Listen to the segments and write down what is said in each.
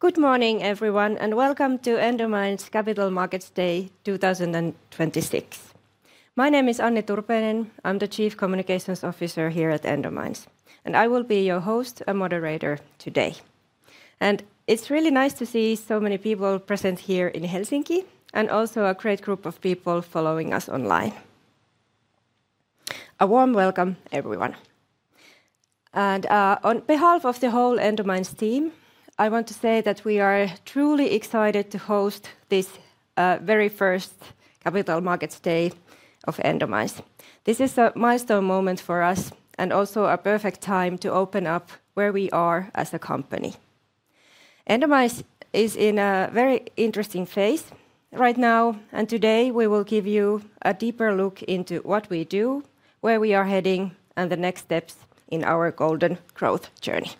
Good morning everyone, and welcome to Endomines Capital Markets Day 2026. My name is Anni Turpeinen. I'm the Chief Communications Officer here at Endomines, and I will be your host and moderator today. It's really nice to see so many people present here in Helsinki and also a great group of people following us online. A warm welcome, everyone. On behalf of the whole Endomines team, I want to say that we are truly excited to host this, very first Capital Markets Day of Endomines. This is a milestone moment for us and also a perfect time to open up where we are as a company. Endomines is in a very interesting phase right now, and today we will give you a deeper look into what we do, where we are heading, and the next steps in our golden growth journey.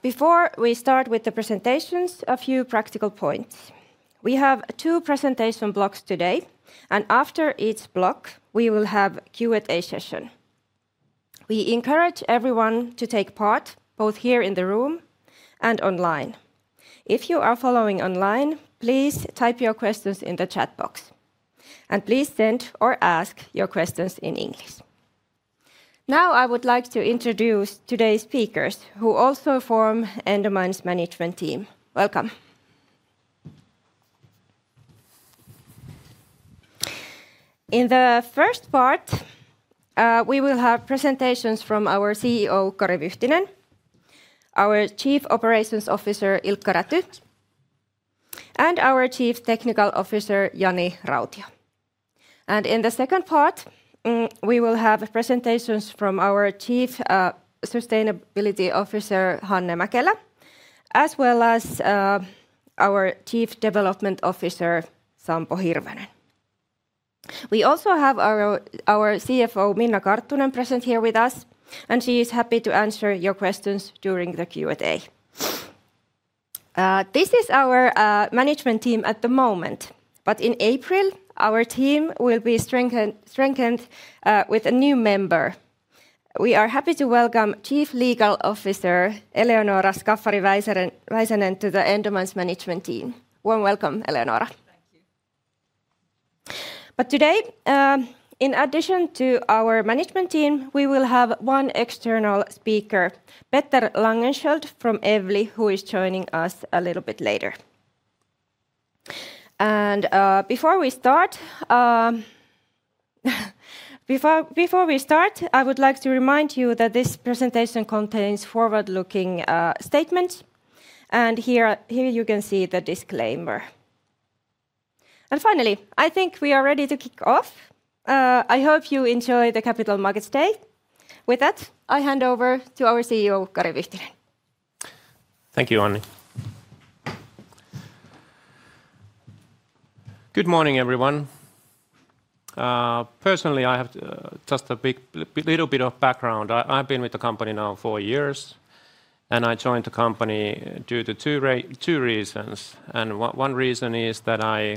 Before we start with the presentations, a few practical points. We have two presentation blocks today, and after each block, we will have Q&A session. We encourage everyone to take part, both here in the room and online. If you are following online, please type your questions in the chat box, and please send or ask your questions in English. Now I would like to introduce today's speakers, who also form Endomines' management team. Welcome. In the first part, we will have presentations from our CEO, Kari Vyhtinen, our Chief Operations Officer, Ilkka Räty, and our Chief Technical Officer, Jani Rautio. In the second part, we will have presentations from our Chief Sustainability Officer, Hanne Mäkelä, as well as our Chief Development Officer, Sampo Hirvonen. We also have our CFO, Minna Karttunen, present here with us, and she is happy to answer your questions during the Q&A. This is our management team at the moment, but in April, our team will be strengthened with a new member. We are happy to welcome Chief Legal Officer Eleonora Skaffari-Väisänen to the Endomines management team. Warm welcome, Eleonora. Thank you. Today, in addition to our management team, we will have one external speaker, Petter Langenskiöld from Evli, who is joining us a little bit later. Before we start, I would like to remind you that this presentation contains forward-looking statements, and here you can see the disclaimer. Finally, I think we are ready to kick off. I hope you enjoy the Capital Markets Day. With that, I hand over to our CEO, Kari Vyhtinen. Thank you, Anni. Good morning, everyone. Personally, I have just a little bit of background. I've been with the company now four years, and I joined the company due to two reasons. One reason is that I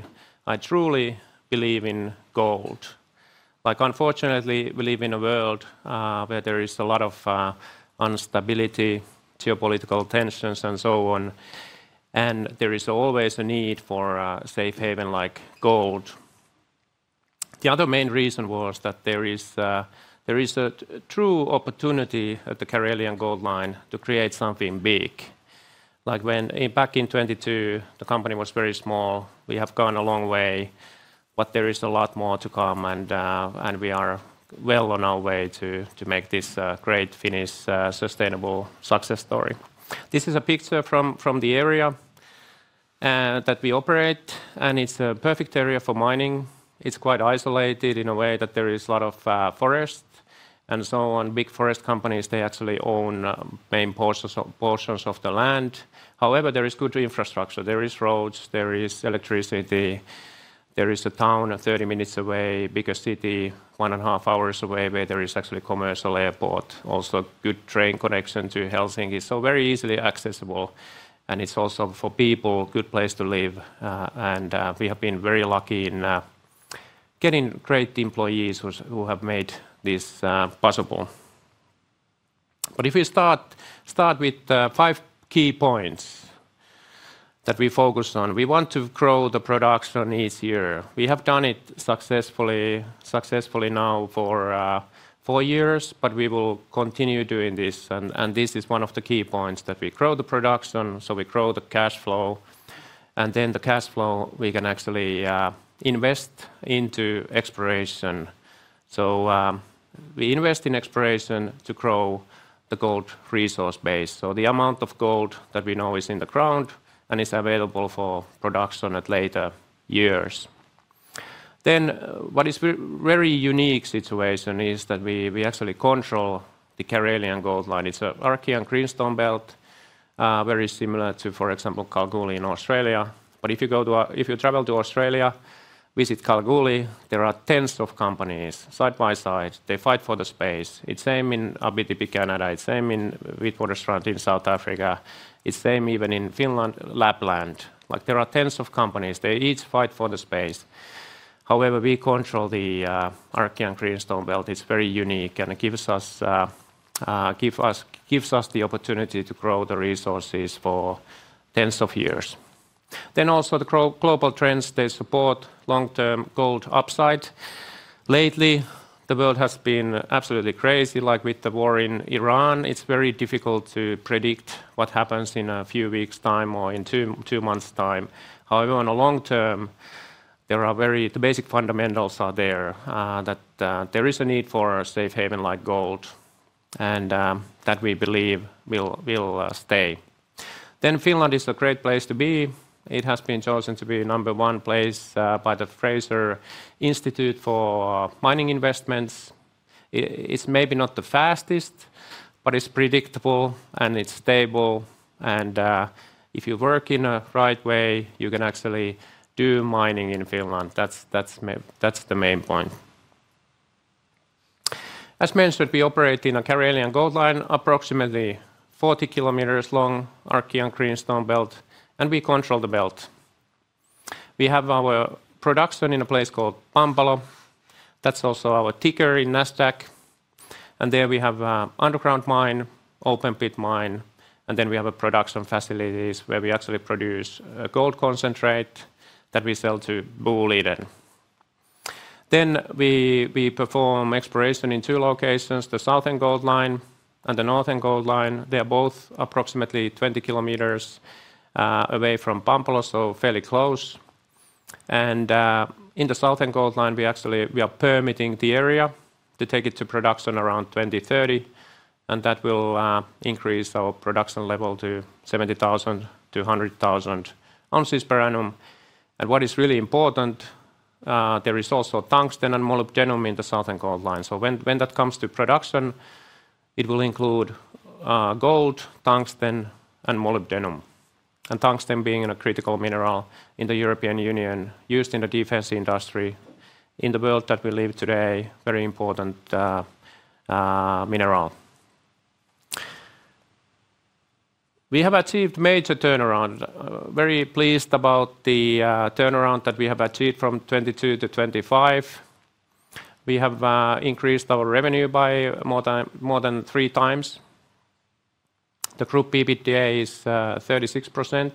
truly believe in gold. Like, unfortunately, we live in a world where there is a lot of instability, geopolitical tensions, and so on, and there is always a need for a safe haven like gold. The other main reason was that there is a true opportunity at the Karelian Gold Line to create something big. Like, back in 2022, the company was very small. We have gone a long way, but there is a lot more to come, and we are well on our way to make this a great Finnish sustainable success story. This is a picture from the area that we operate, and it's a perfect area for mining. It's quite isolated in a way that there is a lot of forest and so on. Big forest companies, they actually own main portions of the land. However, there is good infrastructure. There is roads. There is electricity. There is a town 30 minutes away, bigger city 1.5 hours away, where there is actually commercial airport. Also, good train connection to Helsinki, so very easily accessible, and it's also for people good place to live. We have been very lucky in getting great employees who have made this possible. If you start with five key points that we focus on, we want to grow the production each year. We have done it successfully now for four years, but we will continue doing this. This is one of the key points, that we grow the production, so we grow the cash flow. Then the cash flow we can actually invest into exploration. We invest in exploration to grow the gold resource base, so the amount of gold that we know is in the ground and is available for production at later years. What is very unique situation is that we actually control the Karelian Gold Line. It's an Archean greenstone belt, very similar to, for example, Kalgoorlie in Australia. If you travel to Australia, visit Kalgoorlie, there are tens of companies side by side. They fight for the space. It's the same in Abitibi, Canada. It's the same in Witwatersrand in South Africa. It's the same even in Finland, Lapland. Like, there are tens of companies. They each fight for the space. However, we control the Archean greenstone belt. It's very unique and it gives us the opportunity to grow the resources for tens of years. Also, the global trends support long-term gold upside. Lately, the world has been absolutely crazy, like with the war in Iran. It's very difficult to predict what happens in a few weeks' time or in two months' time. However, in the long term, there are very the basic fundamentals are there that there is a need for a safe haven like gold and that we believe will stay. Finland is a great place to be. It has been chosen to be number one place by the Fraser Institute for mining investments. It's maybe not the fastest, but it's predictable and it's stable, and if you work in a right way, you can actually do mining in Finland. That's the main point. As mentioned, we operate in a Karelian Gold Line, approximately 40 km long Archean greenstone belt, and we control the belt. We have our production in a place called Pampalo. That's also our ticker in Nasdaq. There we have an underground mine, open-pit mine, and then we have production facilities where we actually produce gold concentrate that we sell to Boliden. We perform exploration in two locations, the Southern Gold Line and the Northern Gold Line. They are both approximately 20 km away from Pampalo, so fairly close. In the Southern Gold Line, we actually are permitting the area to take it to production around 2030, and that will increase our production level to 70,000 oz-100,000 oz per annum. What is really important, there is also tungsten and molybdenum in the Southern Gold Line. When that comes to production, it will include gold, tungsten, and molybdenum. Tungsten being a critical mineral in the European Union used in the defense industry in the world that we live today, very important mineral. We have achieved major turnaround. Very pleased about the turnaround that we have achieved from 2022 to 2025. We have increased our revenue by more than three times. The group EBITDA is 36%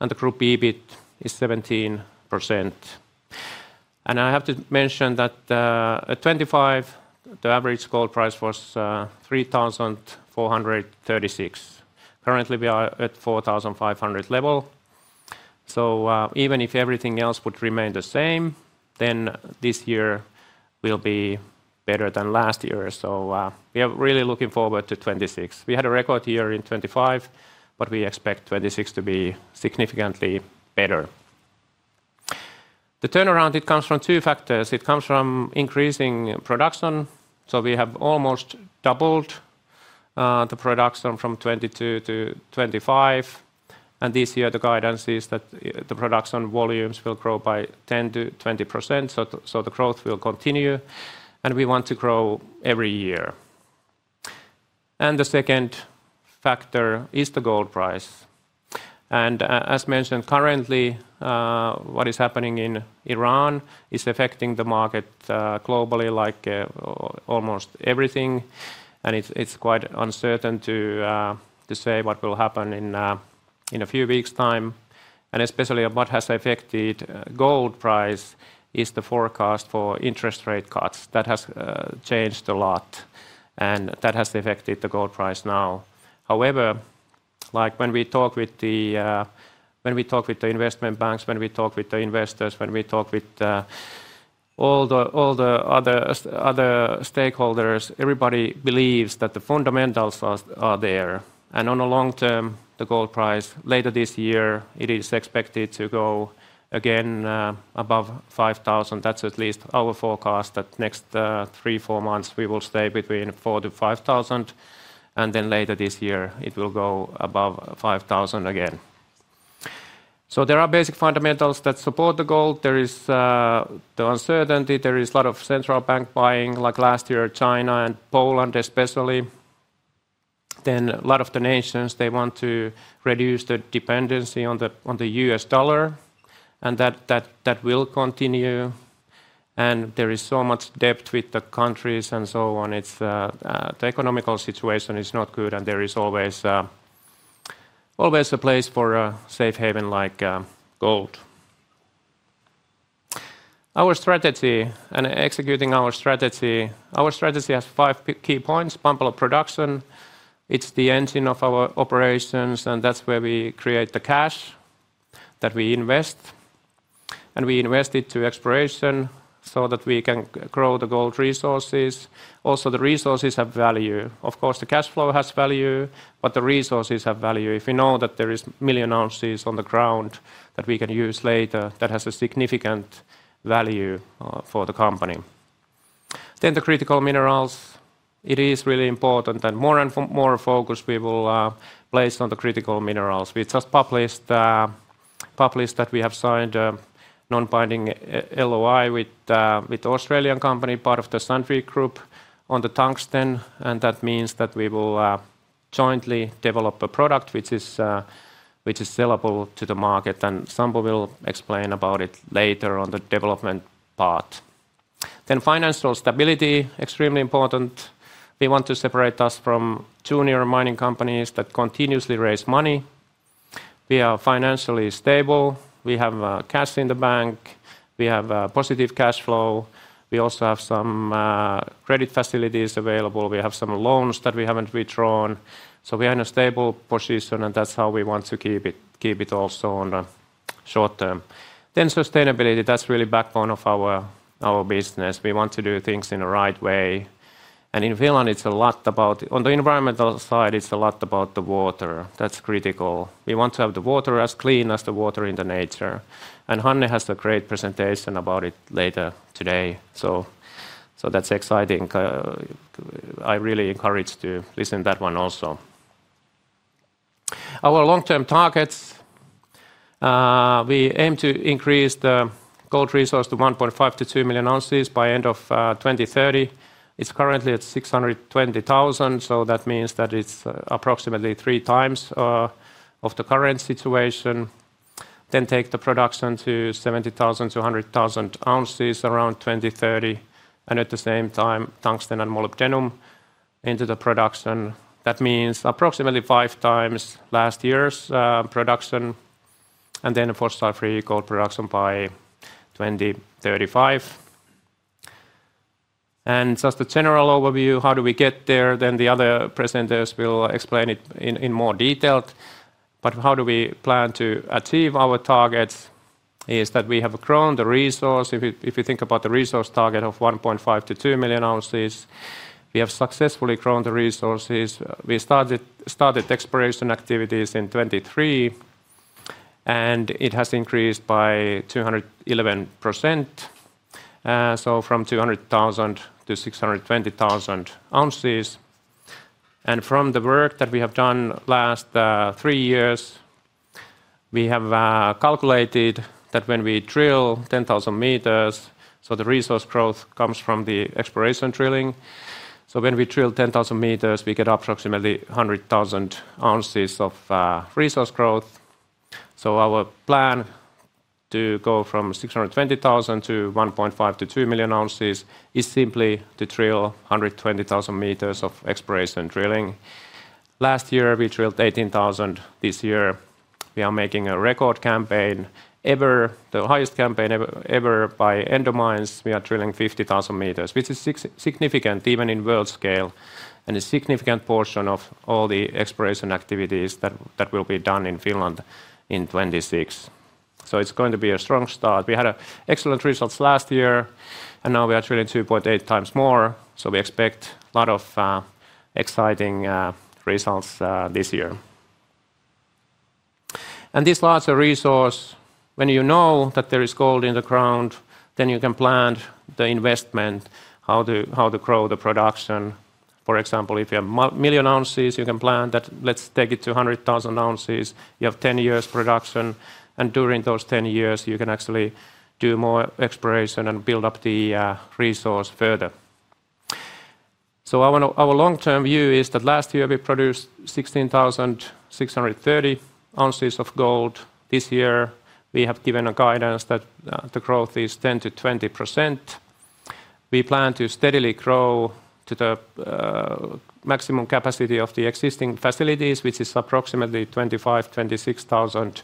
and the group EBIT is 17%. I have to mention that at 2025, the average gold price was $3,436. Currently, we are at $4,500 level. Even if everything else would remain the same, then this year will be better than last year. We are really looking forward to 2026. We had a record year in 2025, but we expect 2026 to be significantly better. The turnaround, it comes from two factors. It comes from increasing production. We have almost doubled the production from 2022 to 2025. This year, the guidance is that the production volumes will grow by 10%-20%. The growth will continue, and we want to grow every year. The second factor is the gold price. As mentioned currently, what is happening in Iran is affecting the market globally like almost everything. It's quite uncertain to say what will happen in a few weeks' time. Especially what has affected gold price is the forecast for interest rate cuts. That has changed a lot and that has affected the gold price now. However, like when we talk with the investment banks, when we talk with the investors, when we talk with all the other stakeholders, everybody believes that the fundamentals are there. On the long term, the gold price later this year, it is expected to go again above $5,000. That's at least our forecast that next three, four months, we will stay between $4,000-$5,000. Later this year, it will go above $5,000 again. There are basic fundamentals that support the gold. There is the uncertainty. There is a lot of central bank buying like last year, China and Poland especially. A lot of the nations, they want to reduce the dependency on the U.S. dollar, and that will continue. There is so much debt with the countries and so on. It's the economic situation is not good and there is always a place for a safe haven like gold. Our strategy and executing our strategy, our strategy has five key points. Pampalo production, it's the engine of our operations, and that's where we create the cash that we invest, and we invest it in exploration so that we can grow the gold resources. Also, the resources have value. Of course, the cash flow has value, but the resources have value. If we know that there is 1 million oz on the ground that we can use later, that has a significant value for the company. The critical minerals, it is really important that more focus we will place on the critical minerals. We just published that we have signed a non-binding LOI with the Australian company, part of the Sandvik Group on the tungsten, and that means that we will jointly develop a product which is sellable to the market, and Sampo will explain about it later on the development part. Financial stability extremely important. We want to separate us from junior mining companies that continuously raise money. We are financially stable. We have cash in the bank. We have a positive cash flow. We also have some credit facilities available. We have some loans that we haven't withdrawn. We are in a stable position, and that's how we want to keep it also on the short term. Sustainability, that's really the backbone of our business. We want to do things in the right way. In Finland, it's a lot about. On the environmental side, it's a lot about the water that's critical. We want to have the water as clean as the water in the nature, and Hanne has a great presentation about it later today. That's exciting. I really encourage to listen that one also. Our long-term targets, we aim to increase the gold resource to 1.5-2 million oz by end of 2030. It's currently at 620,000 oz, so that means that it's approximately three times of the current situation. Take the production to 70,000 oz-100,000 oz around 2030 and at the same time tungsten and molybdenum into the production. That means approximately five times last year's production and then a fossil-free gold production by 2035. Just a general overview, how do we get there, then the other presenters will explain it in more detail. How do we plan to achieve our targets is that we have grown the resource. If you think about the resource target of 1.5-2 million oz, we have successfully grown the resources. We started exploration activities in 2023, and it has increased by 211%, so from 200,000 oz to 620,000 oz. From the work that we have done last three years, we have calculated that when we drill 10,000 m, so the resource growth comes from the exploration drilling. When we drill 10,000 m, we get approximately 100,000 oz of resource growth. Our plan to go from 620,000 oz to 1.5-2 million oz is simply to drill 120,000 m of exploration drilling. Last year, we drilled 18,000 m. This year, we are making a record campaign ever, the highest campaign ever by Endomines. We are drilling 50,000 m, which is significant even in world scale and a significant portion of all the exploration activities that will be done in Finland in 2026. It's going to be a strong start. We had excellent results last year, and now we are drilling 2.8x more. We expect a lot of exciting results this year. This larger resource, when you know that there is gold in the ground, then you can plan the investment, how to grow the production. For example, if you have million ounces, you can plan that let's take it to 100,000 oz. You have 10 years production, and during those 10 years, you can actually do more exploration and build up the resource further. Our long-term view is that last year we produced 16,630 oz of gold. This year, we have given a guidance that the growth is 10%-20%. We plan to steadily grow to the maximum capacity of the existing facilities, which is approximately 25,000 oz-26,000 oz.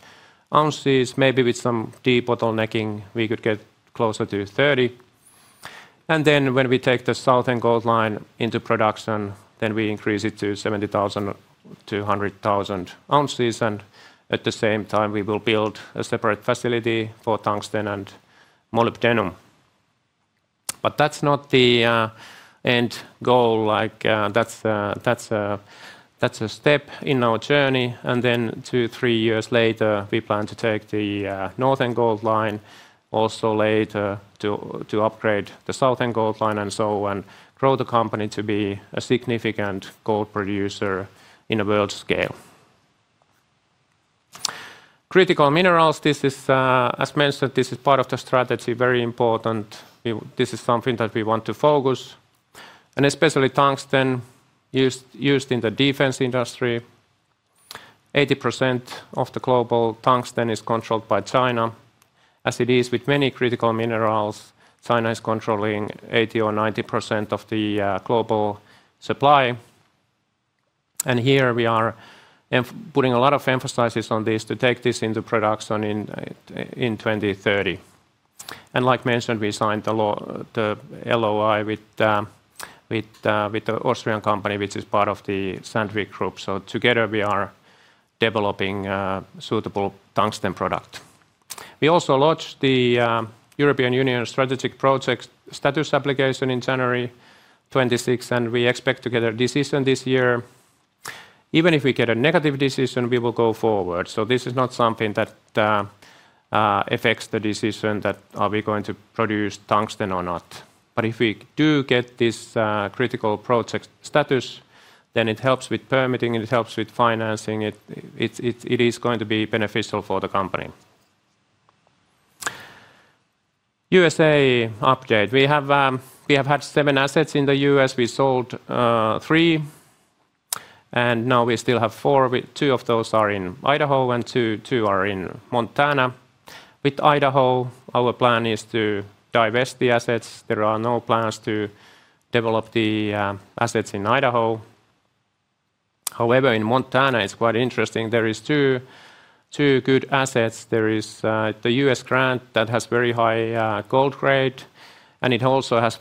Maybe with some de-bottlenecking, we could get closer to 30,000 oz. When we take the Southern Gold Line into production, we increase it to 70,000 oz-100,000 oz, and at the same time we will build a separate facility for tungsten and molybdenum. That's not the end goal, like, that's a step in our journey. Two, three years later, we plan to take the northern Gold Line also later to upgrade the southern Gold Line and grow the company to be a significant gold producer on a world scale. Critical minerals, as mentioned, this is part of the strategy, very important. This is something that we want to focus on and especially tungsten used in the defense industry. 80% of the global tungsten is controlled by China. As it is with many critical minerals, China is controlling 80%-90% of the global supply. Here we are putting a lot of emphasis on this to take this into production in 2030. As mentioned, we signed the LOI with the Austrian company, which is part of the Sandvik Group. Together we are developing a suitable tungsten product. We also launched the European Union strategic project status application in January 2026, and we expect to get a decision this year. Even if we get a negative decision, we will go forward. This is not something that affects the decision that are we going to produce tungsten or not. But if we do get this critical project status, then it helps with permitting, it helps with financing it. It is going to be beneficial for the company. U.S. update. We have had seven assets in the U.S. We sold three, and now we still have four. We two of those are in Idaho, and two are in Montana. With Idaho, our plan is to divest the assets. There are no plans to develop the assets in Idaho. However, in Montana, it's quite interesting. There is two good assets. There is the U.S. Grant that has very high gold grade, and it also has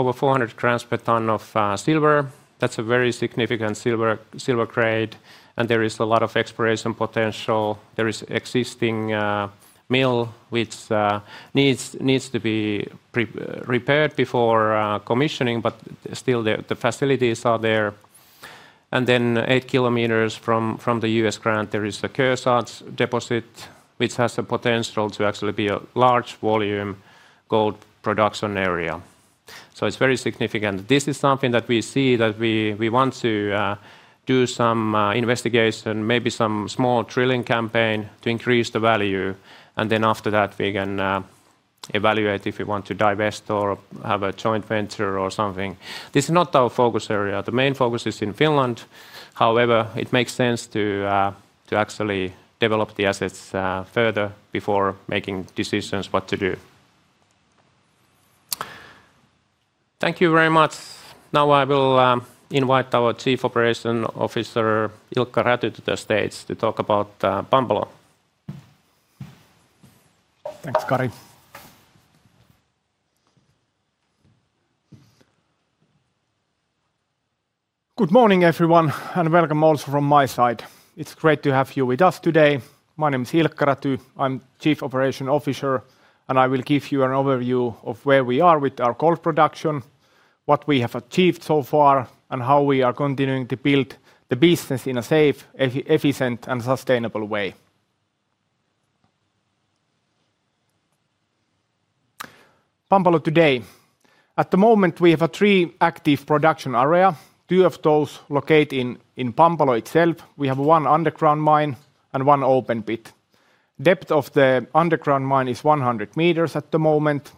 over 400 g/t of silver. That's a very significant silver grade, and there is a lot of exploration potential. There is existing mill which needs to be repaired before commissioning, but still the facilities are there. Eight kilometers from the U.S. Grant, there is the Kearsarge deposit, which has the potential to actually be a large volume gold production area. It's very significant. This is something that we see that we want to do some investigation, maybe some small drilling campaign to increase the value. After that, we can evaluate if we want to divest or have a joint venture or something. This is not our focus area. The main focus is in Finland. However, it makes sense to actually develop the assets further before making decisions what to do. Thank you very much. Now I will invite our Chief Operations Officer, Ilkka Räty, to the stage to talk about Pampalo. Thanks, Kari. Good morning, everyone, and welcome also from my side. It's great to have you with us today. My name is Ilkka Räty. I'm Chief Operations Officer, and I will give you an overview of where we are with our gold production, what we have achieved so far, and how we are continuing to build the business in a safe, efficient, and sustainable way. Pampalo today. At the moment, we have three active production areas. Two of those locate in Pampalo itself. We have one underground mine and one open pit. Depth of the underground mine is 100 m at the moment,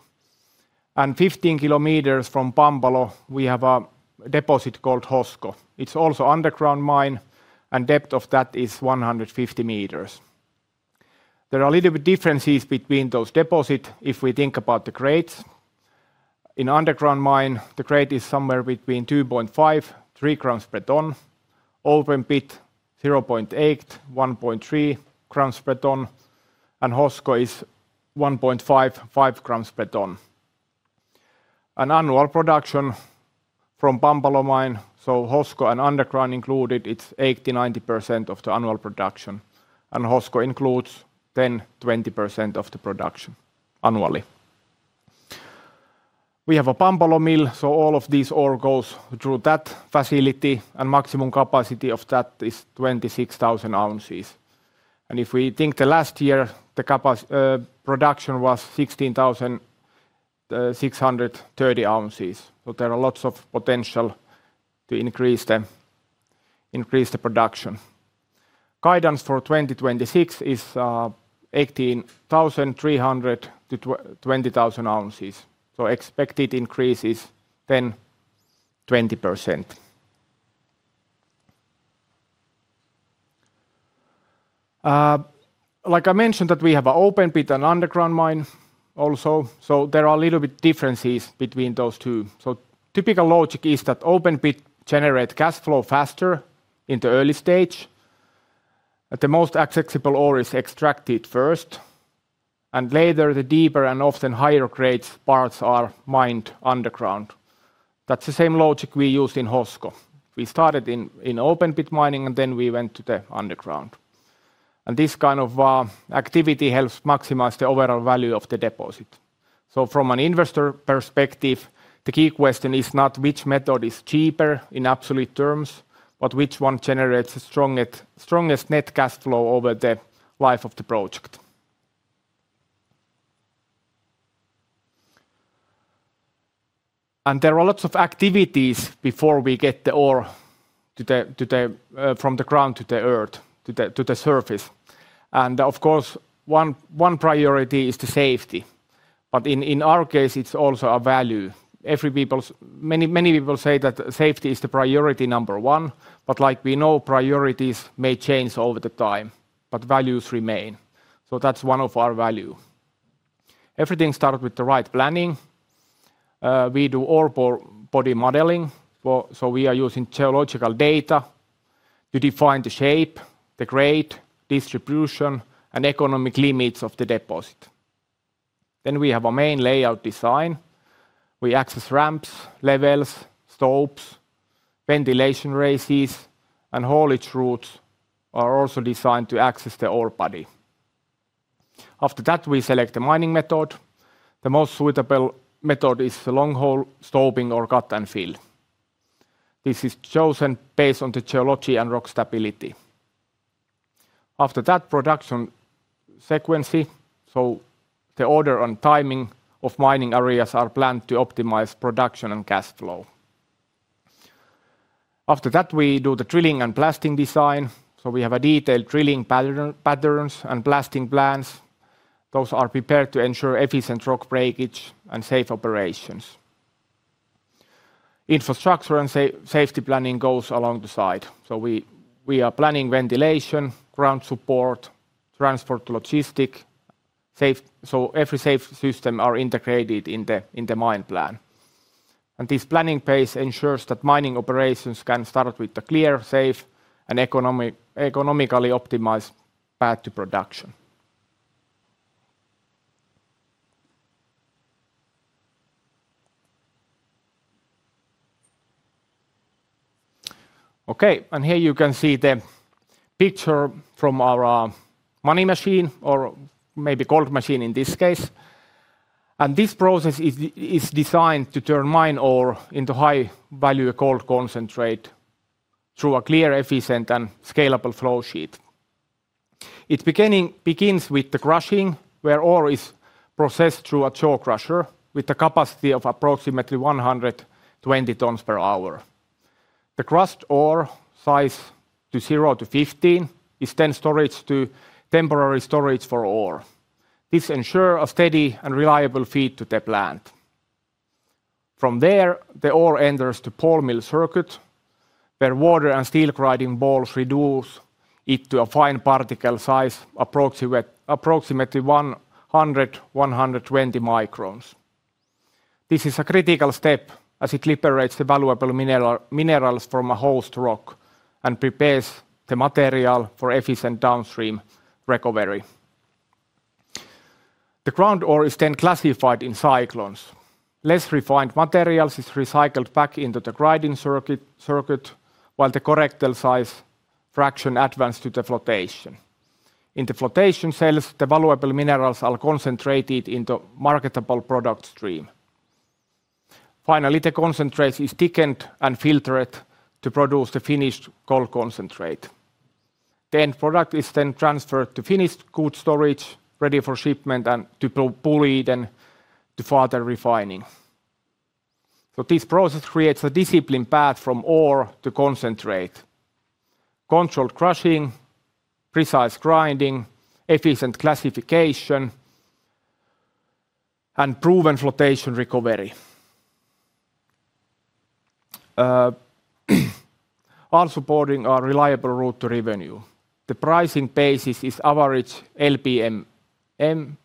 and 15 km from Pampalo, we have a deposit called Hosko. It's also underground mine, and depth of that is 150 m. There are little differences between those deposits if we think about the grades. In underground mine, the grade is somewhere between 2.5 g/t-3 g/t. Open pit, 0.8 g/t-1.3 g/t, Hosko is 1.5 g/t-5 g/t. Annual production from Pampalo mine, Hosko and underground included, it's 80%-90% of the annual production. Hosko includes 10%-20% of the production annually. We have a Pampalo mill, all of these ore goes through that facility, maximum capacity of that is 26,000 oz. If we think the last year, production was 16,630 oz. There are lots of potential to increase the production. Guidance for 2026 is 18,300 oz-20,000 oz. Expected increase is 10%-20%. Like I mentioned that we have an open pit and underground mine also, so there are a little bit differences between those two. Typical logic is that open pit generate cash flow faster in the early stage, that the most accessible ore is extracted first, and later the deeper and often higher grades parts are mined underground. That's the same logic we used in Pampalo. We started in open pit mining, and then we went to the underground. This kind of activity helps maximize the overall value of the deposit. From an investor perspective, the key question is not which method is cheaper in absolute terms, but which one generates the strongest net cash flow over the life of the project. There are lots of activities before we get the ore from the ground to the surface. Of course, one priority is the safety. In our case, it's also a value. Many people say that safety is the priority number one, but like we know, priorities may change over time, but values remain. That's one of our values. Everything started with the right planning. We do ore body modeling. We are using geological data to define the shape, the grade, distribution, and economic limits of the deposit. Then we have a main layout design. Access ramps, levels, stopes, ventilation raises, and haulage routes are also designed to access the ore body. After that, we select the mining method. The most suitable method is the long-hole stoping or cut and fill. This is chosen based on the geology and rock stability. After that, production sequencing. The order and timing of mining areas are planned to optimize production and cash flow. After that, we do the drilling and blasting design. We have a detailed drilling patterns and blasting plans. Those are prepared to ensure efficient rock breakage and safe operations. Infrastructure and safety planning goes along the side. We are planning ventilation, ground support, transport logistics. Every safety system is integrated in the mine plan. This planning phase ensures that mining operations can start with a clear, safe, and economically optimized path to production. Okay, here you can see the picture from our money machine, or maybe gold machine in this case. This process is designed to turn mine ore into high value gold concentrate through a clear, efficient, and scalable flow sheet. It begins with the crushing, where ore is processed through a jaw crusher with a capacity of approximately 120 tons per hour. The crushed ore sized to zero to 15 is then stored in temporary storage for ore. This ensures a steady and reliable feed to the plant. From there, the ore enters the ball mill circuit, where water and steel grinding balls reduce it to a fine particle size approximately 100µm, 120 µm. This is a critical step as it liberates the valuable minerals from a host rock and prepares the material for efficient downstream recovery. The ground ore is then classified in cyclones. Less refined materials is recycled back into the grinding circuit, while the correct size fraction advance to the flotation. In the flotation cells, the valuable minerals are concentrated into marketable product stream. Finally, the concentrate is thickened and filtered to produce the finished gold concentrate. Product is transferred to finished goods storage, ready for shipment and to bullion and to further refining. This process creates a disciplined path from ore to concentrate. Controlled crushing, precise grinding, efficient classification, and proven flotation recovery are supporting our reliable route to revenue. The pricing basis is average LBMA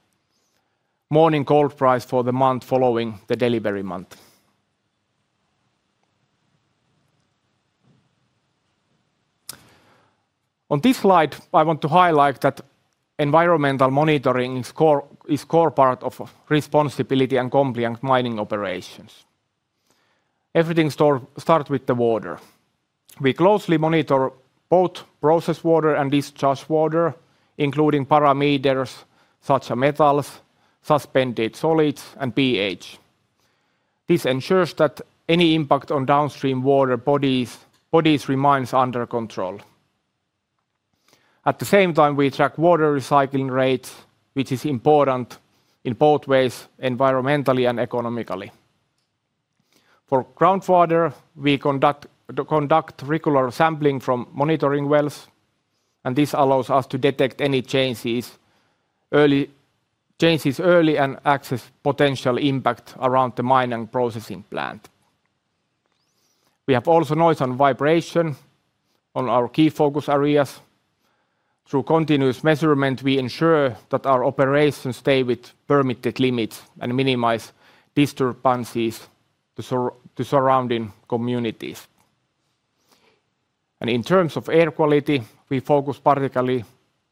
morning gold price for the month following the delivery month. On this slide, I want to highlight that environmental monitoring is core part of responsibility and compliant mining operations. Everything starts with the water. We closely monitor both process water and discharge water, including parameters such as metals, suspended solids, and pH. This ensures that any impact on downstream water bodies remains under control. At the same time, we track water recycling rate, which is important in both ways, environmentally and economically. For groundwater, we conduct regular sampling from monitoring wells, and this allows us to detect any changes early and assess potential impact around the mine and processing plant. We have noise and vibration as our key focus areas. Through continuous measurement, we ensure that our operations stay within permitted limits and minimize disturbances to surrounding communities. In terms of air quality, we focus particularly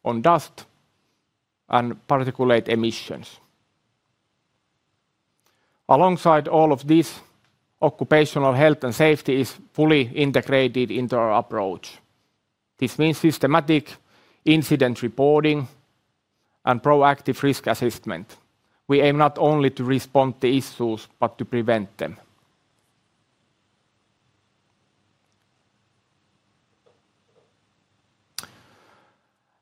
on dust and particulate emissions. Alongside all of this, occupational health and safety is fully integrated into our approach. This means systematic incident reporting and proactive risk assessment. We aim not only to respond to issues, but to prevent them.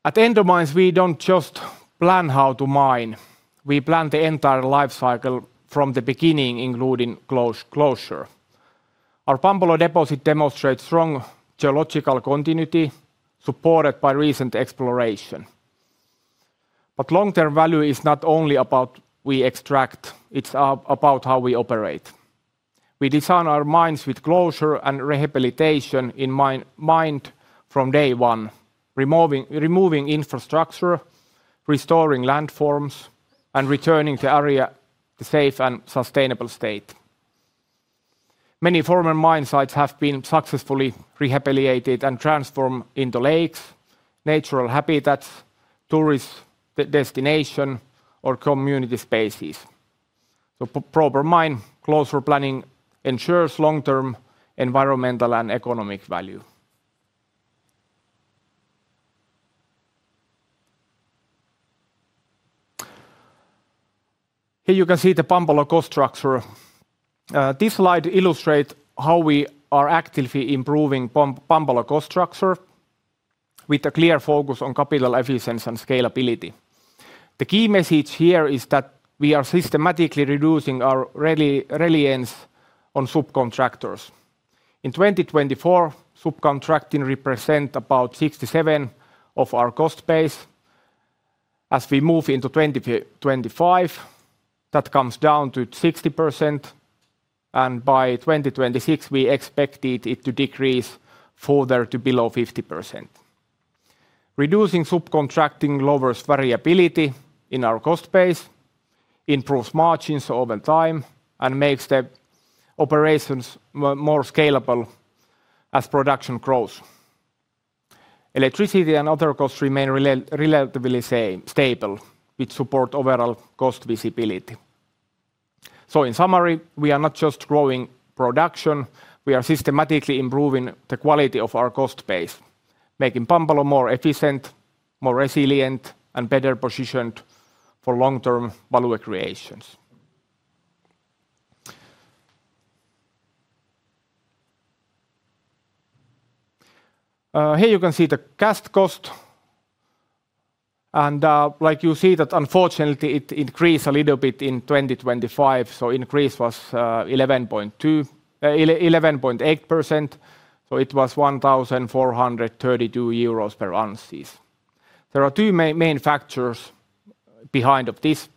At Endomines, we don't just plan how to mine. We plan the entire life-cycle from the beginning, including closure. Our Pampalo deposit demonstrates strong geological continuity supported by recent exploration. Long-term value is not only about what we extract, it's about how we operate. We design our mines with closure and rehabilitation in mind from day one, removing infrastructure, restoring land forms, and returning the area to safe and sustainable state. Many former mine sites have been successfully rehabilitated and transformed into lakes, natural habitats, tourist destination, or community spaces. Proper mine closure planning ensures long-term environmental and economic value. Here you can see the Pampalo cost structure. This slide illustrates how we are actively improving Pampalo cost structure with a clear focus on capital efficiency and scalability. The key message here is that we are systematically reducing our reliance on subcontractors. In 2024, subcontracting represents about 67% of our cost base. As we move into 2025, that comes down to 60%, and by 2026, we expect it to decrease further to below 50%. Reducing subcontracting lowers variability in our cost base, improves margins over time, and makes the operations more scalable as production grows. Electricity and other costs remain relatively stable, which supports overall cost visibility. In summary, we are not just growing production, we are systematically improving the quality of our cost base, making Pampalo more efficient, more resilient, and better positioned for long-term value creation. Here you can see the cash cost and, like you see that unfortunately it increased a little bit in 2025, so increase was 11.8%, so it was 1,432 euros per ounce. There are two main factors behind this.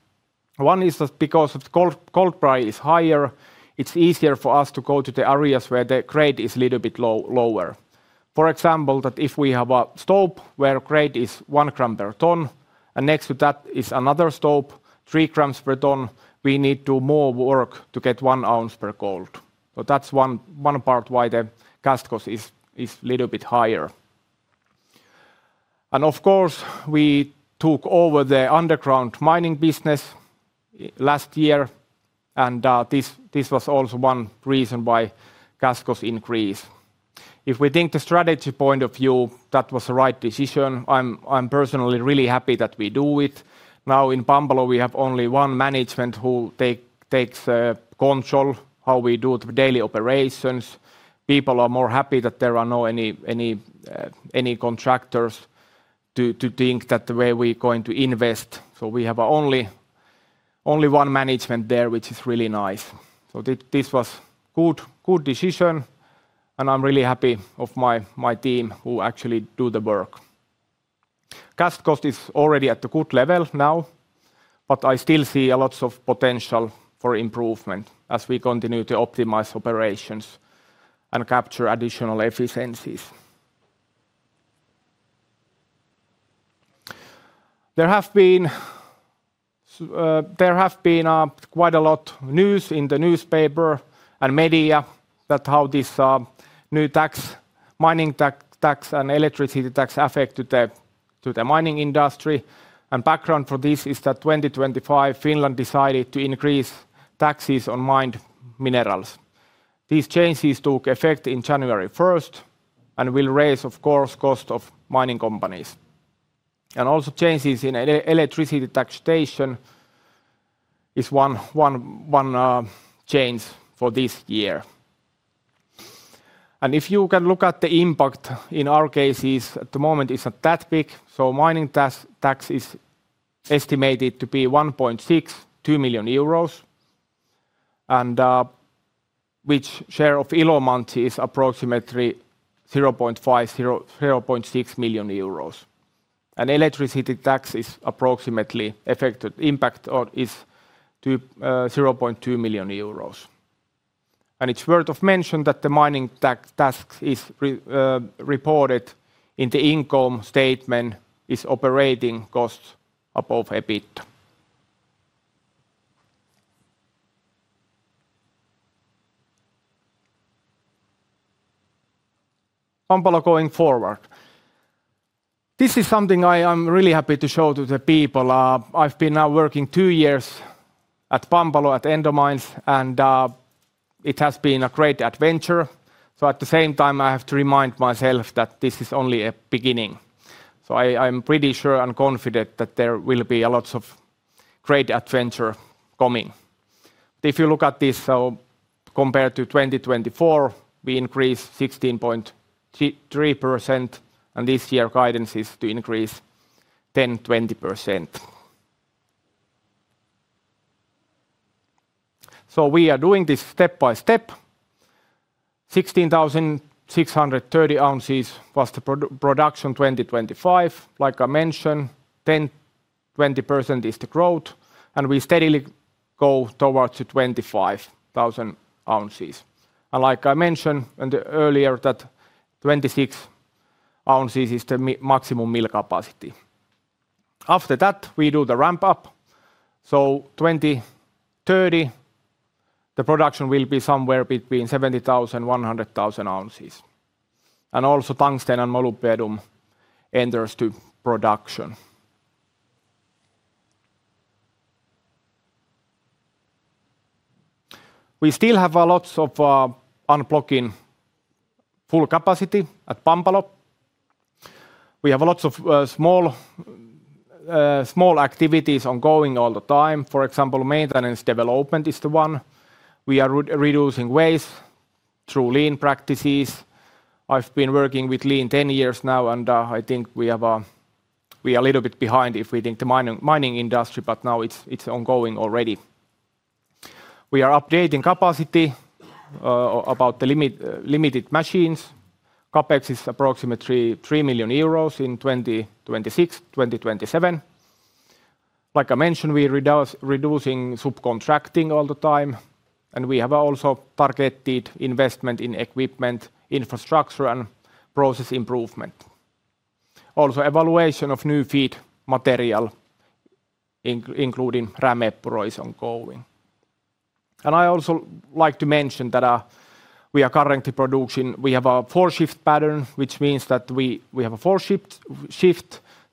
One is that because of gold price is higher, it's easier for us to go to the areas where the grade is little bit lower. For example, that if we have a stope where grade is 1 gram per ton and next to that is another stope, 3 g/t, we need more work to get 1 oz of gold. So that's one part why the cash cost is little bit higher. Of course, we took over the underground mining business last year, and this was also one reason why cash costs increase. From a strategic point of view, that was the right decision. I'm personally really happy that we do it. Now in Pampalo, we have only one management who takes control how we do the daily operations. People are more happy that there are no any contractors to dictate the way we're going to invest. We have only one management there, which is really nice. This was good decision, and I'm really happy of my team who actually do the work. Cash cost is already at a good level now, but I still see a lot of potential for improvement as we continue to optimize operations and capture additional efficiencies. There have been quite a lot of news in the newspaper and media about how this new tax, mining tax and electricity tax affect the mining industry. Background for this is that 2025, Finland decided to increase taxes on mined minerals. These changes took effect in January 1 and will raise, of course, cost of mining companies. Changes in electricity taxation is one change for this year. If you look at the impact in our case at the moment is not that big. Mining tax is estimated to be 1.62 million euros and which share of Ilomantsi is approximately 0.5 million-0.6 million euros. Electricity tax is approximately 0.2 million euros. It's worth mentioning that the mining tax is reported in the income statement as operating costs above EBIT. Pampalo going forward. This is something I am really happy to show to the people. I've been now working two years at Pampalo at Endomines and it has been a great adventure. At the same time, I have to remind myself that this is only a beginning. I'm pretty sure and confident that there will be a lot of great adventure coming. If you look at this, compared to 2024, we increased 16.3%, and this year guidance is to increase 10-20%. We are doing this step by step. 16,630 oz was the production in 2025. Like I mentioned, 10%-20% is the growth, and we steadily go towards the 25,000 oz. Like I mentioned in the earlier that 26 oz is the maximum mill capacity. After that, we do the ramp-up. 2030, the production will be somewhere between 70,000 oz-100,000 oz. Tungsten and molybdenum enters to production. We still have a lot of unblocking full capacity at Pampalo. We have a lot of small activities ongoing all the time. For example, maintenance development is the one. We are reducing waste through lean practices. I've been working with lean 10 years now, and I think we are a little bit behind if we think the mining industry, but now it's ongoing already. We are updating capacity about the limited machines. CapEx is approximately 3 million euros in 2026, 2027. Like I mentioned, we're reducing subcontracting all the time, and we have also targeted investment in equipment, infrastructure, and process improvement. Also, evaluation of new feed material including Rämepuro is ongoing. I also like to mention that we are currently producing. We have a 4 shift pattern, which means that we have 4 shifts.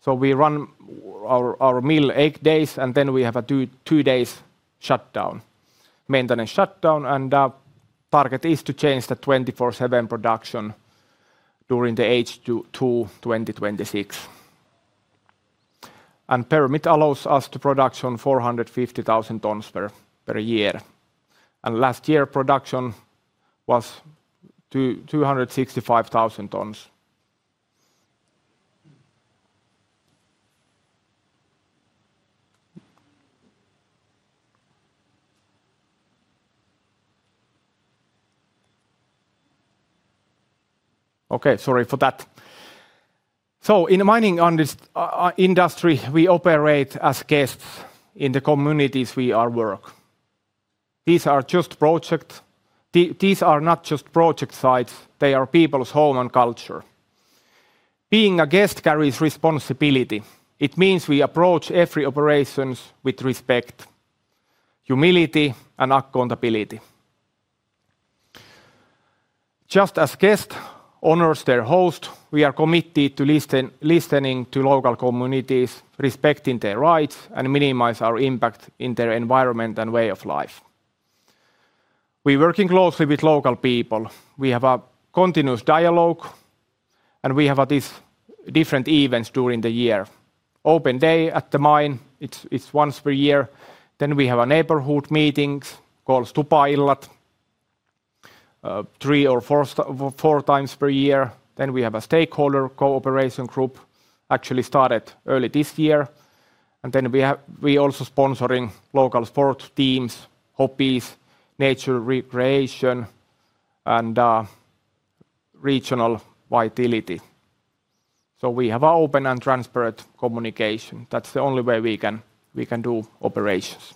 We run our mill 8 days, and then we have a 2 days shutdown, maintenance shutdown. Our target is to change to 24/7 production during the H2 2026. Permit allows us to produce 450,000 tons per year. Last year, production was 265,000 tons. Okay, sorry for that. In the mining industry, we operate as guests in the communities we work. These are not just project sites, they are people's homes and culture. Being a guest carries responsibility. It means we approach every operation with respect, humility, and accountability. Just as a guest honors their host, we are committed to listening to local communities, respecting their rights, and minimizing our impact in their environment and way of life. We're working closely with local people. We have a continuous dialogue, and we have at least different events during the year. Open day at the mine, it's once per year. We have neighborhood meetings called tupaillat 3 or 4 times per year. We have a stakeholder cooperation group, actually started early this year. We also sponsoring local sports teams, hobbies, nature recreation, and regional vitality. We have an open and transparent communication. That's the only way we can do operations.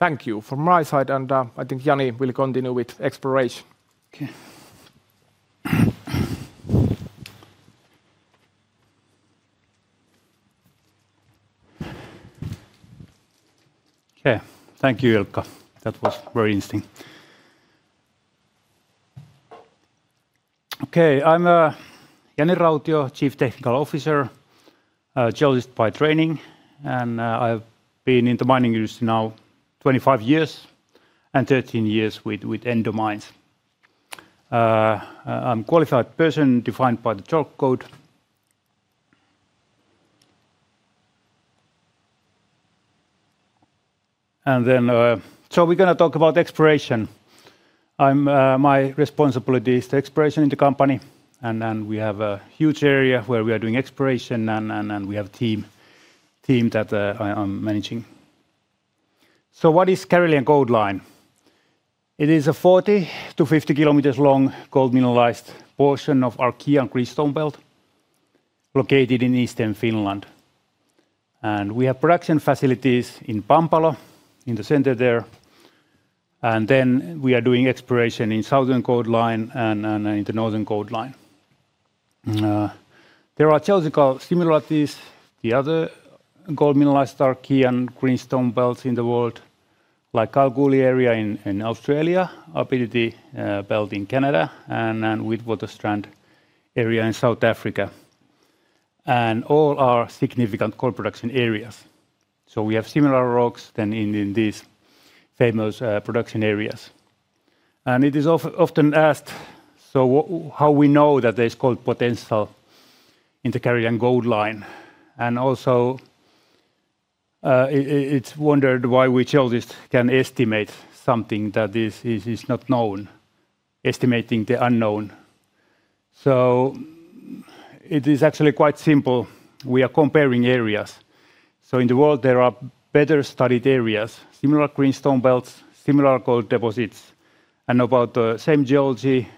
Thank you from my side, and I think Jani will continue with exploration. Okay. Thank you, Ilkka. That was very interesting. Okay. I'm Jani Rautio, Chief Technical Officer, geologist by training, and I've been in the mining industry now 25 years and 13 years with Endomines. I'm qualified person defined by the JORC code. We're gonna talk about exploration. My responsibility is the exploration in the company, and we have a huge area where we are doing exploration, and we have a team that I'm managing. What is Karelian Gold Line? It is a 40-50 km long gold mineralized portion of Archean greenstone belt located in Eastern Finland. We have production facilities in Pampalo, in the center there, and we are doing exploration in Southern Gold Line and in the Northern Gold Line. There are geological similarities. The other gold mineralized Archean greenstone belts in the world, like Kalgoorlie area in Australia, Abitibi belt in Canada, and then Witwatersrand area in South Africa. All are significant gold production areas. We have similar rocks than in these famous production areas. It is often asked, how we know that there's gold potential in the Karelian Gold Line? Also, it's wondered why we geologist can estimate something that is not known, estimating the unknown. It is actually quite simple. We are comparing areas. In the world, there are better studied areas, similar greenstone belts, similar gold deposits, and about same geology,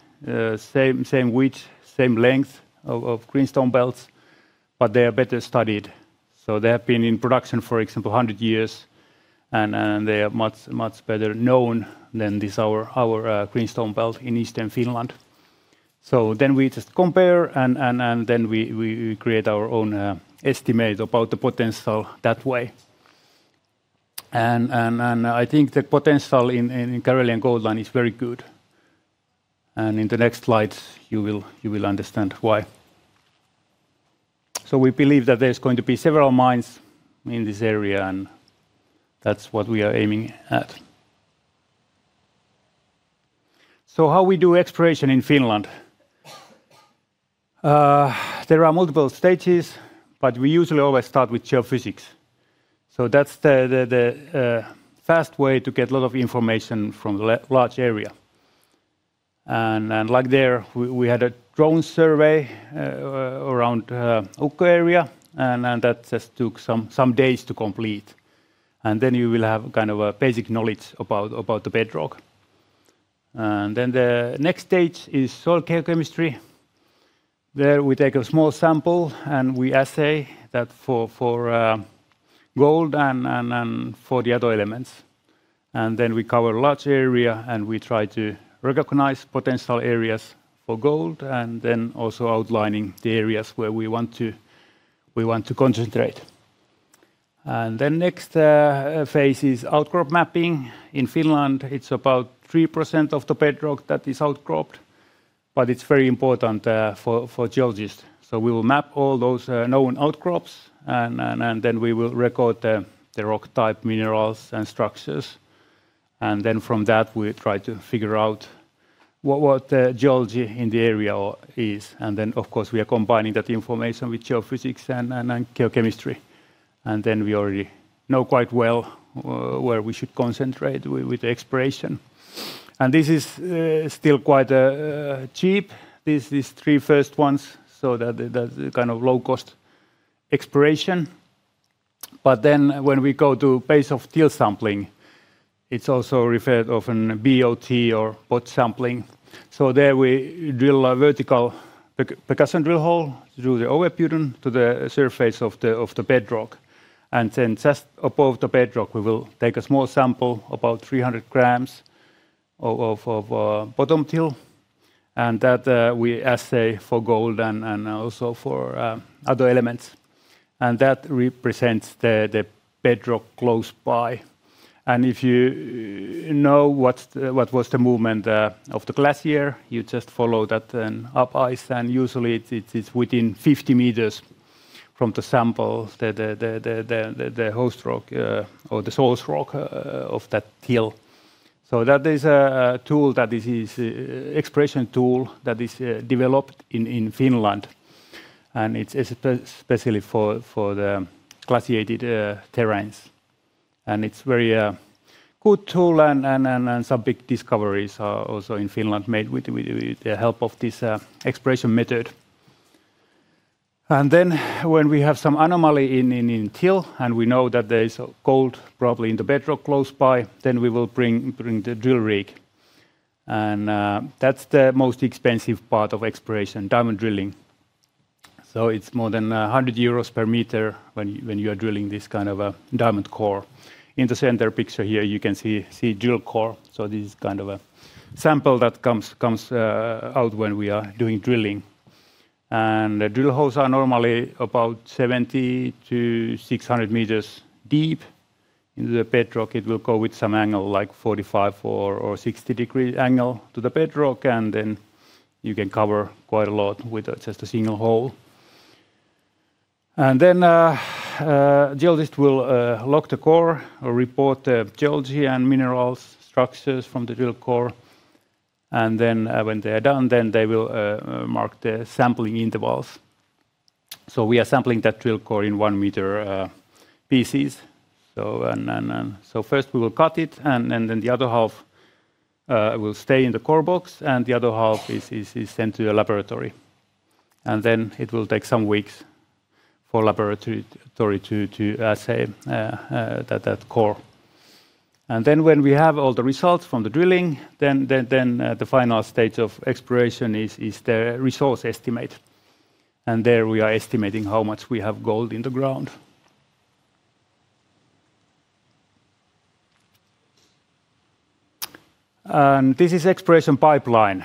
same width, same length of greenstone belts, but they are better studied. They have been in production, for example, 100 years and they are much better known than this our greenstone belt in Eastern Finland. Then we just compare and then we create our own estimate about the potential that way. I think the potential in Karelian Gold Line is very good. In the next slides you will understand why. We believe that there's going to be several mines in this area, and that's what we are aiming at. How we do exploration in Finland? There are multiple stages, but we usually always start with geophysics. That's the fast way to get a lot of information from large area. Like there, we had a drone survey around Ukko area, and that just took some days to complete. You will have kind of a basic knowledge about the bedrock. The next stage is soil geochemistry. There, we take a small sample, and we assay that for gold and for the other elements. Then we cover a large area, and we try to recognize potential areas for gold and then also outlining the areas where we want to concentrate. Next phase is outcrop mapping. In Finland, it's about 3% of the bedrock that is outcropped, but it's very important for geologists. We will map all those known outcrops, and then we will record the rock type minerals and structures. From that, we try to figure out what the geology in the area is. Of course, we are combining that information with geophysics and geochemistry. We already know quite well where we should concentrate with the exploration. This is still quite cheap, these three first ones, so that the kind of low-cost exploration. When we go to base-of-till sampling, it's also referred often BOT or BOT sampling. There we drill a vertical percussion drill hole through the overburden to the surface of the bedrock. Just above the bedrock, we will take a small sample, about 300 grams of bottom till, and that we assay for gold and also for other elements. That represents the bedrock close by. If you know what was the movement of the glacier, you just follow that then up ice, and usually it's within 50 m from the sample, the host rock or the source rock of that till. That is an exploration tool that is developed in Finland, and it's especially for the glaciated terrains. It's a very good tool and some big discoveries are also in Finland made with the help of this exploration method. Then when we have some anomaly in till and we know that there is gold probably in the bedrock close by, we will bring the drill rig. That's the most expensive part of exploration, diamond drilling. It's more than 100 euros per meter when you are drilling this kind of a diamond core. In the center picture here, you can see drill core. This is kind of a sample that comes out when we are doing drilling. The drill holes are normally about 70 m-600 m deep into the bedrock. It will go with some angle, like 45 or 60-degree angle to the bedrock, and then you can cover quite a lot with just a single hole. A geologist will log the core or report the geology and minerals structures from the drill core. When they're done, they will mark the sampling intervals. We are sampling that drill core in 1-meter pieces. First we will cut it, and then the other half will stay in the core box, and the other half is sent to a laboratory. Then it will take some weeks for laboratory to assay that core. Then when we have all the results from the drilling, then the final stage of exploration is the resource estimate. There we are estimating how much we have gold in the ground. This is exploration pipeline.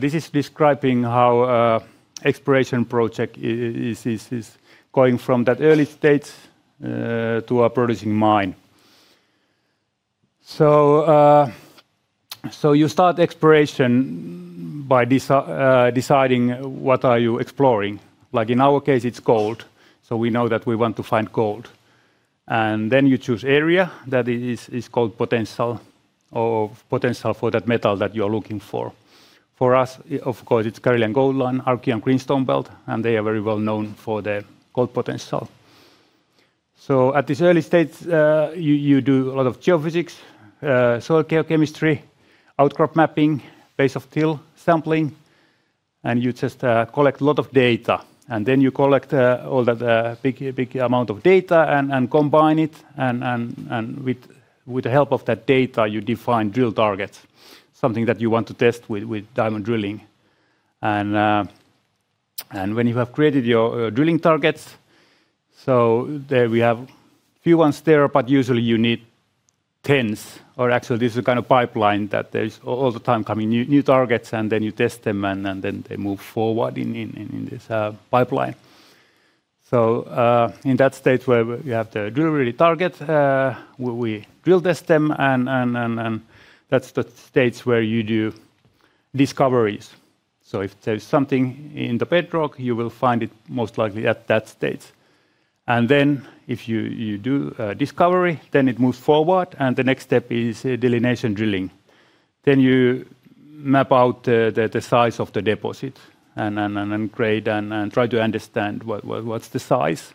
This is describing how exploration project is going from that early stage to a producing mine. You start exploration by deciding what are you exploring. Like in our case, it's gold, so we know that we want to find gold. You choose area that is gold potential or potential for that metal that you are looking for. For us, of course, it's Karelian Gold Line, Archean greenstone belt, and they are very well known for their gold potential. At this early stage, you do a lot of geophysics, soil geochemistry, outcrop mapping, base-of-till sampling, and you just collect a lot of data. You collect all that big amount of data and with the help of that data, you define drill targets, something that you want to test with diamond drilling. When you have created your drilling targets, there we have a few there, but usually you need tens, or actually this is a kind of pipeline that there's all the time coming new targets, and then you test them, and then they move forward in this pipeline. In that stage where you have the drill-ready target, we drill test them and that's the stage where you do discoveries. If there's something in the bedrock, you will find it most likely at that stage. If you do a discovery, it moves forward and the next step is delineation drilling. You map out the size of the deposit and grade and try to understand what's the size.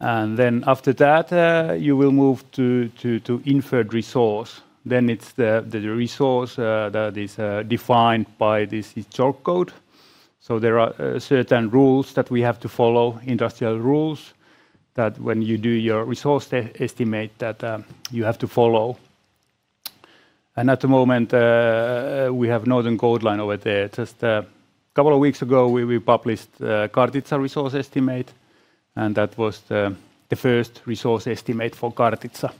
After that, you will move to inferred resource. It's the resource that is defined by this JORC code. There are certain rules that we have to follow, industrial rules, that when you do your resource estimate that you have to follow. At the moment, we have Karelian Gold Line over there. Just couple of weeks ago we published Kartitsa resource estimate and that was the first resource estimate for Kartitsa.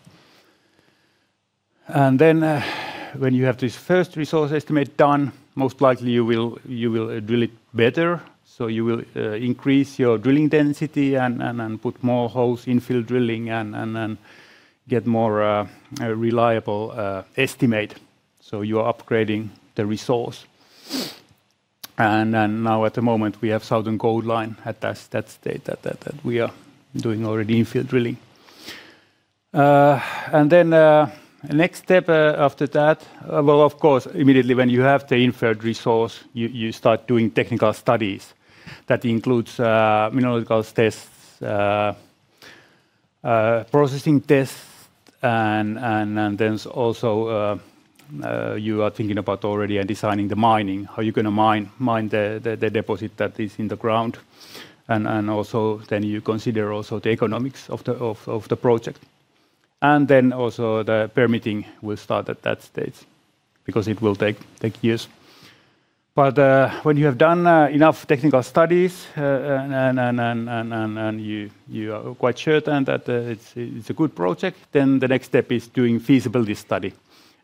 When you have this first resource estimate done, most likely you will drill it better. You will increase your drilling density and put more holes, in-fill drilling and get more reliable estimate. You are upgrading the resource. Now at the moment we have Southern Gold Line at that stage that we are doing already infill drilling. Next step after that, well, of course immediately when you have the inferred resource you start doing technical studies. That includes mineralogical tests, processing tests and then also you are thinking about already and designing the mining, how you're gonna mine the deposit that is in the ground and also then you consider also the economics of the project. Also the permitting will start at that stage because it will take years. When you have done enough technical studies and you are quite certain that it's a good project, then the next step is doing feasibility study.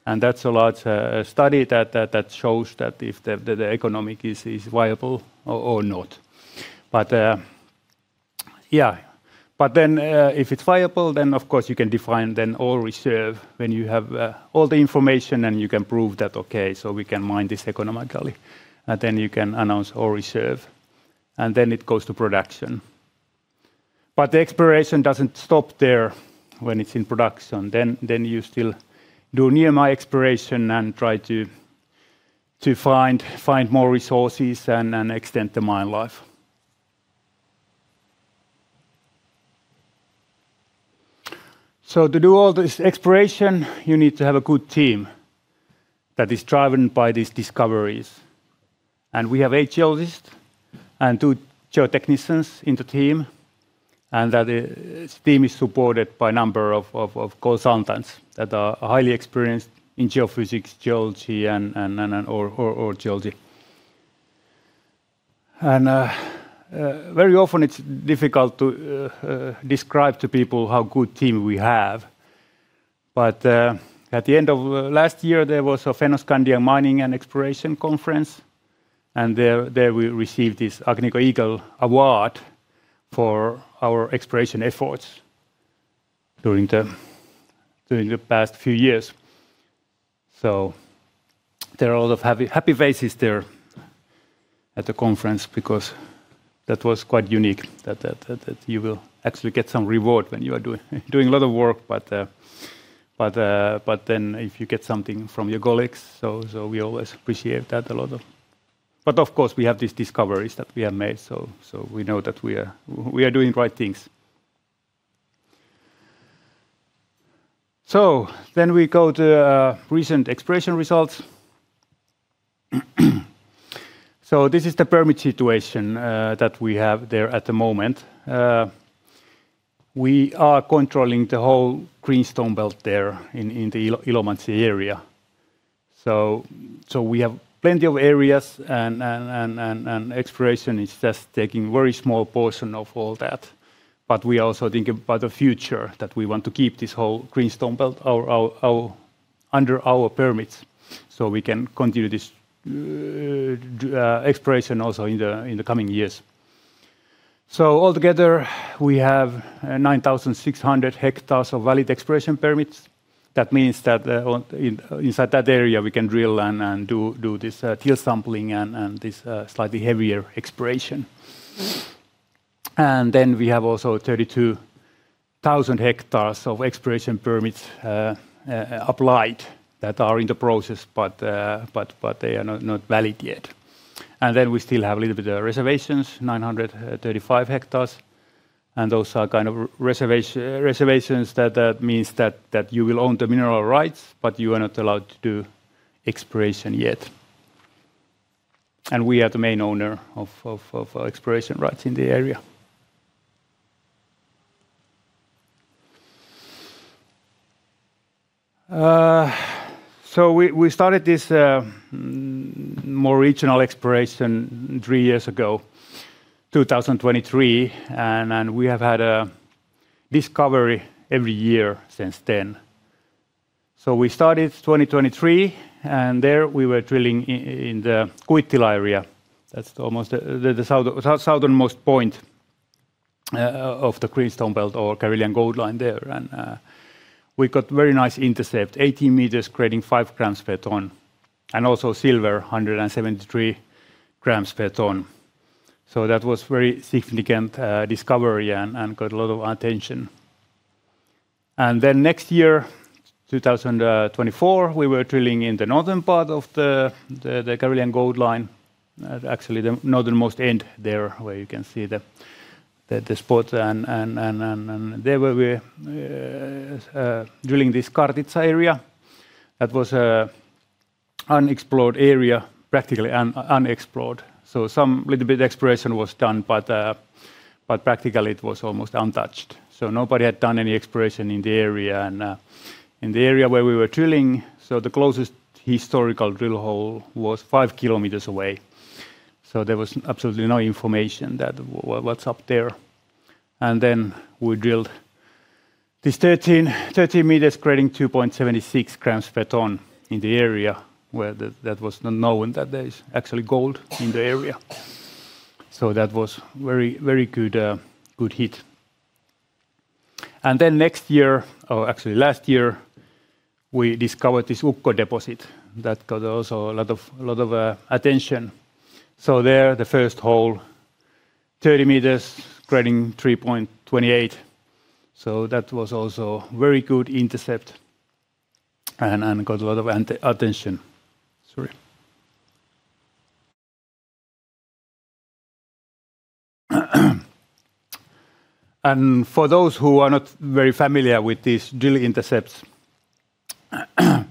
That's a large study that shows that if the economics is viable or not. If it's viable then of course you can define the ore reserve when you have all the information and you can prove that, okay, so we can mine this economically. You can announce ore reserve and it goes to production. The exploration doesn't stop there when it's in production. You still do near mine exploration and try to find more resources and extend the mine life. To do all this exploration you need to have a good team that is driven by these discoveries. We have eight geologists and two geo-technicians in the team and that team is supported by a number of consultants that are highly experienced in geophysics, geology. Very often it's difficult to describe to people how good team we have but at the end of last year there was a Fennoscandian Exploration and Mining conference and there we received this Agnico Eagle Award for our exploration efforts during the past few years. There are a lot of happy faces there at the conference because that was quite unique that you will actually get some reward when you are doing a lot of work but then if you get something from your colleagues so we always appreciate that a lot. Of course we have these discoveries that we have made so we know that we are doing great things. Then we go to recent exploration results. This is the permit situation that we have there at the moment. We are controlling the whole greenstone belt there in the Ilomantsi area. We have plenty of areas and exploration is just taking very small portion of all that. We also think about the future that we want to keep this whole greenstone belt under our permits so we can continue this exploration also in the coming years. Altogether we have 9,600 hectares of valid exploration permits. That means that inside that area we can drill and do this drill sampling and this slightly heavier exploration. We have also 32,000 hectares of exploration permits applied that are in the process but they are not valid yet. We still have a little bit of reservations, 935 hectares, and those are kind of reservations that means that you will own the mineral rights but you are not allowed to do exploration yet. We are the main owner of exploration rights in the area. We started this more regional exploration three years ago, 2023, and we have had a discovery every year since then. We started 2023 and there we were drilling in the Kuittila area. That's almost the southernmost point of the greenstone belt or Karelian Gold Line there and we got very nice intercept, 18 m grading 5 g/t. Also silver, 173 grams per ton. That was very significant discovery and got a lot of attention. Next year, 2024, we were drilling in the northern part of the Karelian Gold Line, actually the northernmost end there where you can see the spot and there we're drilling this Kartitsa area that was unexplored area, practically unexplored. Some little bit exploration was done but practically it was almost untouched. Nobody had done any exploration in the area and in the area where we were drilling, so the closest historical drill hole was 5 km away. There was absolutely no information that what's up there. We drilled this 13 m grading 2.76 g/t in the area where that was not known that there is actually gold in the area. That was very, very good hit. Then next year, or actually last year, we discovered this Ukko deposit that got also a lot of attention. There, the first hole, 30 m grading 3.28 g/t, so that was also a very good intercept and got a lot of attention. Sorry. For those who are not very familiar with these drill intercepts,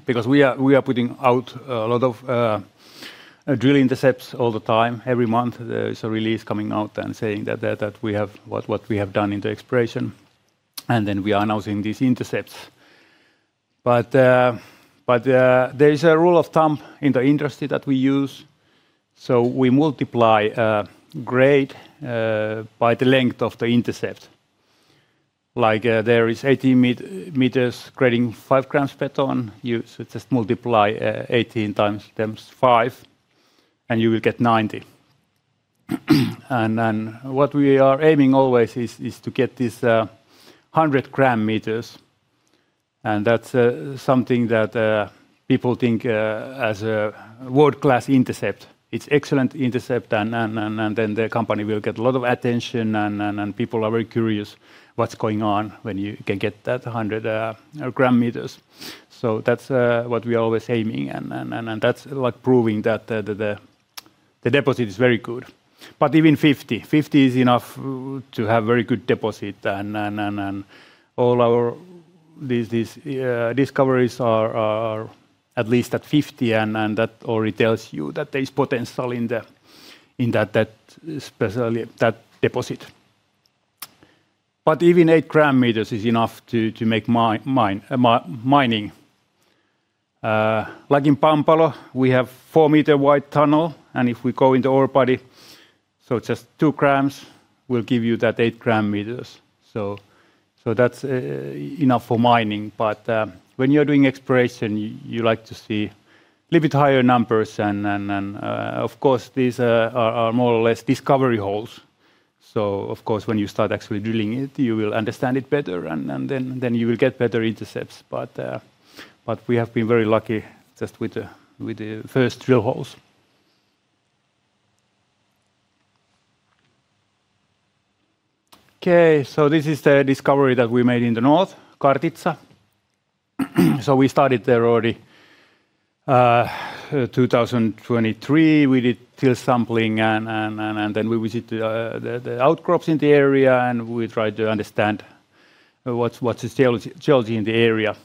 because we are putting out a lot of drill intercepts all the time. Every month, there is a release coming out and saying that we have what we have done in the exploration, and then we are announcing these intercepts. There is a rule of thumb in the industry that we use. We multiply grade by the length of the intercept. Like, there is 80 m grading 5 g/t, you just multiply 18 times 5, and you will get 90. Then what we are aiming always is to get this 100 gram meters, and that's something that people think as a world-class intercept. It's excellent intercept and then the company will get a lot of attention and people are very curious what's going on when you can get that 100 gram meters. That's what we're always aiming and that's like proving that the deposit is very good. Even 50 m is enough to have very good deposit and all our... These discoveries are at least at 50 m and that already tells you that there's potential in that deposit. Even 8 gram meters is enough to make mining. Like in Pampalo, we have 4-meter wide tunnel, and if we go into ore body, just 2 grams will give you that 8 gram meters. That's enough for mining. When you're doing exploration, you like to see little bit higher numbers and of course these are more or less discovery holes. Of course, when you start actually drilling it, you will understand it better and then you will get better intercepts. We have been very lucky just with the first drill holes. Okay. This is the discovery that we made in the north, Kartitsa. We started there already, 2023. We did till sampling and then we visit the outcrops in the area, and we tried to understand what's the geology in the area.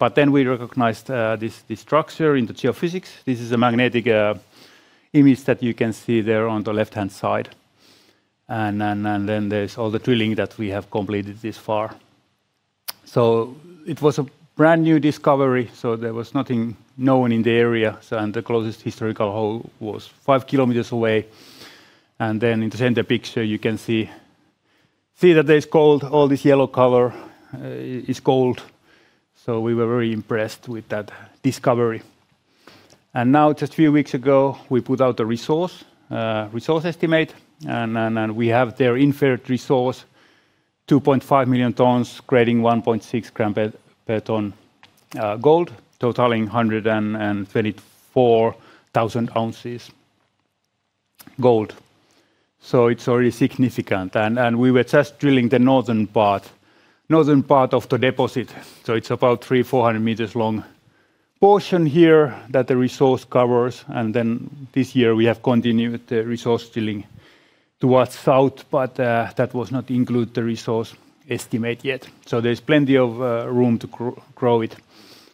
We recognized this structure in the geophysics. This is a magnetic image that you can see there on the left-hand side. Then there's all the drilling that we have completed this far. It was a brand-new discovery, so there was nothing known in the area. The closest historical hole was 5 km away. In the center picture, you can see that there's gold. All this yellow color is gold. We were very impressed with that discovery. Now just a few weeks ago, we put out a resource estimate and we have their inferred resource 2.5 million tons grading 1.6 gram per ton gold totaling 134,000 oz gold. It's already significant. We were just drilling the northern part of the deposit. It's about 300 m-400 m long portion here that the resource covers. Then this year we have continued the resource drilling towards south, but that was not include the resource estimate yet. There's plenty of room to grow it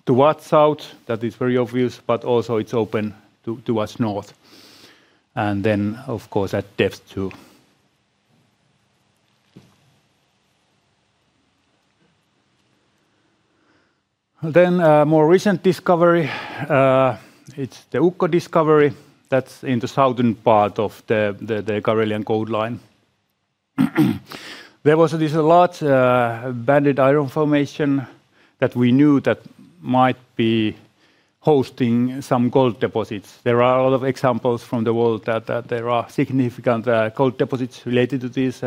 towards south, that is very obvious, but also it's open towards north. Of course at depth too. A more recent discovery, it's the Ukko discovery that's in the southern part of the Karelian Gold Line. There was this large banded iron formation that we knew that might be hosting some gold deposits. There are a lot of examples from the world that there are significant gold deposits related to these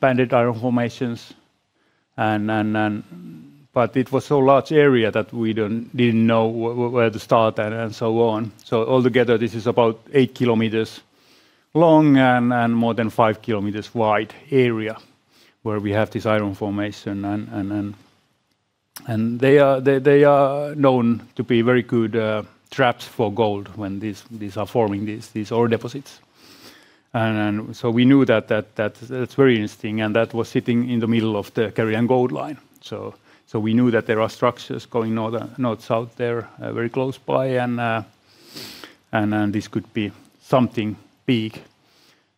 banded iron formations. But it was so large area that we didn't know where to start and so on. Altogether, this is about 8 km long and more than 5 km wide area where we have this iron formation and they are known to be very good traps for gold when these are forming these ore deposits. So we knew that that's very interesting, and that was sitting in the middle of the Karelian Gold Line. We knew that there are structures going north-south there, very close by and then this could be something big.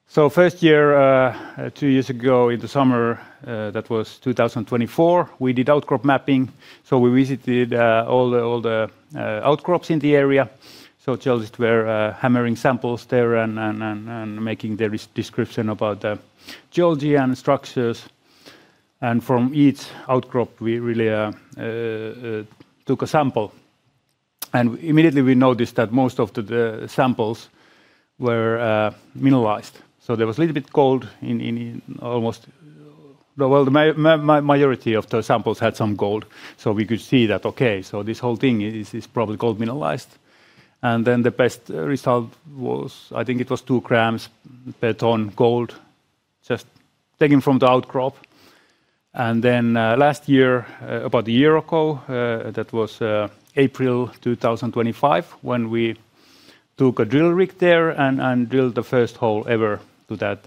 First year two years ago in the summer, that was 2024, we did outcrop mapping. We visited all the outcrops in the area. Geologists were hammering samples there and making their description about the geology and structures. From each outcrop, we really took a sample. Immediately, we noticed that most of the samples were mineralized. There was a little bit gold in almost. Well, the majority of the samples had some gold, so we could see that, okay, so this whole thing is probably gold mineralized. The best result was, I think it was 2 grams per ton gold just taken from the outcrop. Last year, about a year ago, that was April 2025, when we took a drill rig there and drilled the first hole ever to that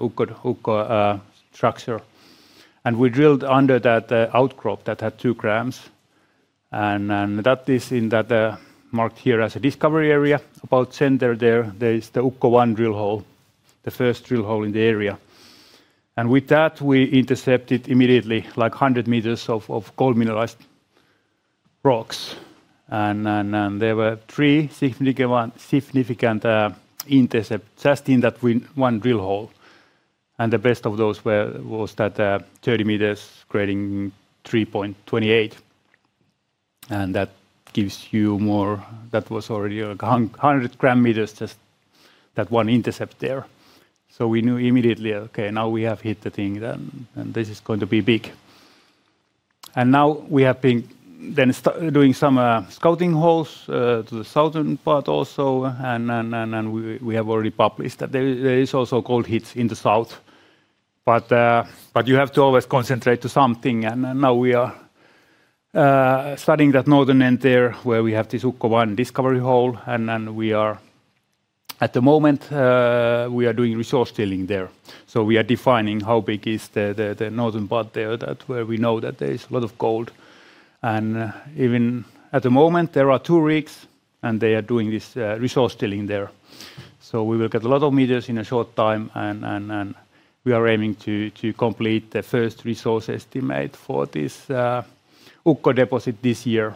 Ukko structure. We drilled under that outcrop that had 2 grams. There were three significant intercept just in that one drill hole. The best of those was that 30 m grading 3.28 g/t. That was already 100 gram meters just that one intercept there. We knew immediately, okay, now we have hit the thing then, and this is going to be big. We have been doing some scouting holes to the southern part also and we have already published that there is also gold hits in the south. You have to always concentrate to something. We are studying that northern end there, where we have this UKKO-001 discovery hole, and at the moment, we are doing resource drilling there. We are defining how big the northern part there is, where we know that there is a lot of gold. Even at the moment, there are 2 rigs, and they are doing this resource drilling there. We will get a lot of meters in a short time, and we are aiming to complete the first resource estimate for this Ukko deposit this year.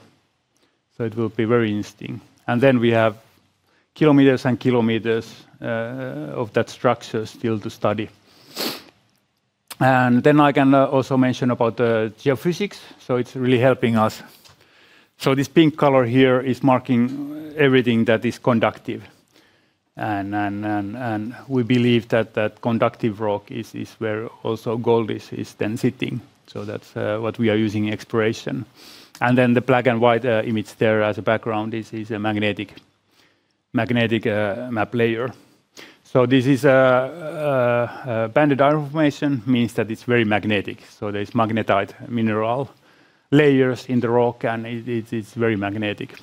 It will be very interesting. Then we have kilometers and kilometers of that structure still to study. Then I can also mention about the geophysics. It is really helping us. This pink color here is marking everything that is conductive. We believe that that conductive rock is where also gold is then sitting. That is what we are using in exploration. Then the black and white image there as a background is a magnetic map layer. This is a banded iron formation, means that it's very magnetic. There's magnetite mineral layers in the rock, and it's very magnetic.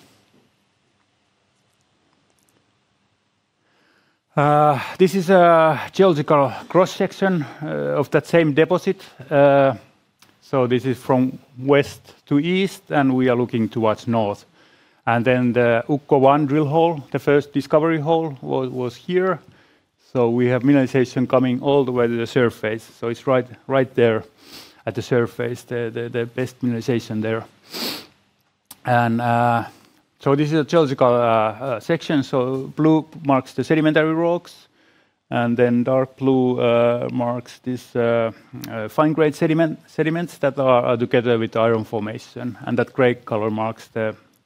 This is a geological cross-section of that same deposit. This is from west to east, and we are looking towards north. The UKKO-001 drill hole, the first discovery hole was here. We have mineralization coming all the way to the surface. It's right there at the surface, the best mineralization there. This is a geological section. Blue marks the sedimentary rocks, and then dark blue marks this fine-grained sediment that is together with iron formation. That gray color marks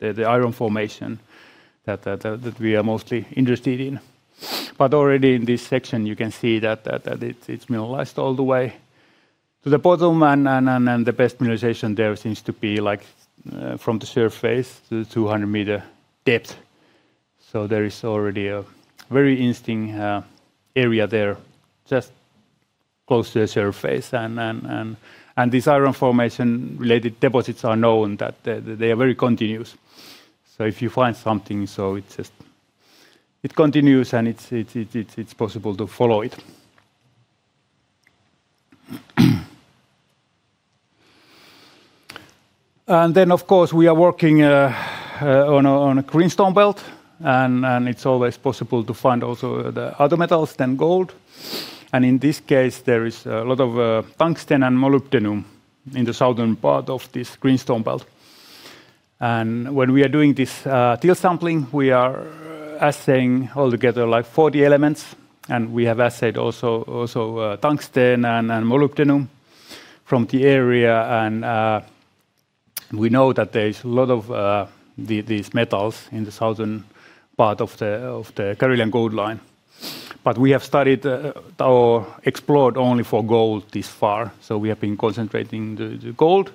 the iron formation that we are mostly interested in. Already in this section, you can see that it's mineralized all the way to the bottom and the best mineralization there seems to be like from the surface to 200-meter depth. There is already a very interesting area there just close to the surface. These iron formation-related deposits are known that they are very continuous. If you find something, it just continues, and it's possible to follow it. Then, of course, we are working on a greenstone belt. It's always possible to find also the other metals than gold. In this case, there is a lot of tungsten and molybdenum in the southern part of this greenstone belt. When we are doing this drill sampling, we are assaying altogether like 40 elements, and we have assayed tungsten and molybdenum from the area. We know that there is a lot of these metals in the southern part of the Karelian Gold Line. We have started or explored only for gold this far. We have been concentrating the gold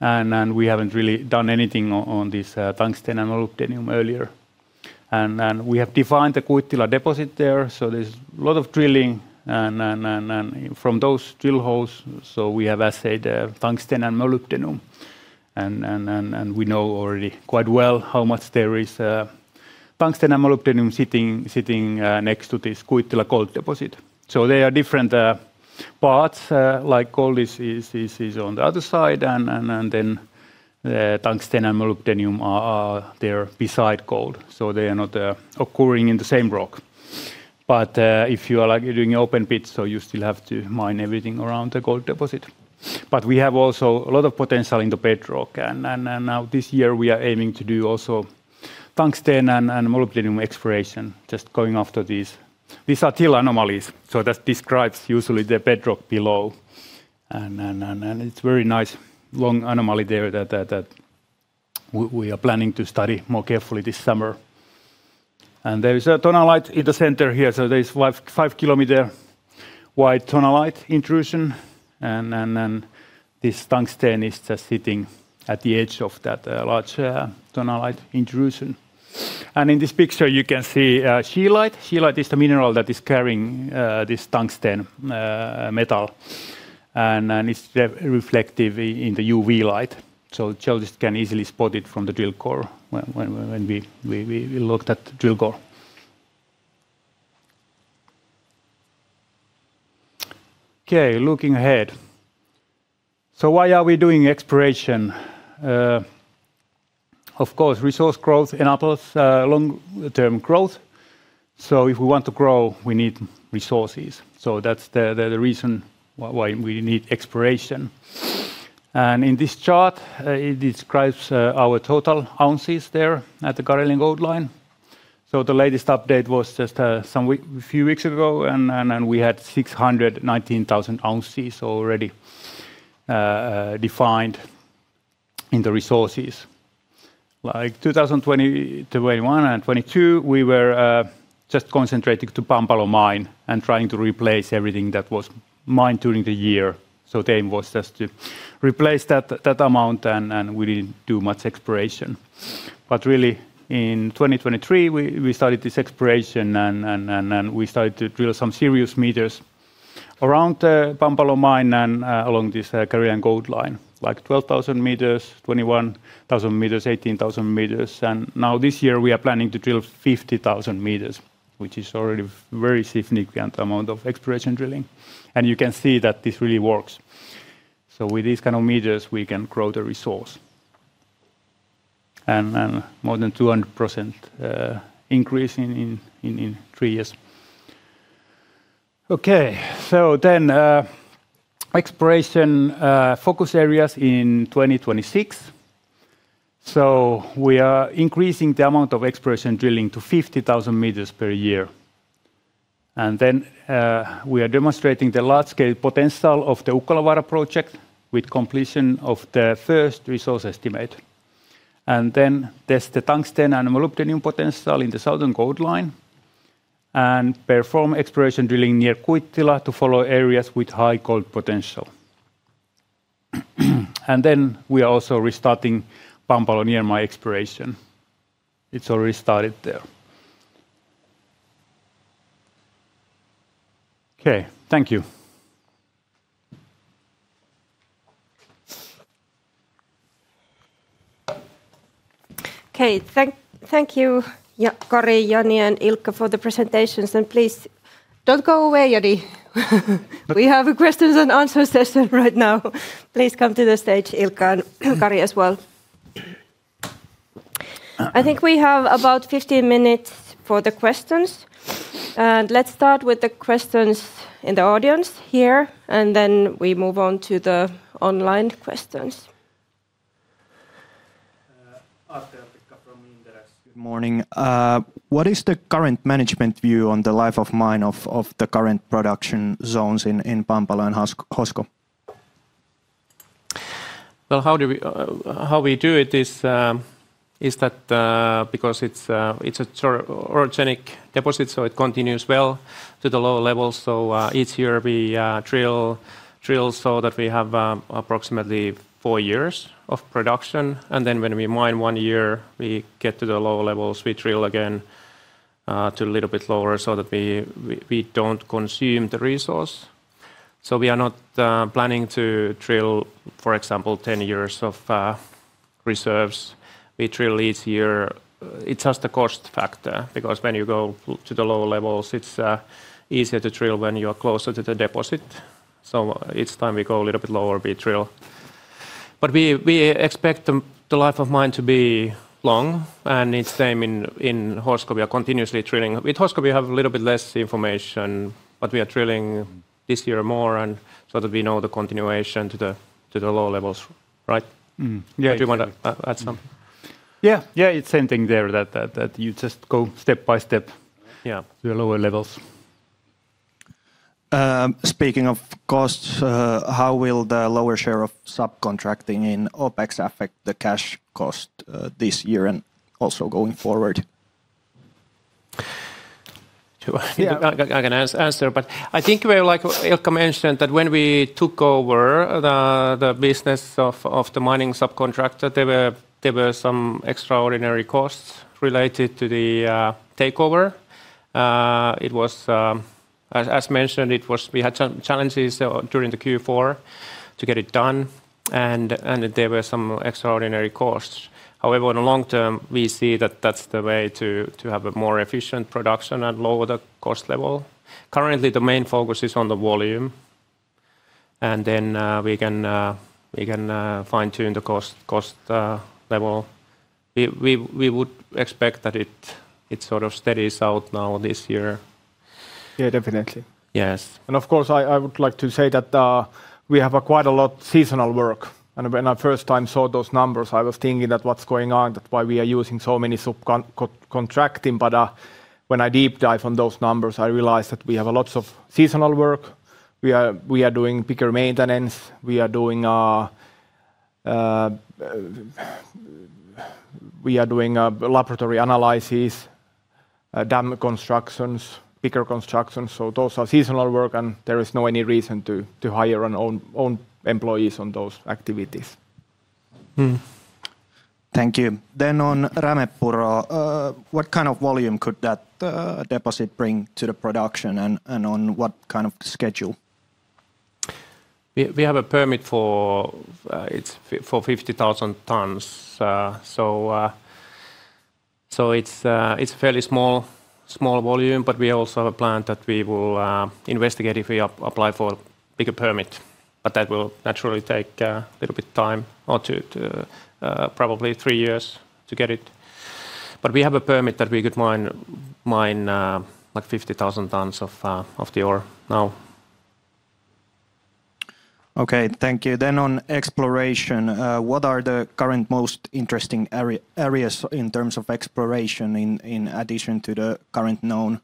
and then we haven't really done anything on this tungsten and molybdenum earlier. We have defined the Kuittila deposit there, so there's a lot of drilling and from those drill holes, so we have assayed tungsten and molybdenum and we know already quite well how much there is tungsten and molybdenum sitting next to this Kuittila gold deposit. They are different parts, like gold is on the other side and then tungsten and molybdenum are there beside gold. They are not occurring in the same rock. If you are like doing open pit, you still have to mine everything around the gold deposit. We have also a lot of potential in the bedrock and now this year we are aiming to do also tungsten and molybdenum exploration, just going after these. These are till anomalies, so that describes usually the bedrock below and it's very nice long anomaly there that we are planning to study more carefully this summer. There is a tonalite in the center here, so there's a 5-kilometer wide tonalite intrusion and then this tungsten is just sitting at the edge of that large tonalite intrusion. In this picture you can see scheelite. Scheelite is the mineral that is carrying this tungsten metal and it's re-reflective in the UV light. Geologists can easily spot it from the drill core when we look at the drill core. Okay. Looking ahead. Why are we doing exploration? Of course, resource growth enables long-term growth. If we want to grow, we need resources. That's the reason why we need exploration. In this chart, it describes our total ounces there at the Karelian Gold Line. The latest update was just some week... few weeks ago we had 619,000 oz already defined in the resources. Like 2020 to 2021 and 2022, we were just concentrating to Pampalo mine and trying to replace everything that was mined during the year. The aim was just to replace that amount and we didn't do much exploration. Really, in 2023 we started this exploration and we started to drill some serious meters around Pampalo mine and along this Karelian Gold Line, like 12,000 m, 21,000 m, 18,000 m. Now this year we are planning to drill 50,000 m, which is already very significant amount of exploration drilling. You can see that this really works. With these kind of meters, we can grow the resource. more than 200% increase in three years. Okay. exploration focus areas in 2026. We are increasing the amount of exploration drilling to 50,000 m per year. We are demonstrating the large-scale potential of the Ukkolanvaara project with completion of the first resource estimate. There's the tungsten and molybdenum potential in the southern gold line and perform exploration drilling near Kuittila to follow areas with high gold potential. We are also restarting Pampalo nearby exploration. It's already started there. Okay. Thank you. Okay. Thank you Kari, Jani, and Ilkka for the presentations and please don't go away, Jani. We have a question and answer session right now. Please come to the stage, Ilkka and Kari as well. I think we have about 15 minutes for the questions. Let's start with the questions in the audience here, and then we move on to the online questions. Atte Jortikka from Inderes. Good morning. What is the current management view on the life of mine of the current production zones in Pampalo and Hosko? Well, how we do it is that because it's a sort of orogenic deposit, it continues well to the lower levels. Each year we drill so that we have approximately four years of production. When we mine one year, we get to the lower levels, we drill again to a little bit lower so that we don't consume the resource. We are not planning to drill, for example, 10 years of reserves. We drill each year. It's just a cost factor because when you go to the lower levels, it's easier to drill when you are closer to the deposit. Each time we go a little bit lower, we drill. We expect the life of mine to be long and it's same in Hosko. We are continuously drilling. With Hosko, we have a little bit less information, but we are drilling this year more and so that we know the continuation to the lower levels. Right? Mm-hmm. Yeah. Do you wanna add some? Yeah. Yeah. It's same thing there that you just go step by step to the lower levels. Speaking of costs, how will the lower share of subcontracting in OpEx affect the cash cost this year and also going forward? Do you wanna- Yeah. I can answer, but I think we're like Ilkka mentioned that when we took over the business of the mining subcontractor, there were some extraordinary costs related to the takeover. It was, as mentioned, we had challenges during the Q4 to get it done and there were some extraordinary costs. However, in the long term, we see that that's the way to have a more efficient production and lower the cost level. Currently, the main focus is on the volume and then we can fine-tune the cost level. We would expect that it sort of steadies out now this year. Yeah, definitely. Yes. Of course, I would like to say that we have quite a lot of seasonal work and when I the first time saw those numbers I was thinking, what's going on, why we are using so much subcontracting, but when I deep dive on those numbers, I realized that we have lots of seasonal work. We are doing bigger maintenance. We are doing laboratory analysis, dam constructions, bigger constructions. Those are seasonal work and there is no any reason to hire our own employees on those activities. Thank you. On Rämepuro, what kind of volume could that deposit bring to the production and on what kind of schedule? We have a permit for 50,000 tons. It's fairly small volume, but we also have a plan that we will investigate if we apply for bigger permit. That will naturally take a little bit time or two to probably three years to get it. We have a permit that we could mine like 50,000 tons of the ore now. Okay, thank you. On exploration, what are the current most interesting areas in terms of exploration in addition to the current known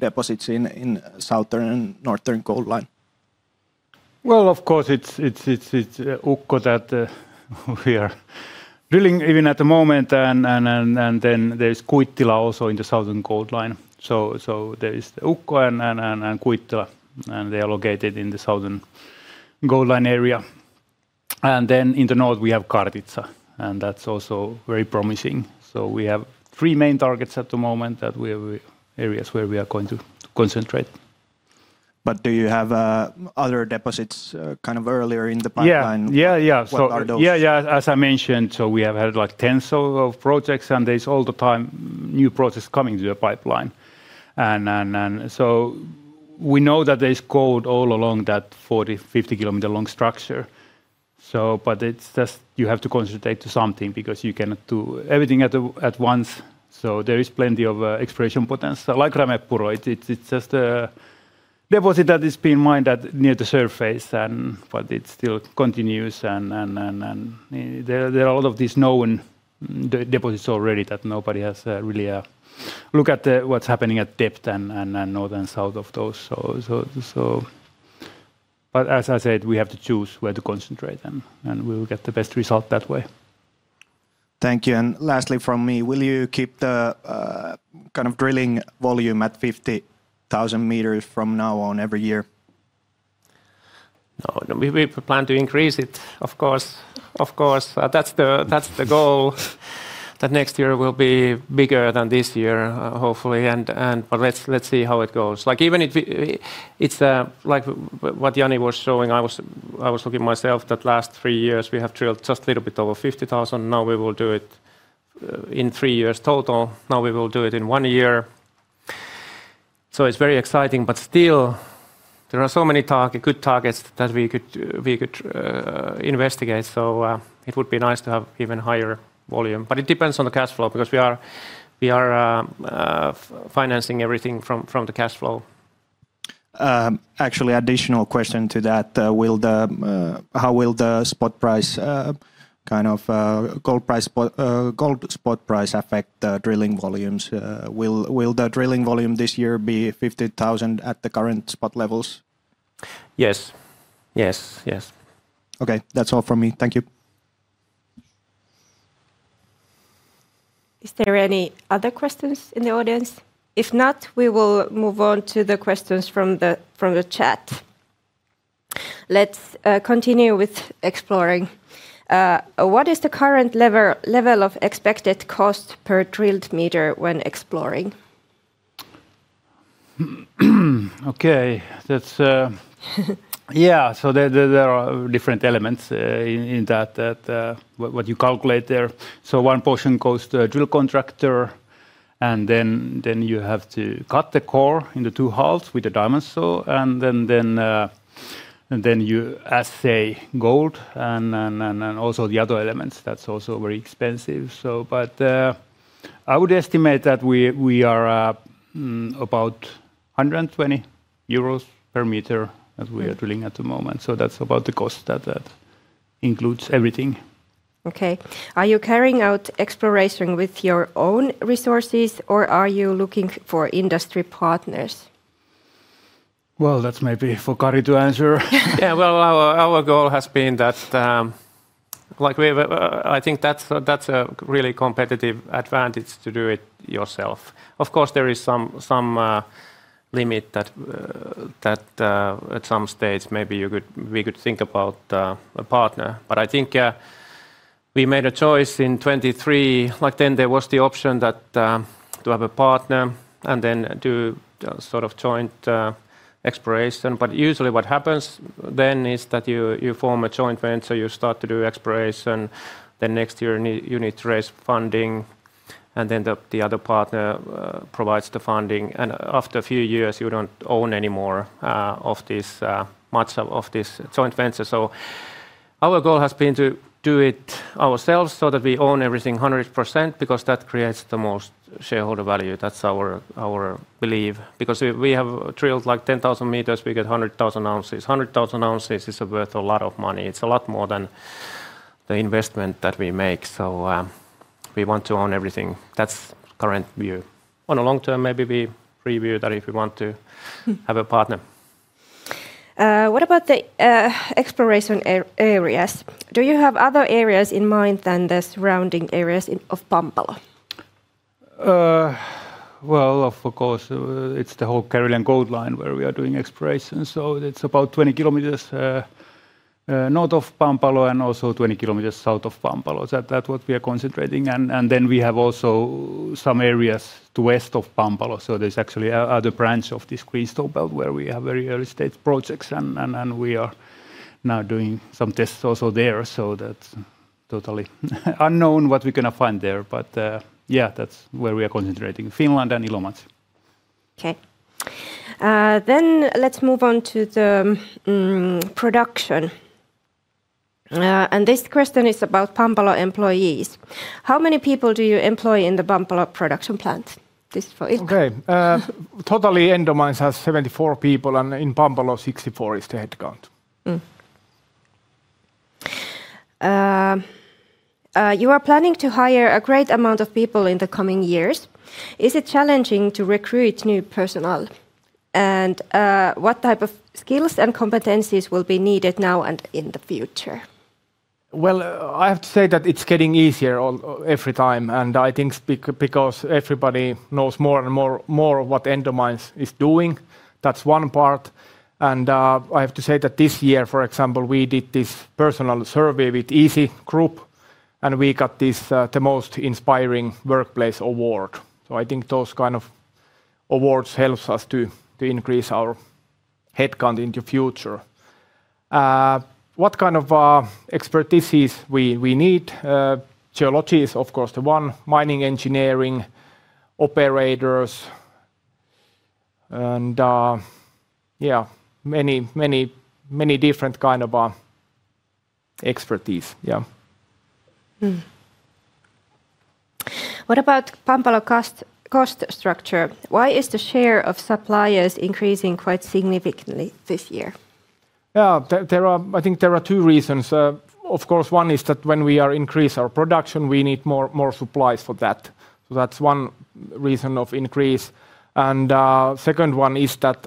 deposits in Southern and Northern Gold Line? Well, of course it's Ukko that we are drilling even at the moment and then there's Kuittila also in the Southern Gold Line. There is the Ukko and Kuittila, and they are located in the Southern Gold Line area. Then in the north we have Kartitsa, and that's also very promising. We have three main targets at the moment, areas where we are going to concentrate. Do you have other deposits kind of earlier in the pipeline? Yeah. Yeah, yeah. What are those? Yeah. As I mentioned, we have had like 10 or so projects and there's all the time new projects coming to the pipeline. We know that there's gold all along that 40-50-kilometer-long structure, but it's just you have to concentrate to something because you cannot do everything at once. There is plenty of exploration potential like Rämepuro. It's just a deposit that is being mined near the surface and but it still continues and there are a lot of these known deposits already that nobody has really look at what's happening at depth and north and south of those. But as I said, we have to choose where to concentrate and we will get the best result that way. Thank you. Lastly from me, will you keep the kind of drilling volume at 50,000 m from now on every year? No. We plan to increase it, of course. That's the goal that next year will be bigger than this year, hopefully, but let's see how it goes. It's like what Jani was showing. I was looking myself that last three years we have drilled just little bit over 50,000 m. Now we will do it in three years total. Now we will do it in one year. It's very exciting, but still there are so many targets, good targets that we could investigate. It would be nice to have even higher volume. It depends on the cash flow because we are financing everything from the cash flow. Actually, additional question to that. How will the spot price, kind of, gold spot price affect the drilling volumes? Will the drilling volume this year be 50,000 m at the current spot levels? Yes. Yes, yes. Okay. That's all from me. Thank you. Is there any other questions in the audience? If not, we will move on to the questions from the chat. Let's continue with exploring. What is the current level of expected cost per drilled meter when exploring? Okay. That's. Yeah. There are different elements in that what you calculate there. One portion goes to a drill contractor and then you have to cut the core into two halves with a diamond saw and then you assay gold and also the other elements. That's also very expensive. But I would estimate that we are about 120 euros per meter as we are drilling at the moment. That's about the cost at that. Includes everything. Okay. Are you carrying out exploration with your own resources, or are you looking for industry partners? Well, that's maybe for Kari to answer. Yeah. Well, our goal has been that, like we've I think that's a really competitive advantage to do it yourself. Of course, there is some limit that at some stage maybe we could think about a partner. I think we made a choice in 2023, like then there was the option to have a partner and then do sort of joint exploration. Usually what happens then is that you form a joint venture, you start to do exploration. Then next year you need to raise funding, and then the other partner provides the funding. After a few years, you don't own any more of this, much of this joint venture. Our goal has been to do it ourselves so that we own everything 100% because that creates the most shareholder value. That's our belief. Because if we have drilled, like 10,000 m, we get 100,000 oz. 100,000 oz is worth a lot of money. It's a lot more than the investment that we make. We want to own everything. That's current view. On the long term, maybe we review that if we want to have a partner. What about the exploration areas? Do you have other areas in mind than the surrounding areas of Pampalo? Well, of course, it's the whole Karelian Gold Line where we are doing exploration, so it's about 20 km north of Pampalo and also 20 km south of Pampalo. That's what we are concentrating. Then we have also some areas to the west of Pampalo, so there's actually another branch of this greenstone belt where we have very early-stage projects and we are now doing some tests also there. That's totally unknown what we're gonna find there. Yeah, that's where we are concentrating, Finland and Ilomantsi. Okay. Let's move on to the production. This question is about Pampalo employees. How many people do you employ in the Pampalo production plant? This is for Ilkka. In total, Endomines has 74 people, and in Pampalo, 64 is the headcount. You are planning to hire a great amount of people in the coming years. Is it challenging to recruit new personnel? What type of skills and competencies will be needed now and in the future? Well, I have to say that it's getting easier every time, and I think because everybody knows more and more of what Endomines is doing. That's one part. I have to say that this year, for example, we did this personnel survey with Eezy Group, and we got the Most Inspiring Workplace award. I think those kind of awards helps us to increase our headcount in the future. What kind of expertises we need? Geology is of course the one, mining engineering, operators, and yeah, many different kind of expertise. What about Pampalo cost structure? Why is the share of suppliers increasing quite significantly this year? I think there are two reasons. Of course, one is that when we are increase our production, we need more supplies for that. So that's one reason of increase. Second one is that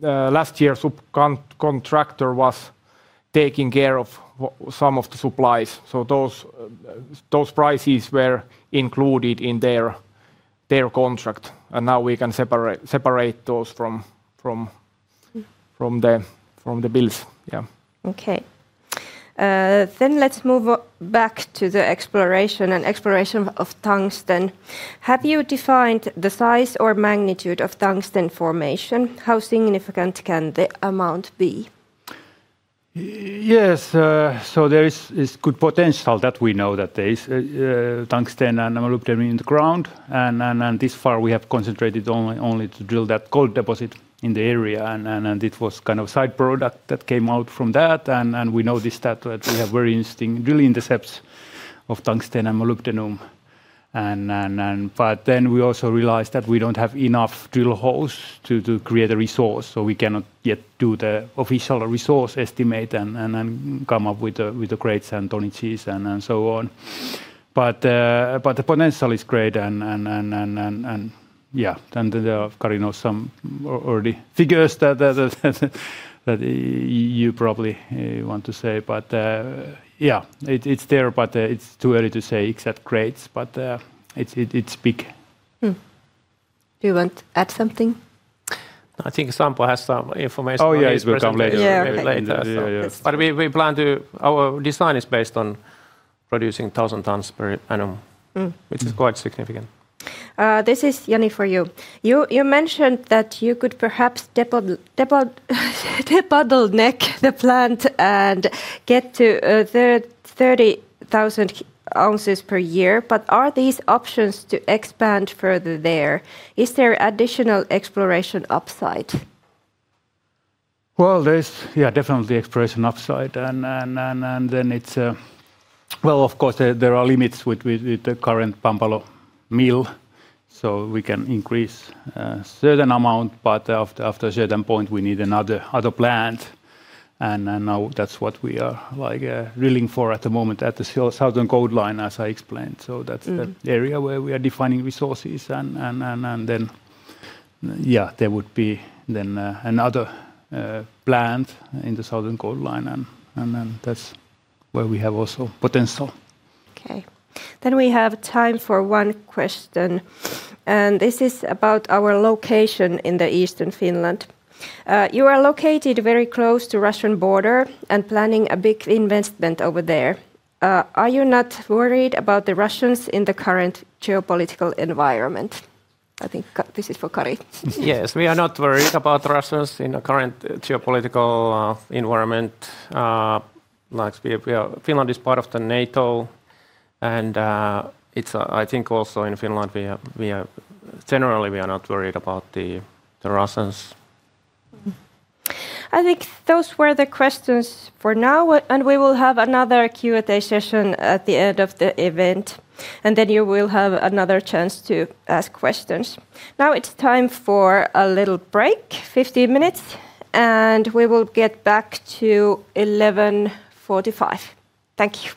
last year subcontractor was taking care of some of the supplies, so those prices were included in their contract. Now we can separate those from the bills. Okay. Let's move back to the exploration of tungsten. Have you defined the size or magnitude of tungsten formation? How significant can the amount be? Yes. There is good potential that we know that there is tungsten and molybdenum in the ground. Thus far we have concentrated only to drill that gold deposit in the area. It was kind of byproduct that came out from that. We noticed that we have very interesting drilling intercepts of tungsten and molybdenum. We also realized that we don't have enough drill holes to create a resource, so we cannot yet do the official resource estimate and come up with the grades and tonnages and so on. The potential is great, and yeah, Kari knows some rough figures already that you probably want to say. It's there, but it's too early to say exact grades, but it's big. Do you want to add something? I think Sampo has some information. Oh, yeah. He's coming later. later. Yeah, yeah. Our design is based on producing 1,000 tons per annum. Mm. Which is quite significant. This is Jani for you. You mentioned that you could perhaps de-bottleneck the plant and get to 30,000 oz per year, but are these options to expand further there? Is there additional exploration upside? Well, there is, yeah, definitely exploration upside. Then it's Of course there are limits with the current Pampalo mill, so we can increase a certain amount, but after a certain point, we need another plant and now that's what we are drilling for at the moment at the Southern Gold Line, as I explained. That's the area where we are defining resources and then there would be another plant in the Southern Gold Line and that's where we also have potential. Okay. We have time for one question, and this is about our location in eastern Finland. You are located very close to Russian border and planning a big investment over there. Are you not worried about the Russians in the current geopolitical environment? I think this is for Kari. Yes. We are not worried about Russians in the current geopolitical environment. Like, Finland is part of NATO and, it's, I think also in Finland we are generally not worried about the Russians. I think those were the questions for now and we will have another Q&A session at the end of the event, and then you will have another chance to ask questions. Now it's time for a little break, 15 minutes, and we will get back to 11:45. Thank you.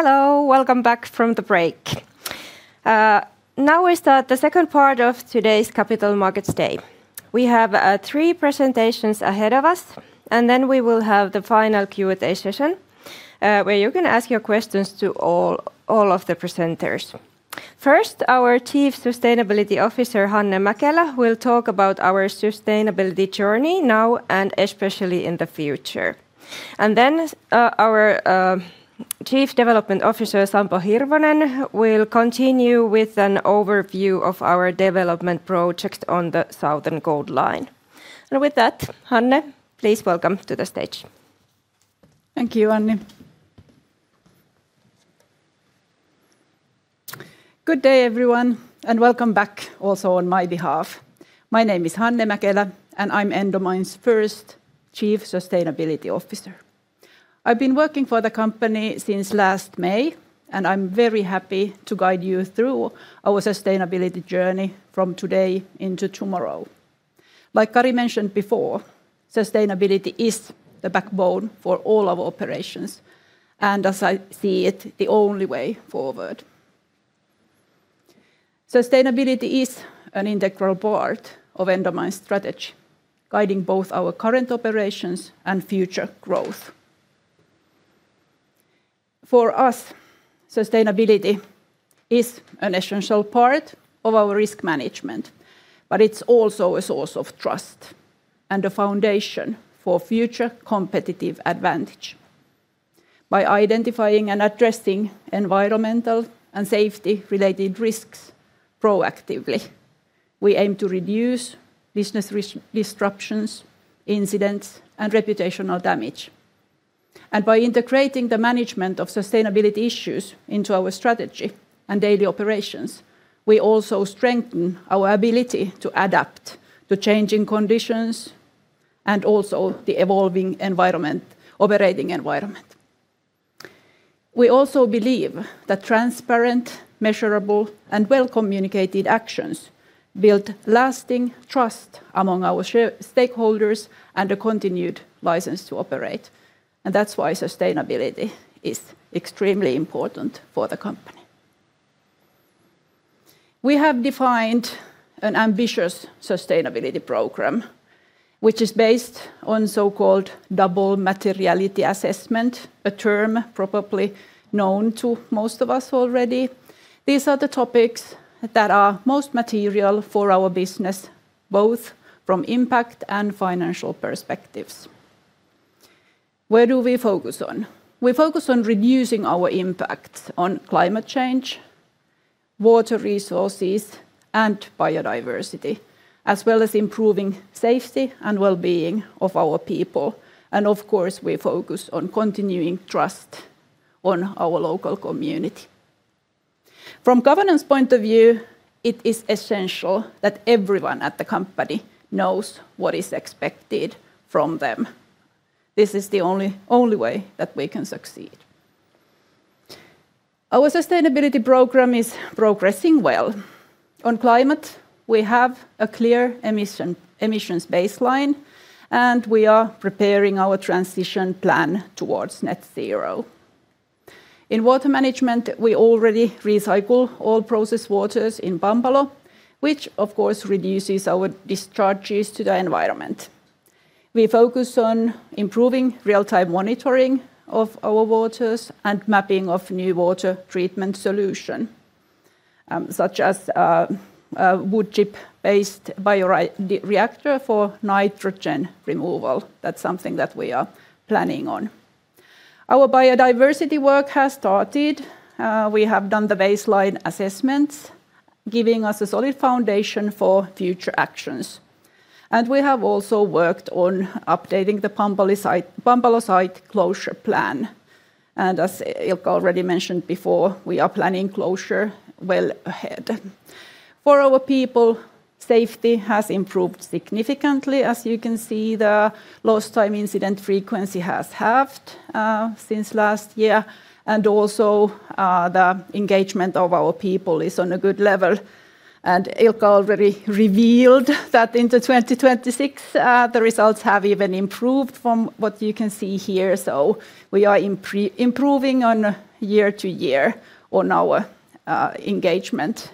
Hello. Welcome back from the break. Now we start the second part of today's Capital Markets Day. We have three presentations ahead of us, and then we will have the final Q&A session, where you can ask your questions to all of the presenters. First, our Chief Sustainability Officer, Hanne Mäkelä, will talk about our sustainability journey now and especially in the future. Our Chief Development Officer, Sampo Hirvonen, will continue with an overview of our development project on the Southern Gold Line. With that, Hanne, please welcome to the stage. Thank you, Anni. Good day, everyone, and welcome back also on my behalf. My name is Hanne Mäkelä, and I'm Endomines' first Chief Sustainability Officer. I've been working for the company since last May, and I'm very happy to guide you through our sustainability journey from today into tomorrow. Like Kari mentioned before, sustainability is the backbone for all our operations, and as I see it, the only way forward. Sustainability is an integral part of Endomines' strategy, guiding both our current operations and future growth. For us, sustainability is an essential part of our risk management, but it's also a source of trust and a foundation for future competitive advantage. By identifying and addressing environmental and safety-related risks proactively, we aim to reduce business risks, disruptions, incidents, and reputational damage. By integrating the management of sustainability issues into our strategy and daily operations, we also strengthen our ability to adapt to changing conditions and also the evolving environment, operating environment. We also believe that transparent, measurable, and well-communicated actions build lasting trust among our stakeholders and a continued license to operate, and that's why sustainability is extremely important for the company. We have defined an ambitious sustainability program which is based on so-called double materiality assessment, a term probably known to most of us already. These are the topics that are most material for our business, both from impact and financial perspectives. Where do we focus on? We focus on reducing our impact on climate change, water resources, and biodiversity, as well as improving safety and well-being of our people. Of course, we focus on continuing trust on our local community. From governance point of view, it is essential that everyone at the company knows what is expected from them. This is the only way that we can succeed. Our sustainability program is progressing well. On climate, we have a clear emissions baseline, and we are preparing our transition plan towards net zero. In water management, we already recycle all processed waters in Pampalo, which of course reduces our discharges to the environment. We focus on improving real-time monitoring of our waters and mapping of new water treatment solution, such as a wood chip-based bioreactor for nitrogen removal. That's something that we are planning on. Our biodiversity work has started. We have done the baseline assessments, giving us a solid foundation for future actions, and we have also worked on updating the Pampalo site closure plan. As Ilkka already mentioned before, we are planning closure well ahead. For our people, safety has improved significantly. As you can see, the lost time incident frequency has halved since last year, and also the engagement of our people is on a good level. Ilkka already revealed that in the 2026 the results have even improved from what you can see here, so we are improving on year to year on our engagement,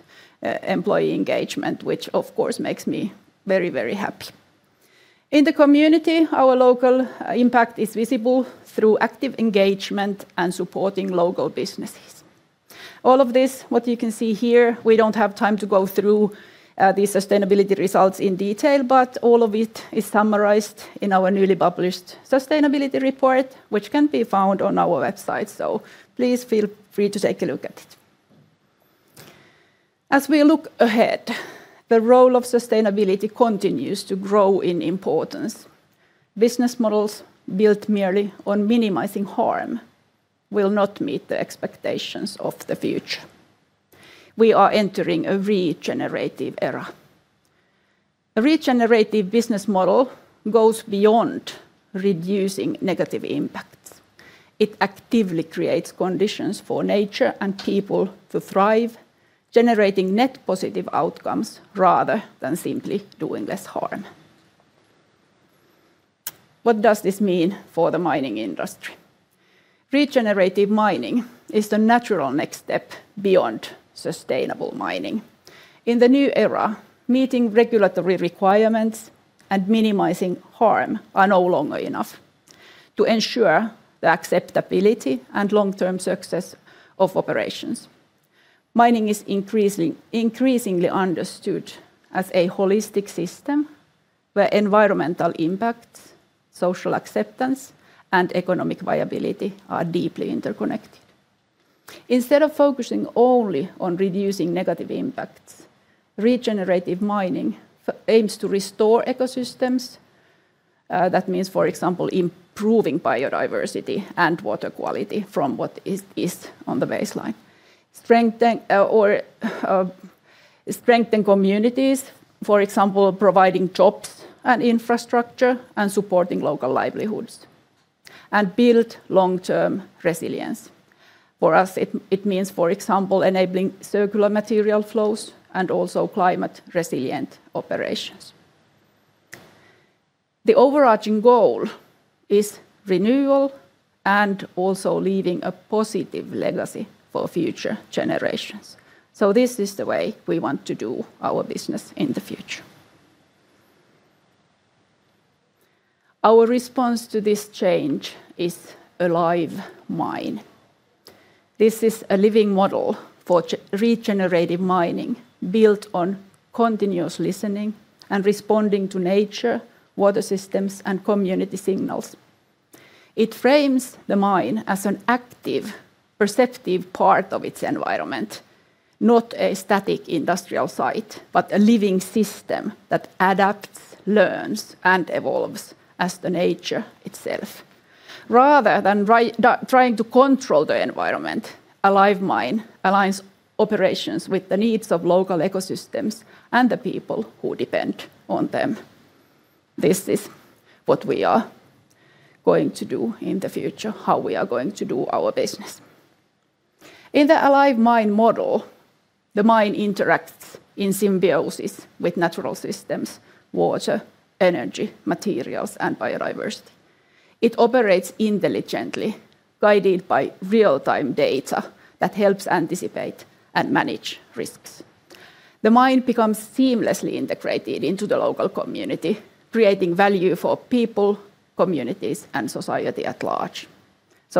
employee engagement, which of course makes me very, very happy. In the community, our local impact is visible through active engagement and supporting local businesses. All of this, what you can see here, we don't have time to go through the sustainability results in detail, but all of it is summarized in our newly published sustainability report, which can be found on our website. Please feel free to take a look at it. As we look ahead, the role of sustainability continues to grow in importance. Business models built merely on minimizing harm will not meet the expectations of the future. We are entering a regenerative era. A regenerative business model goes beyond reducing negative impacts. It actively creates conditions for nature and people to thrive, generating net positive outcomes rather than simply doing less harm. What does this mean for the mining industry? Regenerative mining is the natural next step beyond sustainable mining. In the new era, meeting regulatory requirements and minimizing harm are no longer enough to ensure the acceptability and long-term success of operations. Mining is increasingly understood as a holistic system where environmental impact, social acceptance, and economic viability are deeply interconnected. Instead of focusing only on reducing negative impacts, regenerative mining aims to restore ecosystems. That means, for example, improving biodiversity and water quality from what is on the baseline. Strengthen communities, for example, providing jobs and infrastructure and supporting local livelihoods, and build long-term resilience. For us, it means, for example, enabling circular material flows and also climate-resilient operations. The overarching goal is renewal and also leaving a positive legacy for future generations. This is the way we want to do our business in the future. Our response to this change is a Alive Mine. This is a living model for regenerative mining built on continuous listening and responding to nature, water systems, and community signals. It frames the mine as an active, perceptive part of its environment, not a static industrial site, but a living system that adapts, learns, and evolves as nature itself. Rather than trying to control the environment, Alive Mine aligns operations with the needs of local ecosystems and the people who depend on them. This is what we are going to do in the future, how we are going to do our business. In the Alive Mine model, the mine interacts in symbiosis with natural systems, water, energy, materials, and biodiversity. It operates intelligently, guided by real-time data that helps anticipate and manage risks. The mine becomes seamlessly integrated into the local community, creating value for people, communities, and society at large.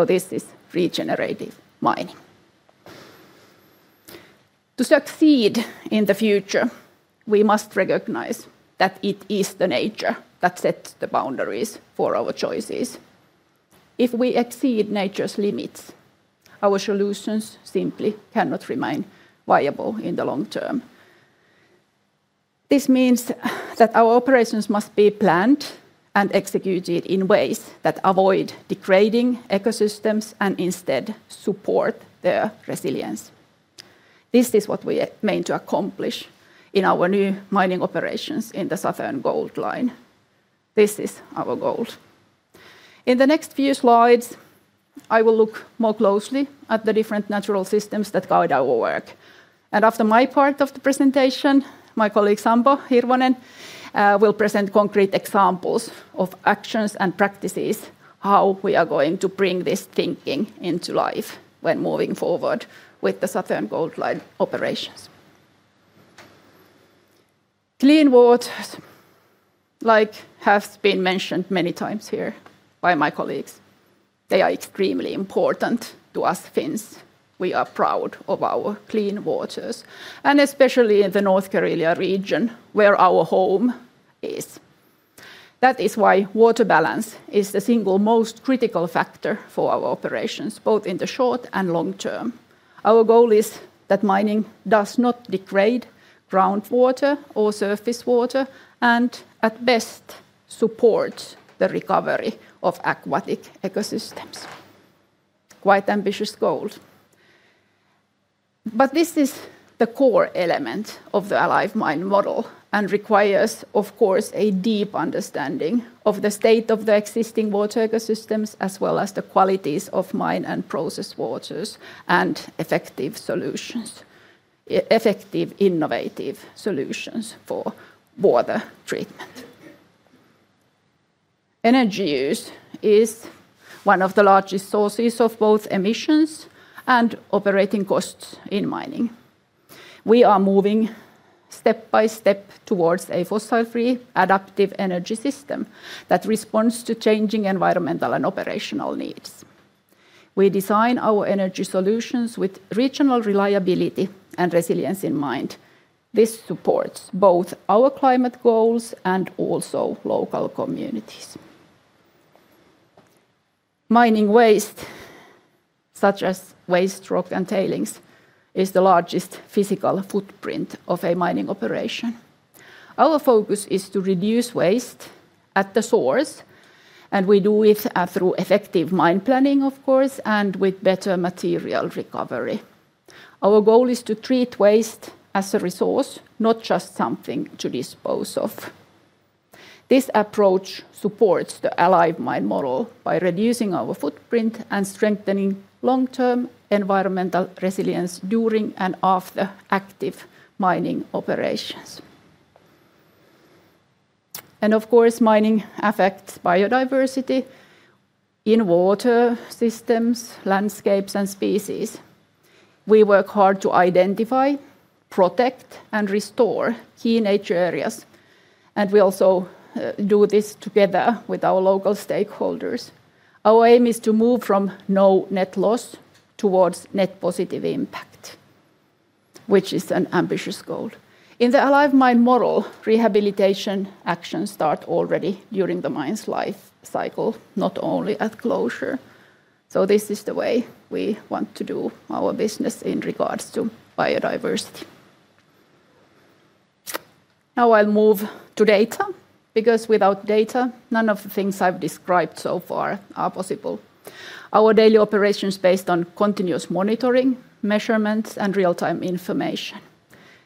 This is regenerative mining. To succeed in the future, we must recognize that it is the nature that sets the boundaries for our choices. If we exceed nature's limits, our solutions simply cannot remain viable in the long term. This means that our operations must be planned and executed in ways that avoid degrading ecosystems and instead support their resilience. This is what we aim to accomplish in our new mining operations in the Southern Gold Line. This is our goal. In the next few slides, I will look more closely at the different natural systems that guide our work. After my part of the presentation, my colleague, Sampo Hirvonen, will present concrete examples of actions and practices, how we are going to bring this thinking into life when moving forward with the Southern Gold Line operations. Clean water, as has been mentioned many times here by my colleagues, they are extremely important to us Finns. We are proud of our clean waters, and especially in the North Karelia region where our home is. That is why water balance is the single most critical factor for our operations, both in the short and long term. Our goal is that mining does not degrade groundwater or surface water and at best support the recovery of aquatic ecosystems. Quite ambitious goal. This is the core element of the Alive Mine model and requires, of course, a deep understanding of the state of the existing water ecosystems as well as the qualities of mine and process waters and effective, innovative solutions for water treatment. Energy use is one of the largest sources of both emissions and operating costs in mining. We are moving step by step towards a fossil-free adaptive energy system that responds to changing environmental and operational needs. We design our energy solutions with regional reliability and resilience in mind. This supports both our climate goals and also local communities. Mining waste, such as waste rock and tailings, is the largest physical footprint of a mining operation. Our focus is to reduce waste at the source, and we do it through effective mine planning, of course, and with better material recovery. Our goal is to treat waste as a resource, not just something to dispose of. This approach supports the Alive Mine model by reducing our footprint and strengthening long-term environmental resilience during and after active mining operations. Mining affects biodiversity in water systems, landscapes, and species. We work hard to identify, protect, and restore key nature areas, and we also do this together with our local stakeholders. Our aim is to move from no net loss towards net positive impact, which is an ambitious goal. In the Alive Mine model, rehabilitation actions start already during the mine's life cycle, not only at closure. This is the way we want to do our business in regards to biodiversity. Now I'll move to data, because without data, none of the things I've described so far are possible. Our daily operations are based on continuous monitoring, measurements, and real-time information.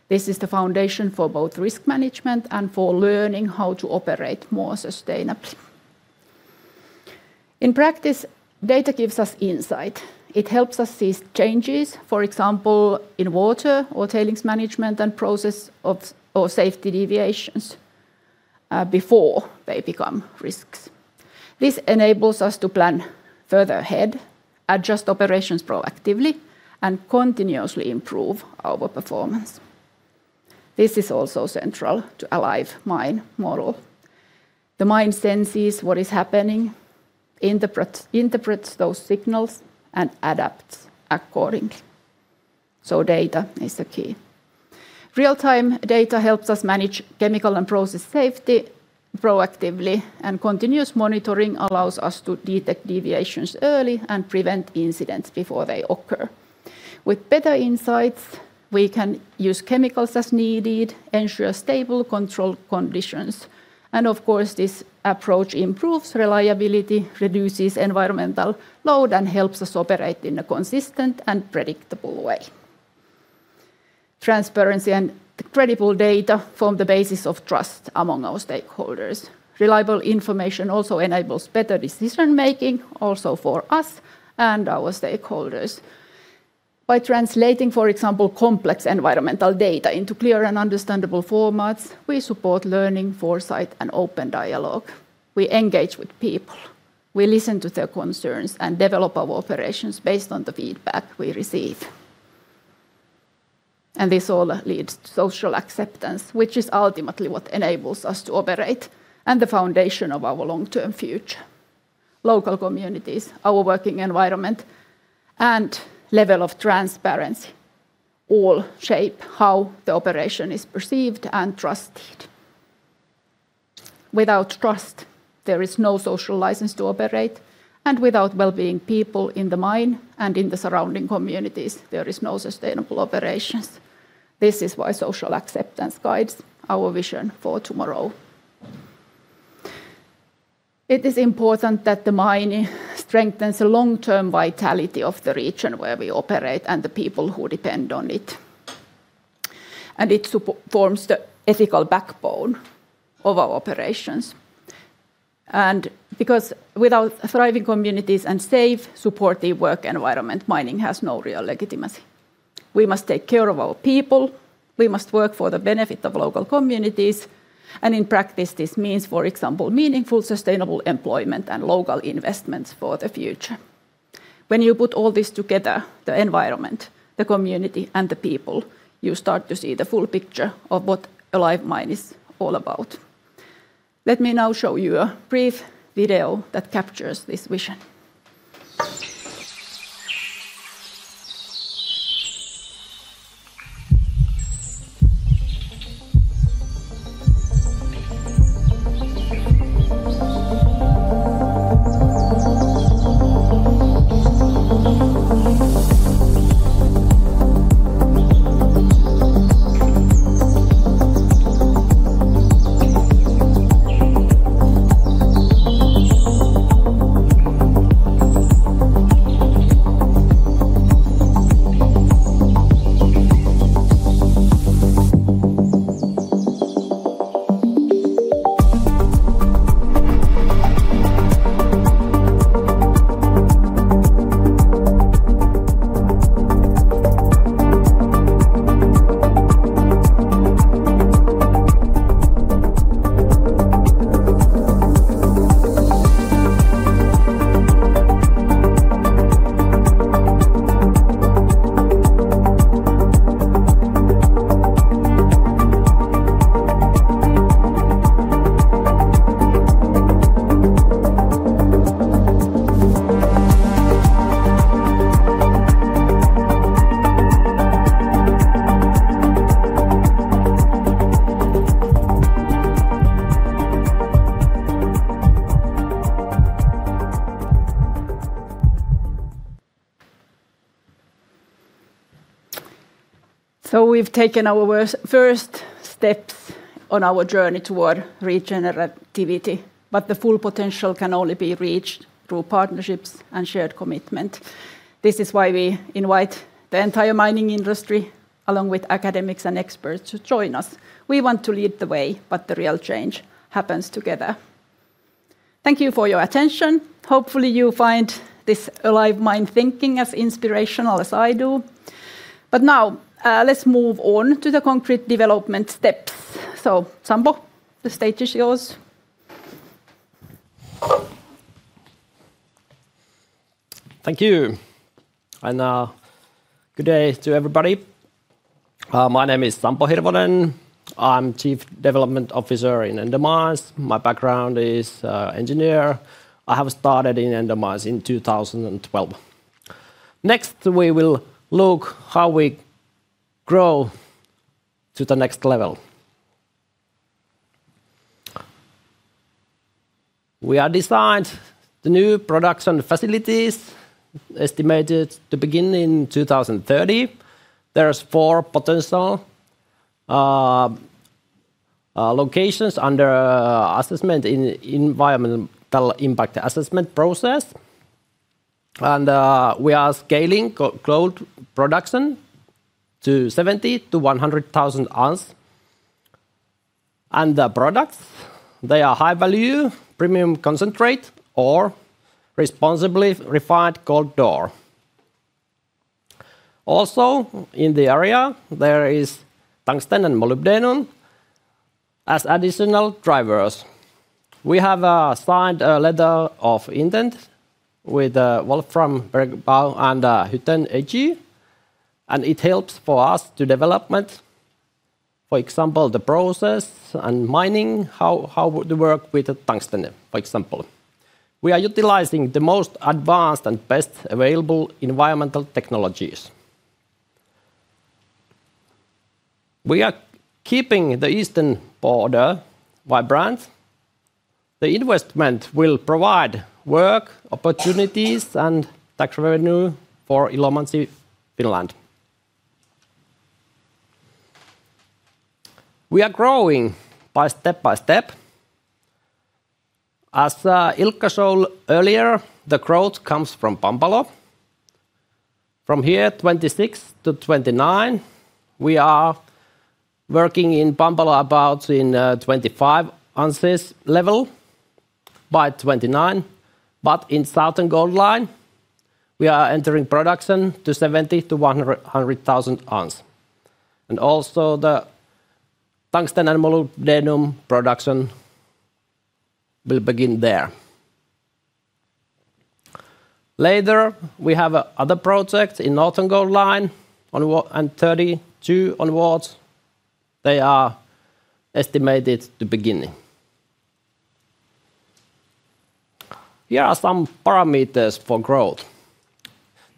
This is the foundation for both risk management and for learning how to operate more sustainably. In practice, data gives us insight. It helps us see changes, for example, in water or tailings management and processing, or safety deviations, before they become risks. This enables us to plan further ahead, adjust operations proactively, and continuously improve our performance. This is also central to Alive Mine model. The mine senses what is happening, interprets those signals and adapts accordingly. Data is the key. Real-time data helps us manage chemical and process safety proactively, and continuous monitoring allows us to detect deviations early and prevent incidents before they occur. With better insights, we can use chemicals as needed, ensure stable controlled conditions, and of course, this approach improves reliability, reduces environmental load, and helps us operate in a consistent and predictable way. Transparency and credible data form the basis of trust among our stakeholders. Reliable information also enables better decision-making also for us and our stakeholders. By translating, for example, complex environmental data into clear and understandable formats, we support learning, foresight, and open dialogue. We engage with people. We listen to their concerns and develop our operations based on the feedback we receive. This all leads to social acceptance, which is ultimately what enables us to operate and the foundation of our long-term future. Local communities, our working environment, and level of transparency all shape how the operation is perceived and trusted. Without trust, there is no social license to operate, and without well-being people in the mine and in the surrounding communities, there is no sustainable operations. This is why social acceptance guides our vision for tomorrow. It is important that the mining strengthens the long-term vitality of the region where we operate and the people who depend on it, and it forms the ethical backbone of our operations. Because without thriving communities and safe, supportive work environment, mining has no real legitimacy. We must take care of our people. We must work for the benefit of local communities, and in practice, this means, for example, meaningful sustainable employment and local investments for the future. When you put all this together, the environment, the community, and the people, you start to see the full picture of what Alive Mine is all about. Let me now show you a brief video that captures this vision. We've taken our first steps on our journey toward re-generativity, but the full potential can only be reached through partnerships and shared commitment. This is why we invite the entire mining industry, along with academics and experts, to join us. We want to lead the way, but the real change happens together. Thank you for your attention. Hopefully, you find this Alive Mine thinking as inspirational as I do. Now, let's move on to the concrete development steps. Sampo, the stage is yours. Thank you. Good day to everybody. My name is Sampo Hirvonen. I'm Chief Development Officer in Endomines. My background is engineer. I have started in Endomines in 2012. Next, we will look how we grow to the next level. We are designing the new production facilities estimated to begin in 2030. There is four potential locations under assessment in environmental impact assessment process. We are scaling gold production to 70,000 oz-100,000 oz. The products, they are high value, premium concentrate or responsibly refined gold ore. In the area, there is tungsten and molybdenum. As additional drivers, we have signed a letter of intent with Wolfram Bergbau und Hütten AG, and it helps for us to development, for example, the process and mining, how would they work with the tungsten, for example. We are utilizing the most advanced and best available environmental technologies. We are keeping the eastern border vibrant. The investment will provide work opportunities and tax revenue for Ilomantsi, Finland. We are growing step by step. As Ilkka showed earlier, the growth comes from Pampalo. From here, 2026 to 2029, we are working in Pampalo about in 25,000 oz level by 2029. In Southern Gold Line, we are entering production to 70,000 oz-100,000 oz. The tungsten and molybdenum production will begin there. Later, we have another project in Northern Gold Line and 2032 onwards, they are estimated to begin. Here are some parameters for growth.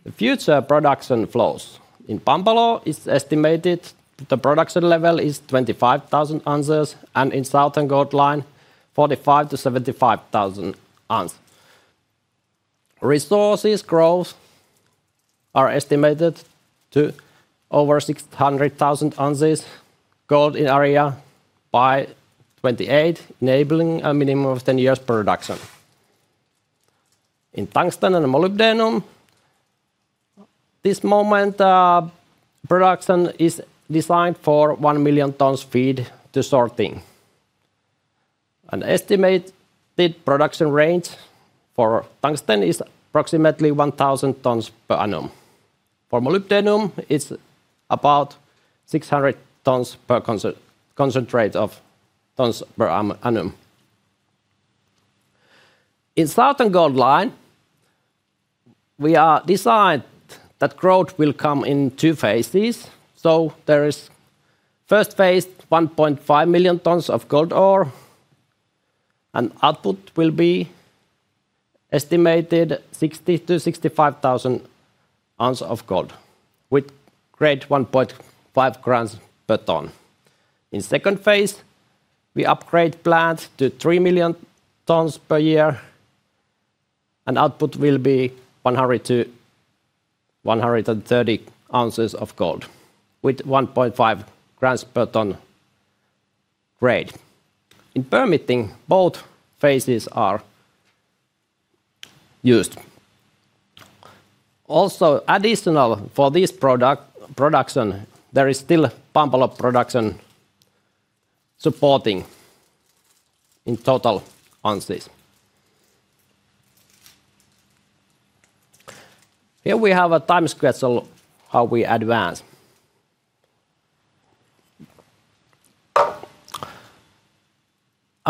The future production flows in Pampalo is estimated the production level is 25,000 oz, and in Southern Gold Line, 45,000 oz-75,000 oz. Resources growth are estimated to over 600,000 oz gold in area by 2028, enabling a minimum of 10 years production. In tungsten and molybdenum, at this moment, production is designed for 1 million tons feed to sorting. An estimated production range for tungsten is approximately 1,000 tons per annum. For molybdenum, it's about 600 tons per concentrate tons per annum. In Southern Gold Line, we are designed that growth will come in two phases. There is first phase, 1.5 million tons of gold ore, and output will be estimated 60,000 oz-65,000 oz of gold with grade 1.5 grams per ton. In second phase, we upgrade plant to 3 million tons per year, and output will be 100,000 oz-130,000 oz of gold with 1.5 grams per ton grade. In permitting, both phases are used. Also additional for this production, there is still Pampalo production supporting in total ounces. Here we have a time schedule how we advance.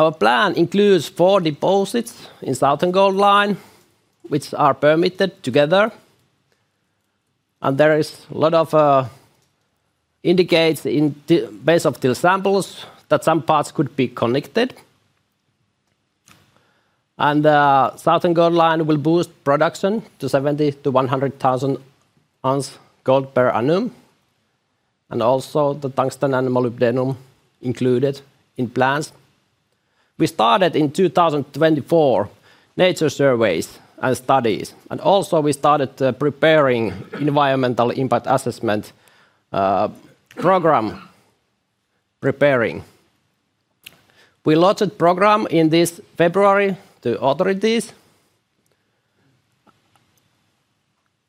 Our plan includes four deposits in Karelian Gold Line, which are permitted together. There is a lot of indications based on the samples that some parts could be connected. Southern Gold Line will boost production to 70,000 oz-100,000 oz of gold per annum, and also the tungsten and molybdenum included in plans. We started in 2024 nature surveys and studies, and also we started preparing environmental impact assessment program preparing. We launched program in this February to authorities.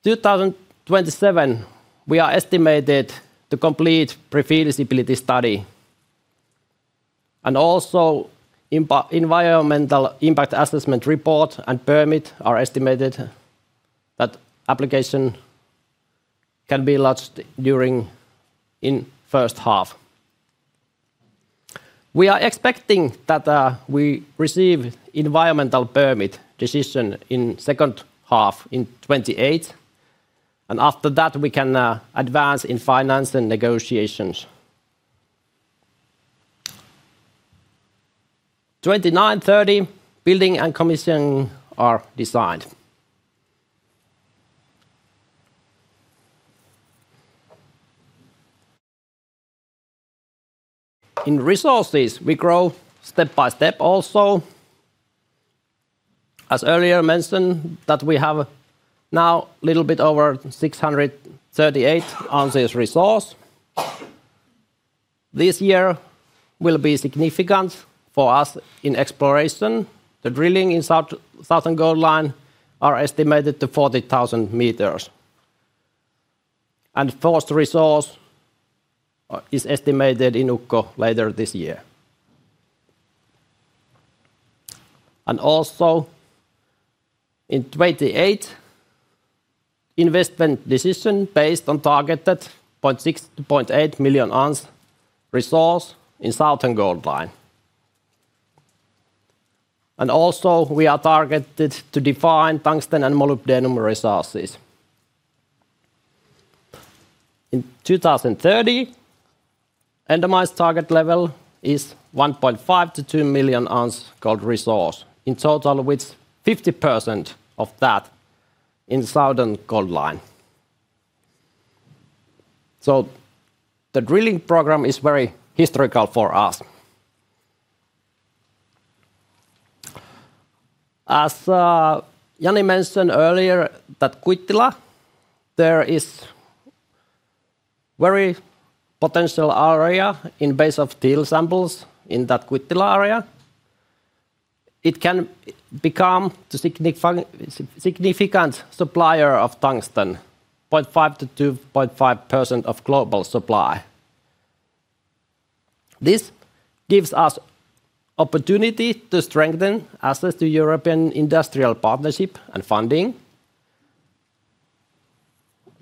2027, we are estimated to complete pre-feasibility study. Environmental impact assessment report and permit are estimated that application can be launched during in first half. We are expecting that we receive environmental permit decision in second half in 2028, and after that, we can advance in finance and negotiations. 2029, 2030, building and commissioning are designed. In resources, we grow step by step also. As earlier mentioned that we have now little bit over 638 oz resource. This year will be significant for us in exploration. The drilling in Southern Gold Line is estimated to 40,000 m. First resource is estimated in Ukko later this year. In 2028, investment decision based on targeted 0.6 million oz-0.8 million oz resource in Southern Gold Line. We are targeted to define tungsten and molybdenum resources. In 2030, Endomines' target level is 1.5 million oz-2 million oz gold resource, in total with 50% of that in Southern Gold Line. The drilling program is very historical for us. As Jani mentioned earlier that Kuittila, there is very potential area in base of till samples in that Kuittila area. It can become the significant supplier of tungsten, 0.5%-2.5% of global supply. This gives us opportunity to strengthen access to European industrial partnership and funding.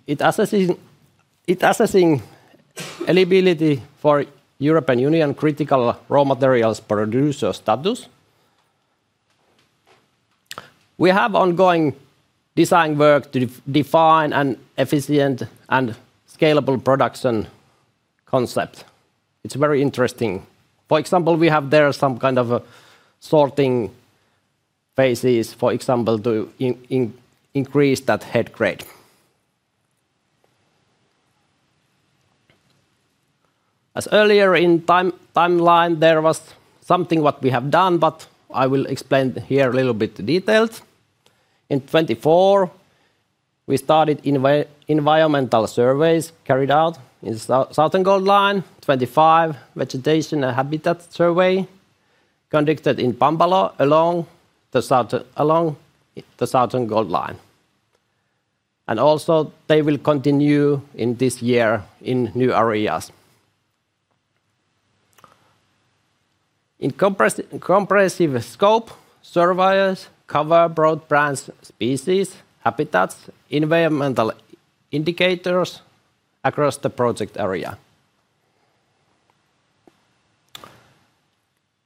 In assessing eligibility for European Union Critical Raw Materials producer status. We have ongoing design work to define an efficient and scalable production concept. It's very interesting. For example, we have there some kind of sorting phases, for example, to increase that head grade. As earlier in timeline, there was something what we have done, but I will explain here a little bit details. In 2024, we started environmental surveys carried out in Southern Gold Line. 2025, vegetation and habitat survey conducted in Pampalo along the Southern Gold Line. Also they will continue in this year in new areas. In comprehensive scope, surveys cover broad branch species, habitats, environmental indicators across the project area.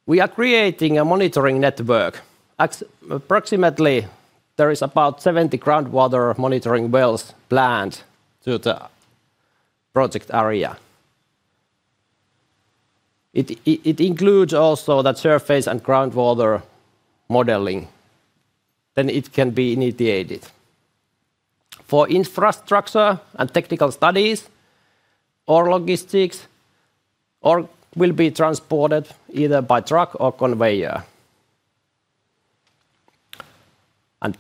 We are creating a monitoring network. Approximately there is about 70 groundwater monitoring wells planned to the project area. It includes also that surface and groundwater modeling, then it can be initiated. For infrastructure and technical studies, ore logistics, ore will be transported either by truck or conveyor.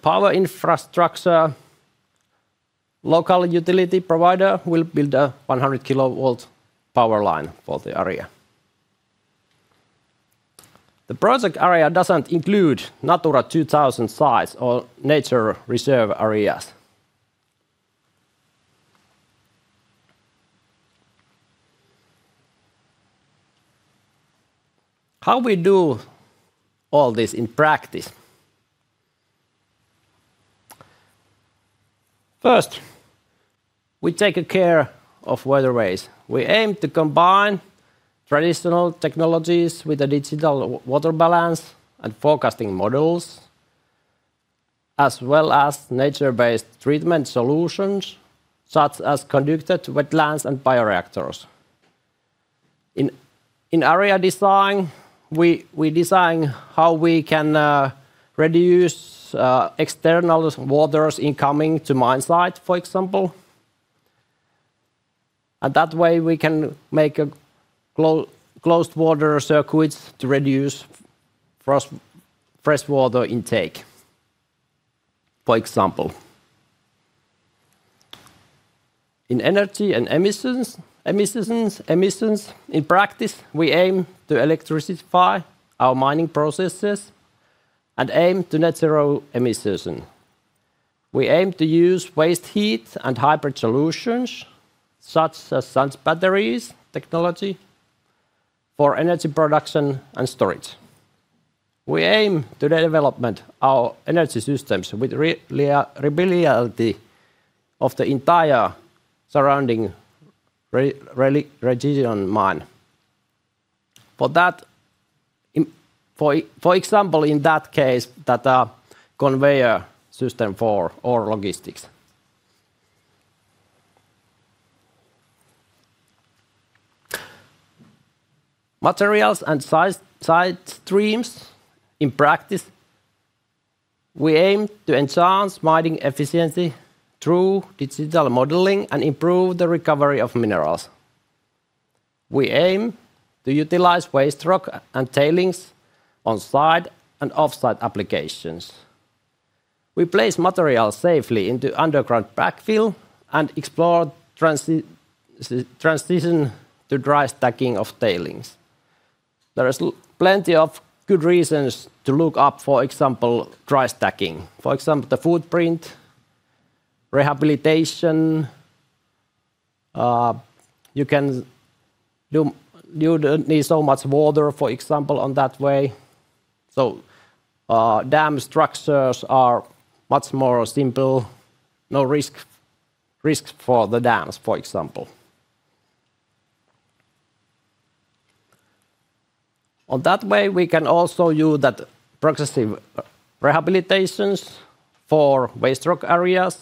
Power infrastructure, local utility provider will build a 100 kW power line for the area. The project area doesn't include Natura 2000 sites or nature reserve areas. How we do all this in practice? First, we take care of waterways. We aim to combine traditional technologies with a digital water balance and forecasting models, as well as nature-based treatment solutions, such as constructed wetlands and bioreactors. In area design, we design how we can reduce external waters incoming to mine site, for example. That way, we can make closed water circuits to reduce fresh water intake, for example. In energy and emissions, in practice, we aim to electrify our mining processes and aim to net zero emission. We aim to use waste heat and hybrid solutions, such as batteries technology for energy production and storage. We aim to develop our energy systems with reliability of the entire surrounding region mine. For that, for example, in that case, conveyor system for ore logistics. Materials and site streams, in practice, we aim to enhance mining efficiency through digital modeling and improve the recovery of minerals. We aim to utilize waste rock and tailings on-site and off-site applications. We place materials safely into underground backfill and explore transition to dry stacking of tailings. There is plenty of good reasons to look up, for example, dry stacking. For example, the footprint, rehabilitation. You don't need so much water, for example, in that way. Dam structures are much more simple. No risks for the dams, for example. In that way, we can also use that progressive rehabilitations for waste rock areas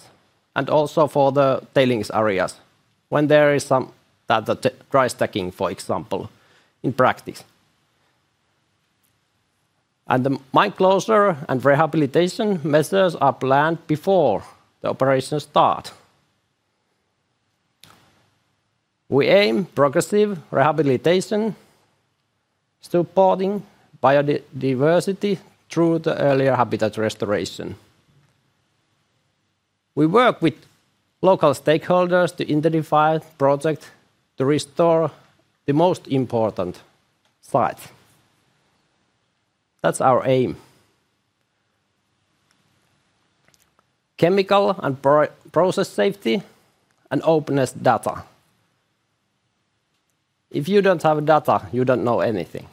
and also for the tailings areas when there is some data to dry stacking, for example, in practice. The mine closure and rehabilitation measures are planned before the operation start. We aim progressive rehabilitation supporting biodiversity through the early habitat restoration. We work with local stakeholders to identify projects to restore the most important sites. That's our aim. Chemical and process safety and openness data. If you don't have data, you don't know anything.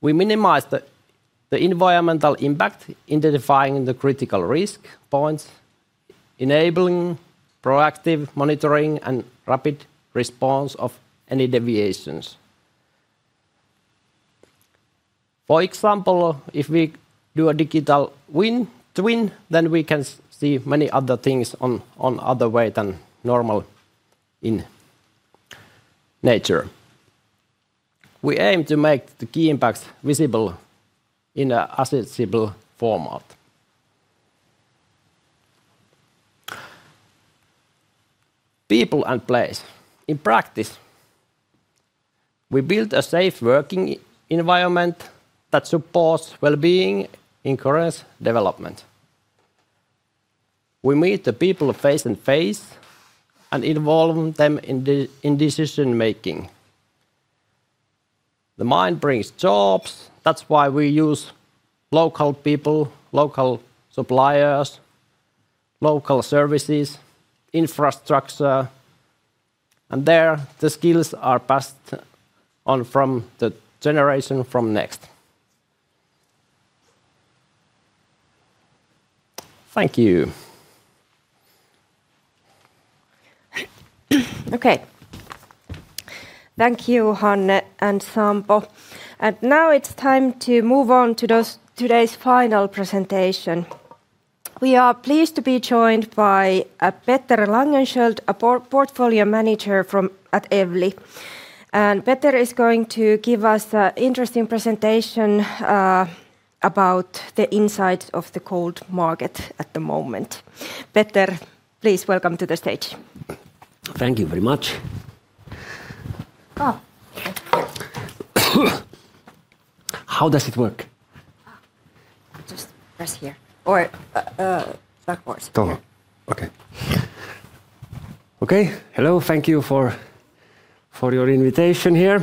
We minimize the environmental impact identifying the critical risk points, enabling proactive monitoring and rapid response of any deviations. For example, if we do a digital twin, then we can see many other things in another way than normal in nature. We aim to make the key impacts visible in an accessible format. People and place. In practice, we build a safe working environment that supports well-being and career development. We meet the people face to face and involve them in decision-making. The mine brings jobs. That's why we use local people, local suppliers, local services, infrastructure, and the skills are passed on from generation to generation. Thank you. Okay. Thank you, Hanne and Sampo. Now it's time to move on to today's final presentation. We are pleased to be joined by Petter Langenskiöld, a Portfolio Manager at Evli. Petter is going to give us an interesting presentation about the inside of the gold market at the moment. Petter, please welcome to the stage. Thank you very much. Oh. How does it work? Oh, just press here or backwards. Hello. Thank you for your invitation here.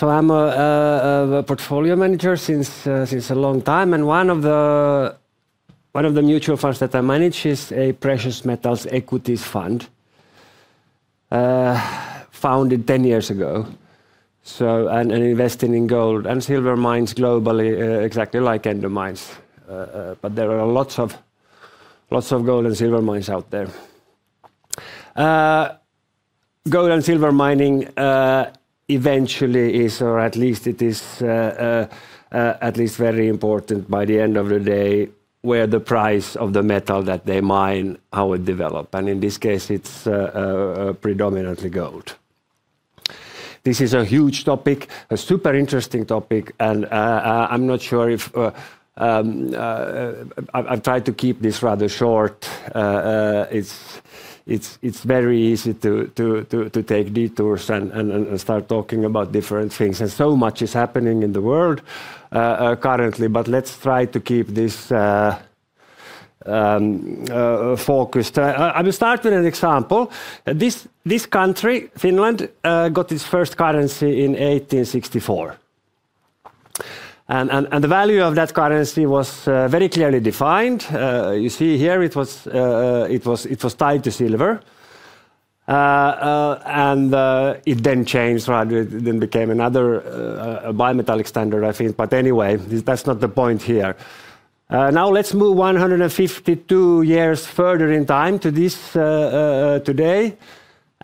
I'm a portfolio manager since a long time and one of the mutual funds that I manage is a precious metals equities fund founded 10 years ago, investing in gold and silver mines globally, exactly like Endomines. There are lots of gold and silver mines out there. Gold and silver mining eventually is, or at least it is, at least very important by the end of the day, whether the price of the metal that they mine, how it develop, and in this case, it's predominantly gold. This is a huge topic, a super interesting topic, and I'm not sure if I've tried to keep this rather short. It's very easy to take detours and start talking about different things, and so much is happening in the world currently. Let's try to keep this focused. I will start with an example. This country, Finland, got its first currency in 1864. The value of that currency was very clearly defined. You see here it was tied to silver. It then changed, right? It then became another bimetallic standard, I think. Anyway, that's not the point here. Now let's move 152 years further in time to this today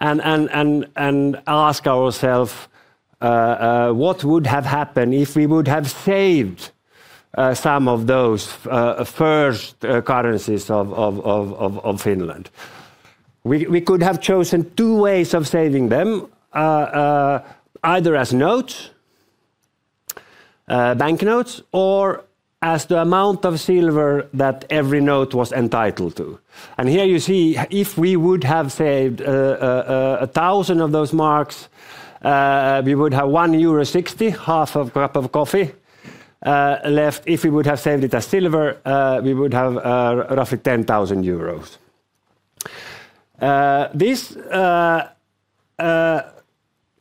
and ask ourself what would have happened if we would have saved some of those first currencies of Finland. We could have chosen two ways of saving them, either as notes, banknotes, or as the amount of silver that every note was entitled to. Here you see if we would have saved 1,000 of those marks, we would have 1.60 euro, half a cup of coffee left. If we would have saved it as silver, we would have roughly 10,000 euros.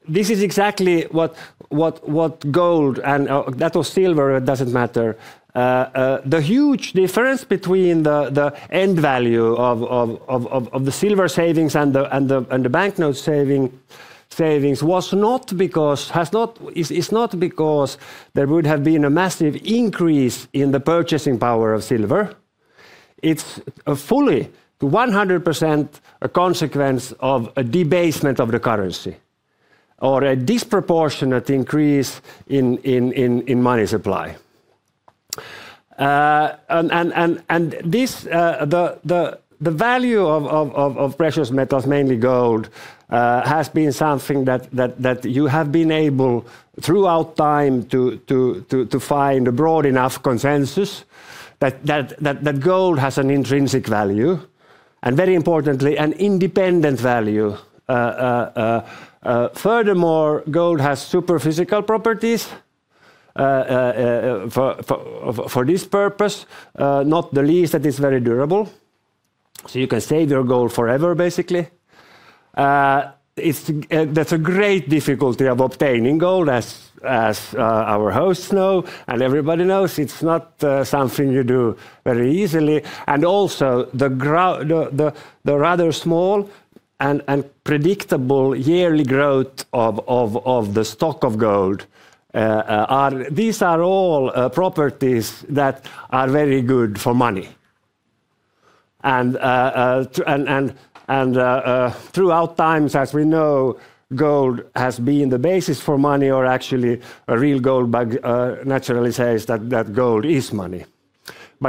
This is exactly what gold and that or silver, it doesn't matter. The huge difference between the end value of the silver savings and the banknote savings is not because there would have been a massive increase in the purchasing power of silver. It's fully 100% a consequence of a debasement of the currency or a disproportionate increase in money supply. The value of precious metals, mainly gold, has been something that you have been able throughout time to find a broad enough consensus that gold has an intrinsic value, and very importantly, an independent value. Furthermore, gold has superior physical properties for this purpose, not the least that is very durable. So you can save your gold forever, basically. There's a great difficulty of obtaining gold, as our hosts know, and everybody knows it's not something you do very easily. Also, the rather small and predictable yearly growth of the stock of gold. These are all properties that are very good for money. Throughout times, as we know, gold has been the basis for money or actually a real gold bug naturally says that gold is money.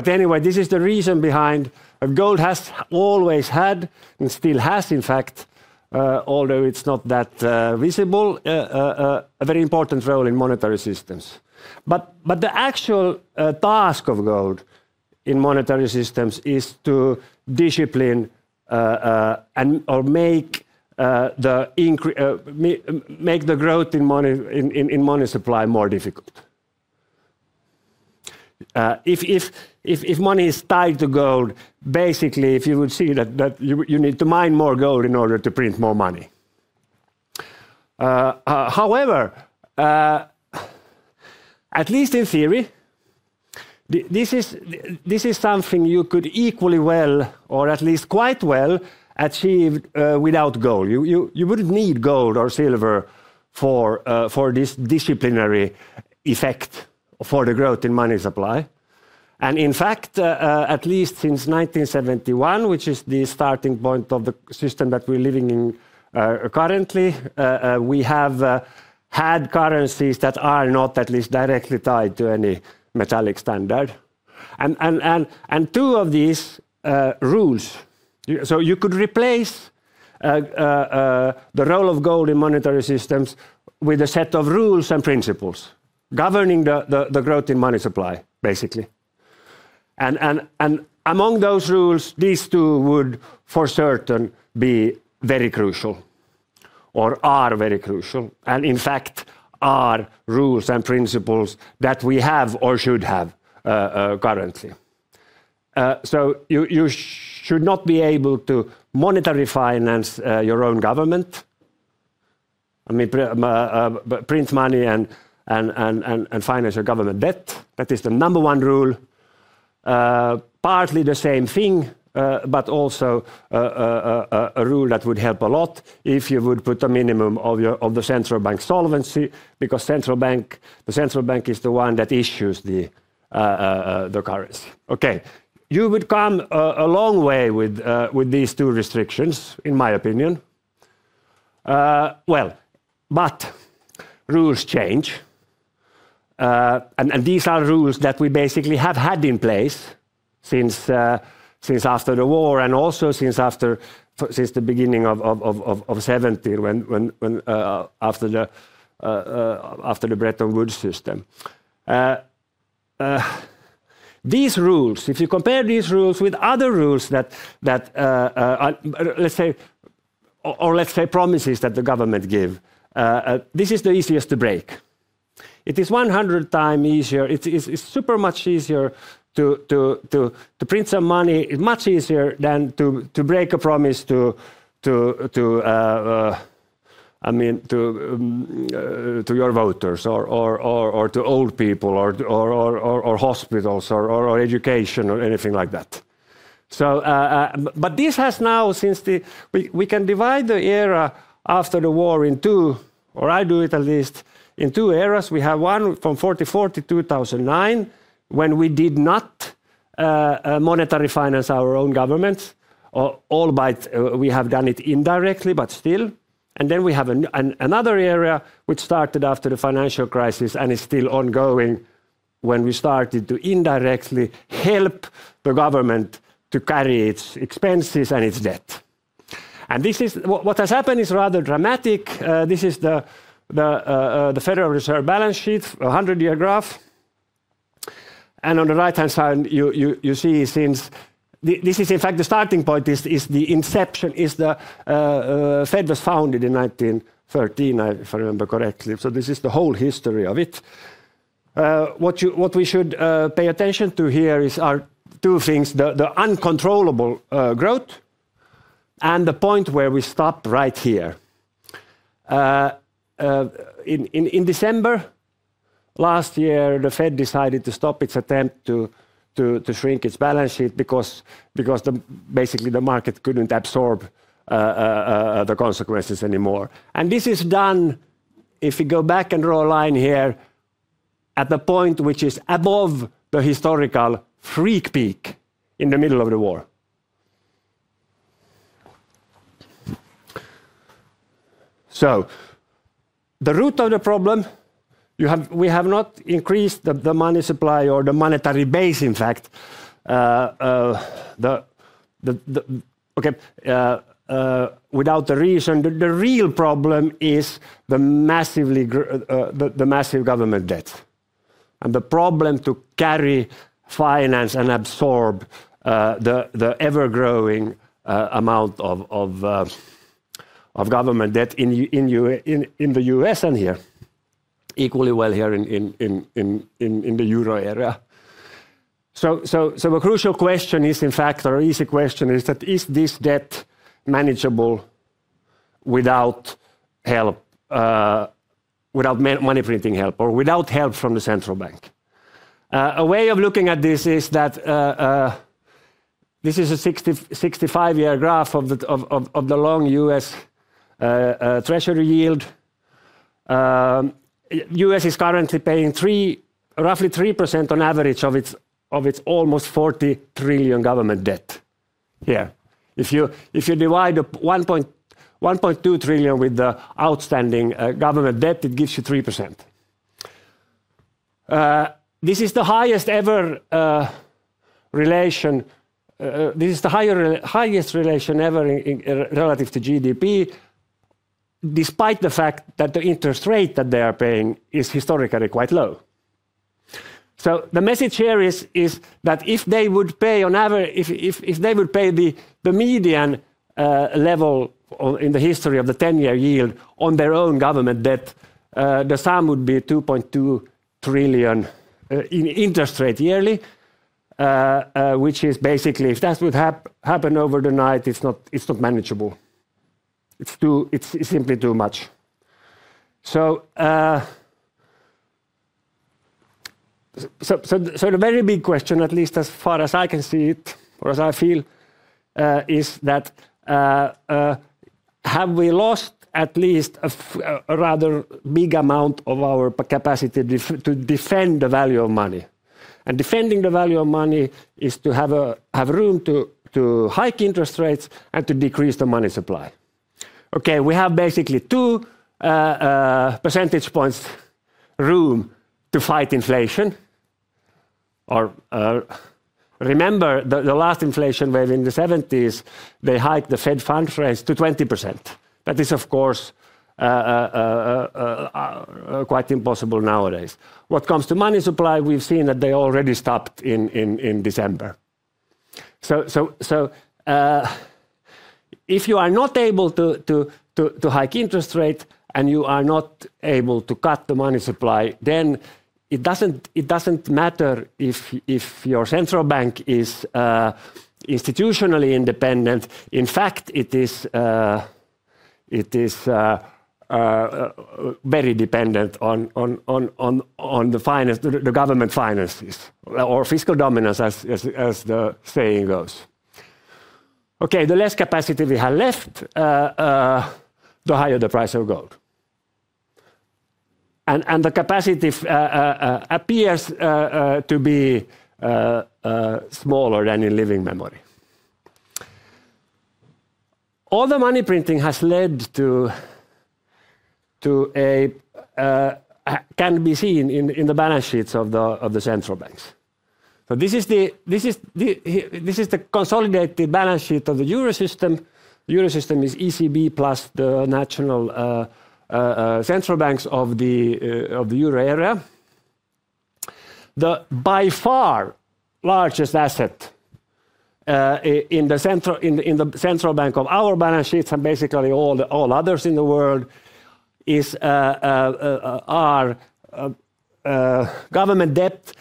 This is the reason behind gold has always had, and still has, in fact, although it's not that visible, a very important role in monetary systems. The actual task of gold in monetary systems is to discipline and or make the growth in money supply more difficult. If money is tied to gold, basically, you need to mine more gold in order to print more money. However, at least in theory, this is something you could equally well or at least quite well achieve without gold. You wouldn't need gold or silver for this disciplinary effect for the growth in money supply. In fact, at least since 1971, which is the starting point of the system that we're living in, currently, we have had currencies that are not at least directly tied to any metallic standard. You could replace the role of gold in monetary systems with a set of rules and principles governing the growth in money supply, basically. Among those rules, these two would for certain be very crucial or are very crucial, and in fact, are rules and principles that we have or should have, currently. So you should not be able to monetary finance your own government. I mean, print money and finance your government debt. That is the number one rule. Partly the same thing, but also a rule that would help a lot if you would put a minimum of the central bank solvency, because the central bank is the one that issues the currency. Okay. You would come a long way with these two restrictions, in my opinion. Well, but rules change. These are rules that we basically have had in place since after the war, and also since the beginning of 1970 when after the Bretton Woods system. These rules, if you compare these rules with other rules that, let's say promises that the government give, this is the easiest to break. It is 100x easier. It's super much easier to print some money. It's much easier than to break a promise to, I mean to your voters or to old people or hospitals or education or anything like that. This has now, since the war. We can divide the era after the war in two, or I do it at least in two eras. We have one from 1944 to 2009 when we did not monetary finance our own governments, albeit we have done it indirectly, but still. Then we have another era which started after the financial crisis and is still ongoing when we started to indirectly help the government to carry its expenses and its debt. This is what has happened is rather dramatic. This is the Federal Reserve balance sheet, a 100-year graph. On the right-hand side, you see since this is, in fact, the starting point is the inception. The Fed was founded in 1913, if I remember correctly. This is the whole history of it. What we should pay attention to here are two things, the uncontrollable growth and the point where we stop right here. In December last year, the Fed decided to stop its attempt to shrink its balance sheet because basically the market couldn't absorb the consequences anymore. This is done, if you go back and draw a line here, at the point which is above the historical freak peak in the middle of the war. The root of the problem, we have not increased the money supply or the monetary base. In fact, the real problem is the massive government debt. The problem to carry finance and absorb the ever-growing amount of government debt in the U.S. and here, equally well here in the Euro area. A crucial question is, in fact, is this debt manageable without help, without money printing help or without help from the central bank? A way of looking at this is that this is a 65-year graph of the long U.S. Treasury yield. The US is currently paying roughly 3% on average of its almost $40 trillion government debt here. If you divide $1.2 trillion by the outstanding government debt, it gives you 3%. This is the highest ratio ever relative to GDP, despite the fact that the interest rate that they are paying is historically quite low. The message here is that if they would pay the median level in the history of the 10-year yield on their own government debt, the sum would be $2.2 trillion in interest yearly, which is basically, if that would happen overnight, it's not manageable. It's simply too much. The very big question, at least as far as I can see it, or as I feel, is that have we lost at least a rather big amount of our capacity to defend the value of money? Defending the value of money is to have room to hike interest rates and to decrease the money supply. Okay, we have basically 2 percentage points room to fight inflation. Remember the last inflation wave in the 1970s, they hiked the Fed funds rate to 20%. That is, of course, quite impossible nowadays. When it comes to money supply, we've seen that they already stopped in December. If you are not able to hike interest rate, and you are not able to cut the money supply, then it doesn't matter if your central bank is institutionally independent. In fact, it is very dependent on the government finances or fiscal dominance as the saying goes. The less capacity we have left, the higher the price of gold. The capacity appears to be smaller than in living memory. All the money printing has led to what can be seen in the balance sheets of the central banks. This is the consolidated balance sheet of the Eurosystem. The Eurosystem is ECB plus the national central banks of the euro area. The by far largest asset in the central banks' balance sheets and basically all the others in the world is government debt,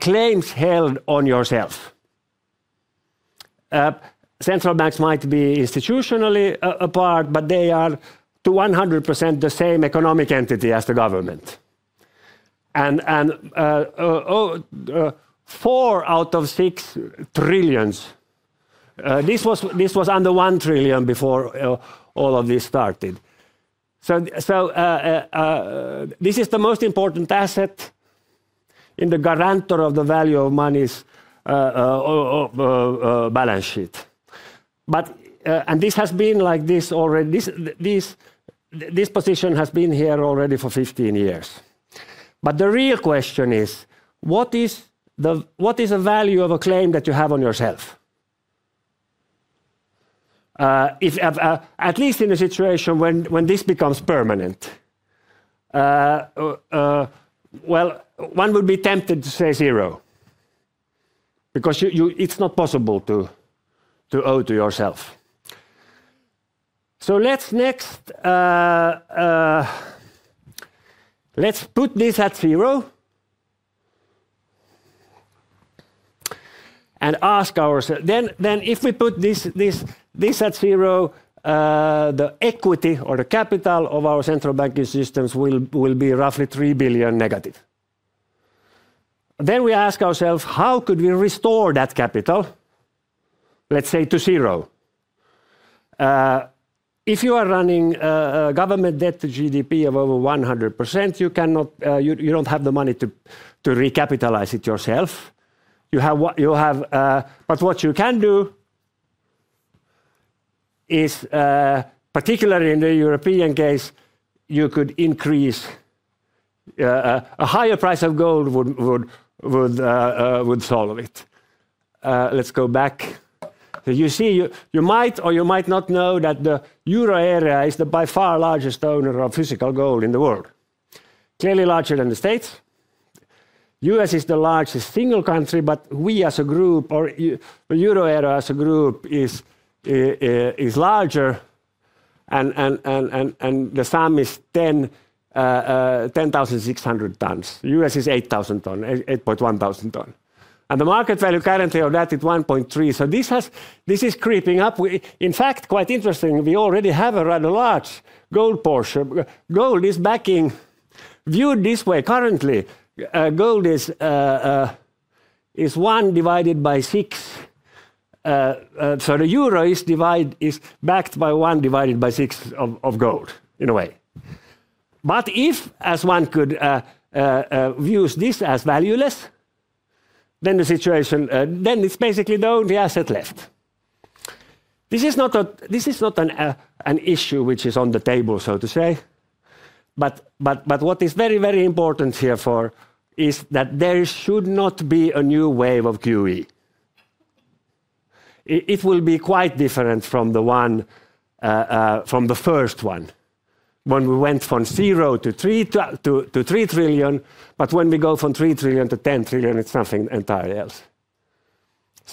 claims held on itself. Central banks might be institutionally apart, but they are 100% the same economic entity as the government. 4 trillion out of 6 trillions. This was under 1 trillion before all of this started. This is the most important asset and the guarantor of the value of money's balance sheet. This has been like this already. This position has been here already for 15 years. The real question is, what is the value of a claim that you have on yourself? If at least in a situation when this becomes permanent, well, one would be tempted to say zero because it's not possible to owe to yourself. Let's put this at zero and ask ourselves. Then if we put this at zero, the equity or the capital of our central banking systems will be roughly negative 3 billion. We ask ourselves, how could we restore that capital, let's say, to zero? If you are running government debt to GDP of over 100%, you cannot. You don't have the money to recapitalize it yourself. You have. What you can do is, particularly in the European case, you could increase a higher price of gold would solve it. Let's go back. You see, you might or you might not know that the euro area is by far the largest owner of physical gold in the world. Clearly larger than the States. The U.S. is the largest single country, but we as a group, euro area as a group is larger and the sum is 10,600 tons. The U.S. is 8,100 tons. And the market value currently of that is $1.3. This is creeping up. In fact, quite interesting, we already have a rather large gold portion. Gold is backing. Viewed this way currently, gold is one divided by six. So the euro is backed by one divided by six of gold in a way. If, as one could view this as valueless, then the situation, then it's basically the only asset left. This is not an issue which is on the table, so to say, but what is very important here for is that there should not be a new wave of QE. It will be quite different from the one from the first one, when we went from $0 to $3 trillion, but when we go from $3 trillion to $10 trillion, it's something entirely else.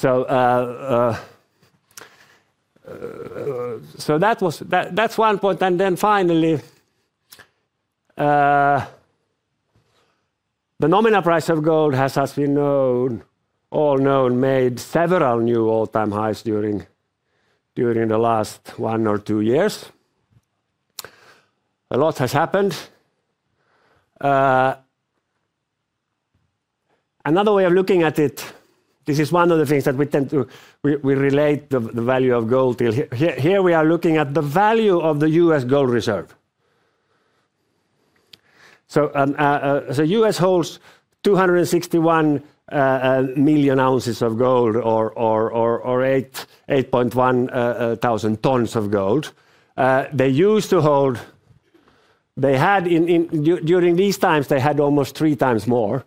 That's one point. Finally, the nominal price of gold has, as we all know, made several new all-time highs during the last one or two years. A lot has happened. Another way of looking at it, this is one of the things that we tend to relate the value of gold to. Here we are looking at the value of the U.S. gold reserve. U.S. holds 261 million oz of gold or 8,100 tons of gold. They had during these times almost three times more,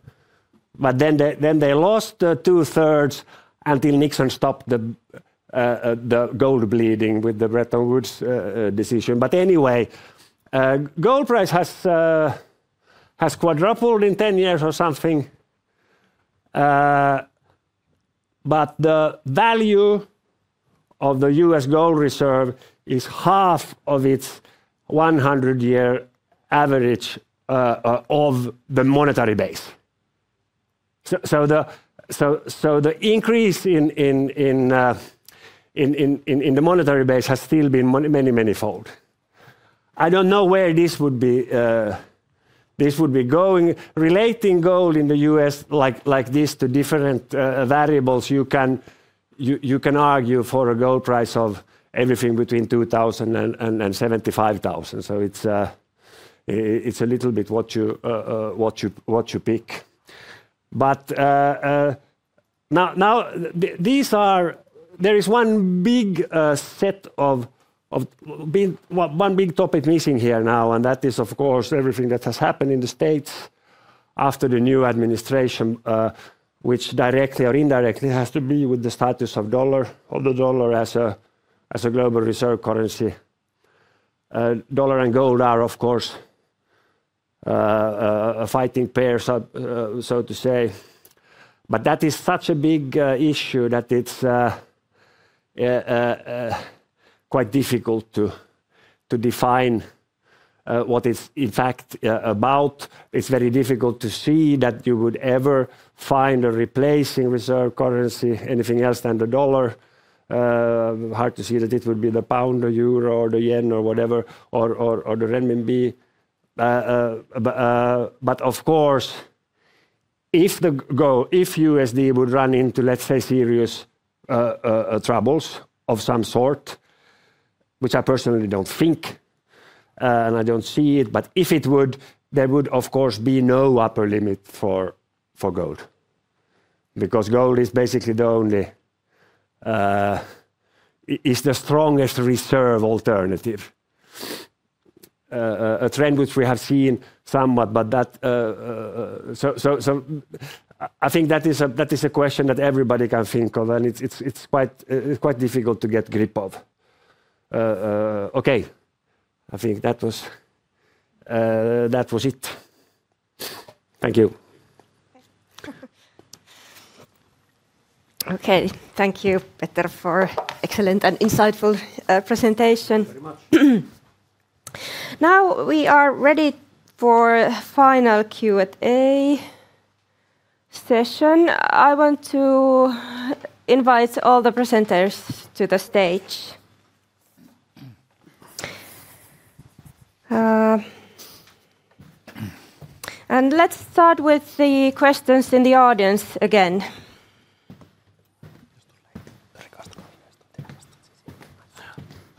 but then they lost two-thirds until Nixon stopped the gold bleeding with the Bretton Woods decision. Gold price has quadrupled in 10 years or something. The value of the U.S. gold reserve is half of its 100-year average of the monetary base. The increase in the monetary base has still been many fold. I don't know where this would be going. Relating gold in the U.S. like this to different variables, you can argue for a gold price of everything between $2,000 and $75,000. It's a little bit what you pick. Now, there is one big topic missing here, and that is, of course, everything that has happened in the States after the new administration, which directly or indirectly has to be with the status of the dollar as a global reserve currency. The dollar and gold are, of course, a fighting pair, so to say. That is such a big issue that it's quite difficult to define what is in fact about. It's very difficult to see that you would ever find a replacement reserve currency, anything else than the dollar. Hard to see that it would be the pound or euro or the yen or whatever, or the renminbi. But of course, if USD would run into, let's say, serious troubles of some sort, which I personally don't think, and I don't see it, but if it would, there would, of course, be no upper limit for gold. Because gold is basically the only is the strongest reserve alternative. A trend which we have seen somewhat, but that. I think that is a question that everybody can think of, and it's quite difficult to get a grip on. Okay. I think that was it. Thank you. Okay. Thank you, Petter, for excellent and insightful presentation. Very much. Now we are ready for final Q&A session. I want to invite all the presenters to the stage. Let's start with the questions in the audience again.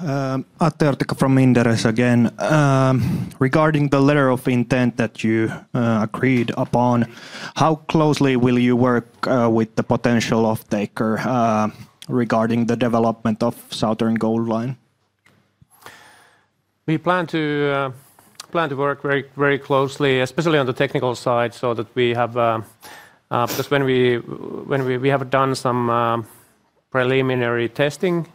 Atte Jortikka from Inderes again. Regarding the letter of intent that you agreed upon, how closely will you work with the potential offtaker regarding the development of Southern Gold Line? We plan to work very, very closely, especially on the technical side so that we have because we have done some preliminary testing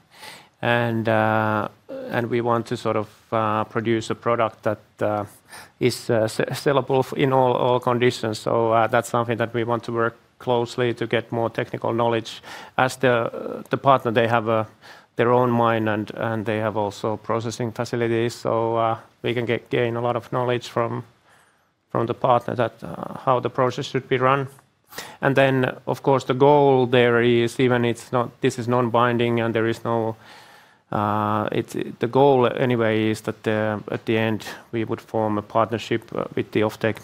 and we want to produce a product that is sellable in all conditions. That's something that we want to work closely to get more technical knowledge. As the partner, they have their own mine and they have also processing facilities, so we can gain a lot of knowledge from the partner that how the process should be run. Of course, the goal there is even it's not. This is non-binding and there is no. The goal anyway is that at the end, we would form a partnership with the off-take.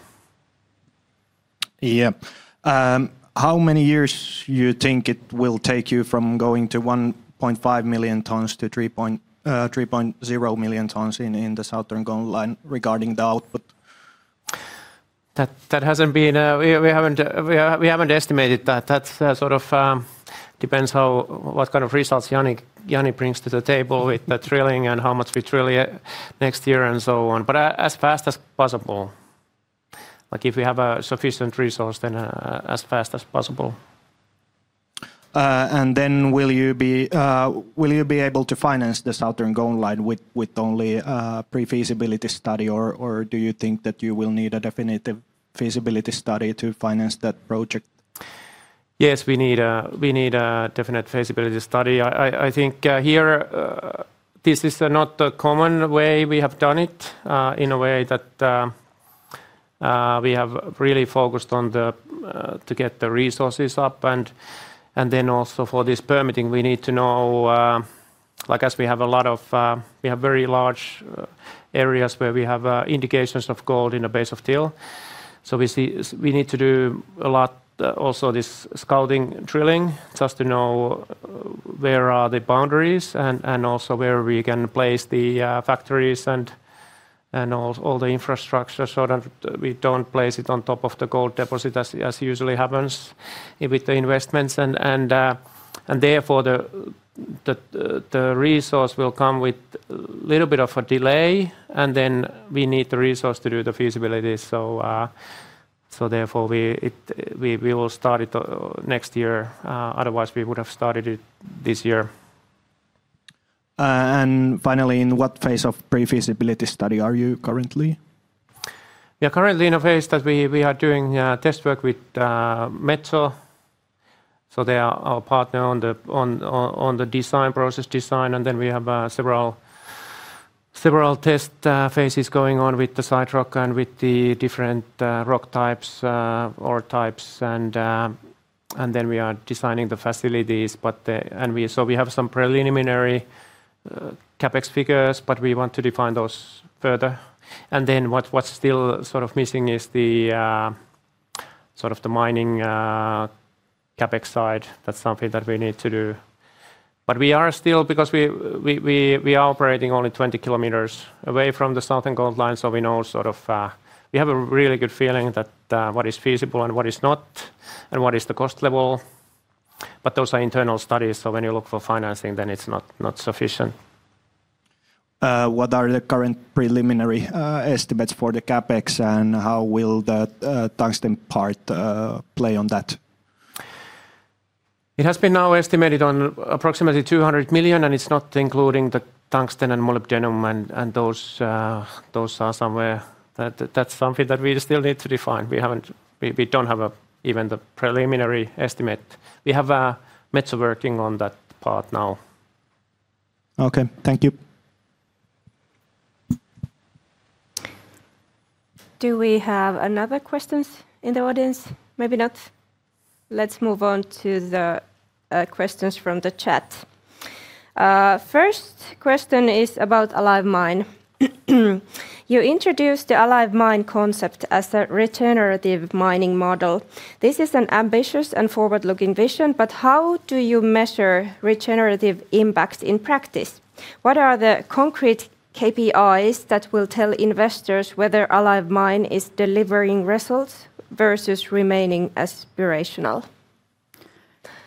Yeah, how many years you think it will take you from going to 1.5 million tons to 3.0 million tons in the Southern Gold Line regarding the output? That hasn't been. We haven't estimated that. That sort of depends how what kind of results Jani brings to the table with the drilling and how much we drill next year and so on. As fast as possible. Like, if we have a sufficient resource, then as fast as possible. Will you be able to finance the Southern Gold Line with only a pre-feasibility study or do you think that you will need a definitive feasibility study to finance that project? Yes, we need a definite feasibility study. I think here this is not the common way we have done it in a way that we have really focused on to get the resources up and then also for this permitting, we need to know like we have very large areas where we have indications of gold in the base of till. So we need to do a lot also this scouting drilling just to know where are the boundaries and also where we can place the factories and all the infrastructure so that we don't place it on top of the gold deposit as usually happens with the investments. Therefore, the resource will come with little bit of a delay, and then we need the resource to do the feasibility. Therefore, we will start it next year. Otherwise, we would have started it this year. Finally, in what phase of pre-feasibility study are you currently? We are currently in a phase that we are doing test work with Metso. They are our partner on the design process, and then we have several test phases going on with the site rock and with the different rock types, ore types. We are designing the facilities, but we have some preliminary CapEx figures, but we want to define those further. What's still sort of missing is the sort of mining CapEx side. That's something that we need to do. We are still, because we are operating only 20 km away from the Southern Gold Line, so we know sort of, we have a really good feeling that, what is feasible and what is not and what is the cost level. Those are internal studies, so when you look for financing, then it's not sufficient. What are the current preliminary estimates for the CapEx, and how will that tungsten part play on that? It has been now estimated at approximately 200 million, and it's not including the tungsten and molybdenum and those are somewhere. That's something that we still need to define. We don't have even the preliminary estimate. We have Metso working on that part now. Okay. Thank you. Do we have another questions in the audience? Maybe not. Let's move on to the questions from the chat. First question is about Alive Mine. You introduced the Alive Mine concept as a regenerative mining model. This is an ambitious and forward-looking vision, but how do you measure regenerative impact in practice? What are the concrete KPIs that will tell investors whetherAlive Mine is delivering results versus remaining aspirational?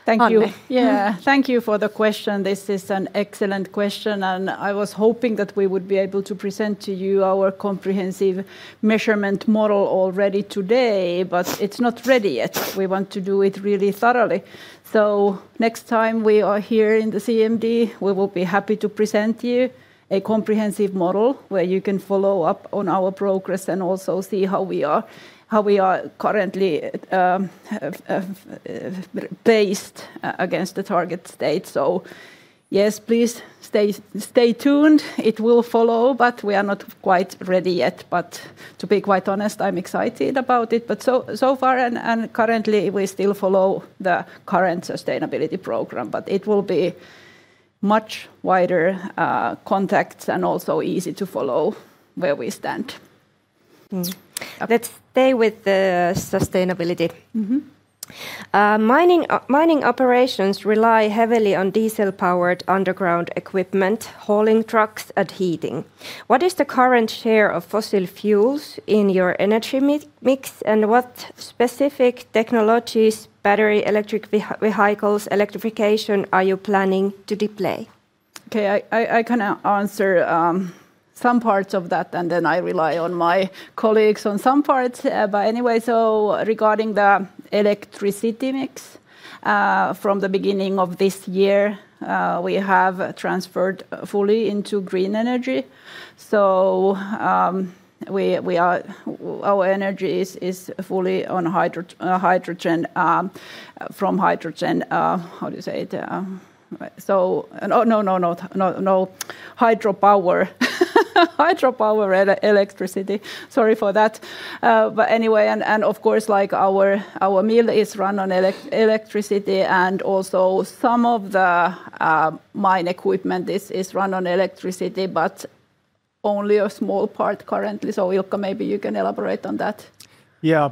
Hanne. Thank you. Yeah. Thank you for the question. This is an excellent question, and I was hoping that we would be able to present to you our comprehensive measurement model already today, but it's not ready yet. We want to do it really thoroughly. Next time we are here in the CMD, we will be happy to present you a comprehensive model where you can follow up on our progress and also see how we are currently based against the target state. Yes, please stay tuned. It will follow, but we are not quite ready yet. To be quite honest, I'm excited about it. So far and currently we still follow the current sustainability program, but it will be much wider contexts and also easy to follow where we stand. Mm. Okay. Let's stay with the sustainability. Mm-hmm. Mining operations rely heavily on diesel-powered underground equipment, hauling trucks and heating. What is the current share of fossil fuels in your energy mix, and what specific technologies, battery, electric vehicles, electrification, are you planning to deploy? Okay. I kinda answer some parts of that, and then I rely on my colleagues on some parts. Regarding the electricity mix, from the beginning of this year, we have transferred fully into green energy. Our energy is fully on hydropower electricity. Sorry for that. Of course, like our mill is run on electricity and also some of the mine equipment is run on electricity, but only a small part currently. Ilkka, maybe you can elaborate on that. Yeah.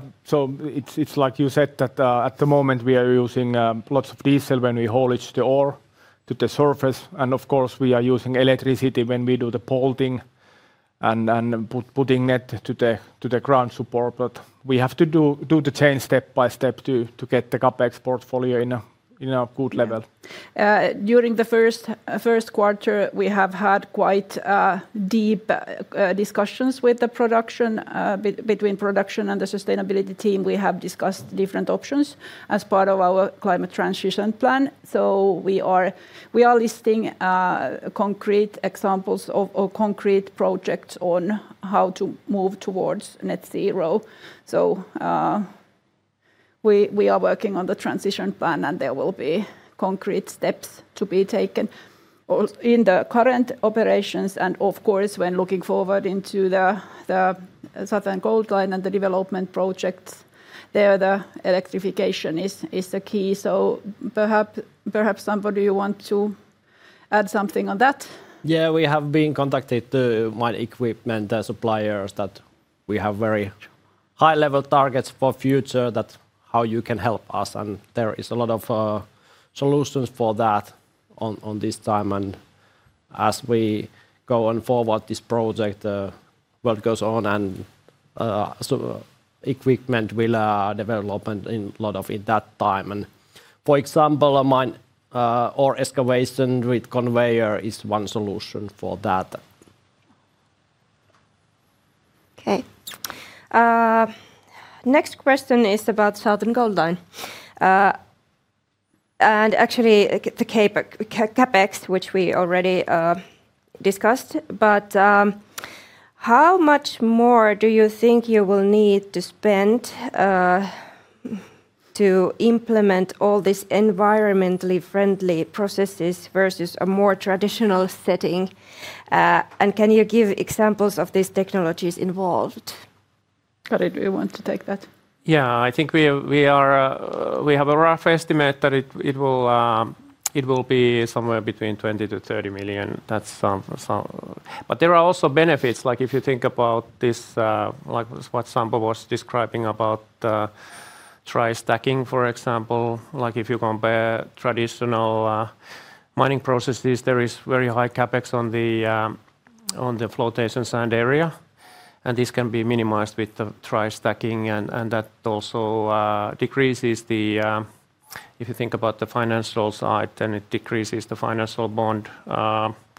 It's like you said that at the moment we are using lots of diesel when we haulage the ore to the surface, and of course we are using electricity when we do the bolting and putting it to the ground support. We have to do the change step by step to get the CapEx portfolio in a good level. During the first quarter, we have had quite deep discussions between production and the sustainability team. We have discussed different options as part of our climate transition plan. We are listing concrete examples of concrete projects on how to move towards net zero. We are working on the transition plan, and there will be concrete steps to be taken already in the current operations and of course when looking forward into the Southern Gold Line and the development projects. There, the electrification is the key. Perhaps somebody you want to add something on that? Yeah. We have been contacted mining equipment suppliers that we have very high level targets for future that how you can help us, and there is a lot of solutions for that at this time. As we go forward this project work goes on and so equipment will develop in a lot of it at that time. For example, mining ore excavation with conveyor is one solution for that. Okay. Next question is about Southern Gold Line. Actually the CapEx, which we already discussed. How much more do you think you will need to spend to implement all this environmentally friendly processes versus a more traditional setting? Can you give examples of these technologies involved? Kari, do you want to take that? I think we have a rough estimate that it will be somewhere between 20 million-30 million. That's. There are also benefits, like if you think about this, like what Sampo was describing about dry stacking, for example. Like, if you compare traditional mining processes, there is very high CapEx on the flotation sand area, and this can be minimized with the dry stacking and that also decreases, if you think about the financial side, then it decreases the financial and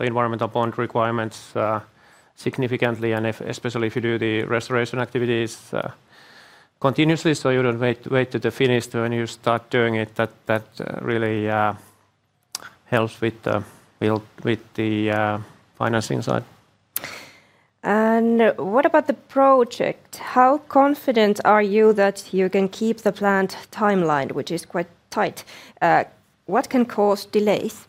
environmental bond requirements significantly and especially if you do the restoration activities continuously, so you don't wait to the finish when you start doing it. That really helps with the financing side. What about the project? How confident are you that you can keep the planned timeline, which is quite tight? What can cause delays?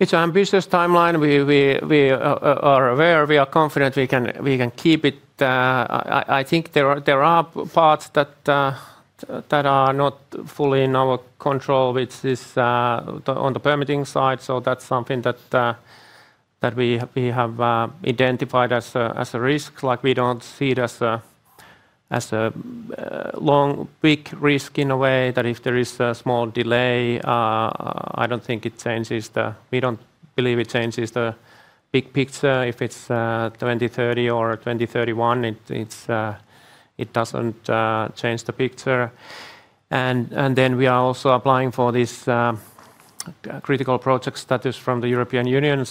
It's an ambitious timeline. We are aware. We are confident we can keep it. I think there are parts that are not fully in our control, which is on the permitting side. That's something that we have identified as a risk, like we don't see it as a long, big risk in a way that if there is a small delay, I don't think it changes the big picture. We don't believe it changes the big picture. If it's 2030 or 2031, it doesn't change the picture. We are also applying for this critical project status from the European Union.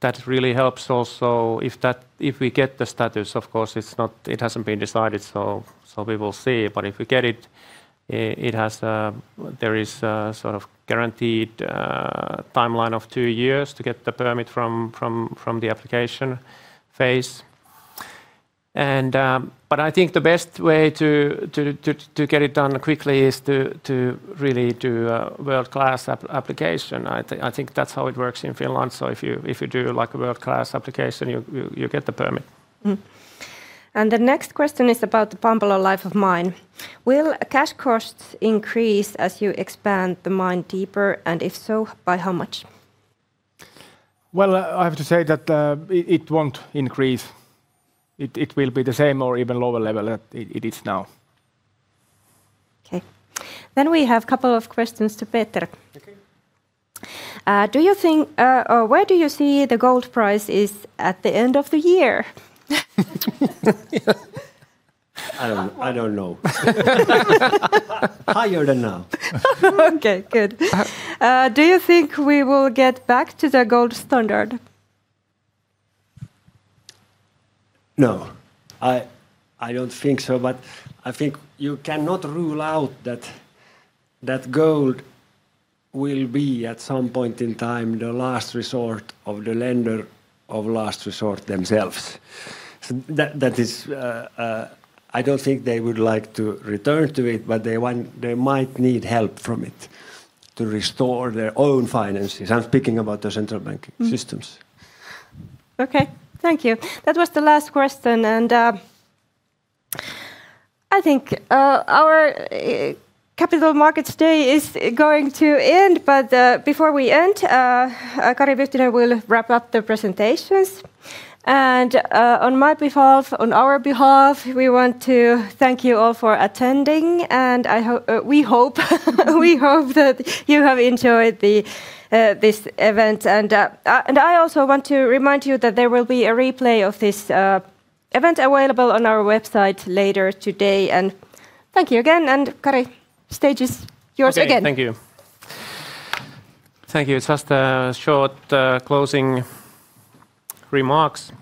That really helps also if we get the status. Of course, it's not. It hasn't been decided, so we will see. If we get it, there is a sort of guaranteed timeline of two years to get the permit from the application phase. I think the best way to get it done quickly is to really do a world-class application. I think that's how it works in Finland, so if you do, like, a world-class application, you get the permit. The next question is about the Pampalo life of mine. Will cash costs increase as you expand the mine deeper, and if so, by how much? Well, I have to say that it won't increase. It will be the same or even lower level that it is now. Okay. We have couple of questions to Petter. Okay. Where do you see the gold price is at the end of the year? I don't know. Higher than now. Okay, good. Do you think we will get back to the gold standard? No. I don't think so, but I think you cannot rule out that gold will be at some point in time the last resort of the lender of last resort themselves. I don't think they would like to return to it, but they might need help from it to restore their own finances. I'm speaking about the central bank systems. Thank you. That was the last question, and I think our Capital Markets Day is going to end, but before we end, Kari Vyhtinen will wrap up the presentations. On my behalf, on our behalf, we want to thank you all for attending, and we hope that you have enjoyed this event. I also want to remind you that there will be a replay of this event available on our website later today. Thank you again. Kari, stage is yours again. Okay. Thank you. Just a short closing remarks.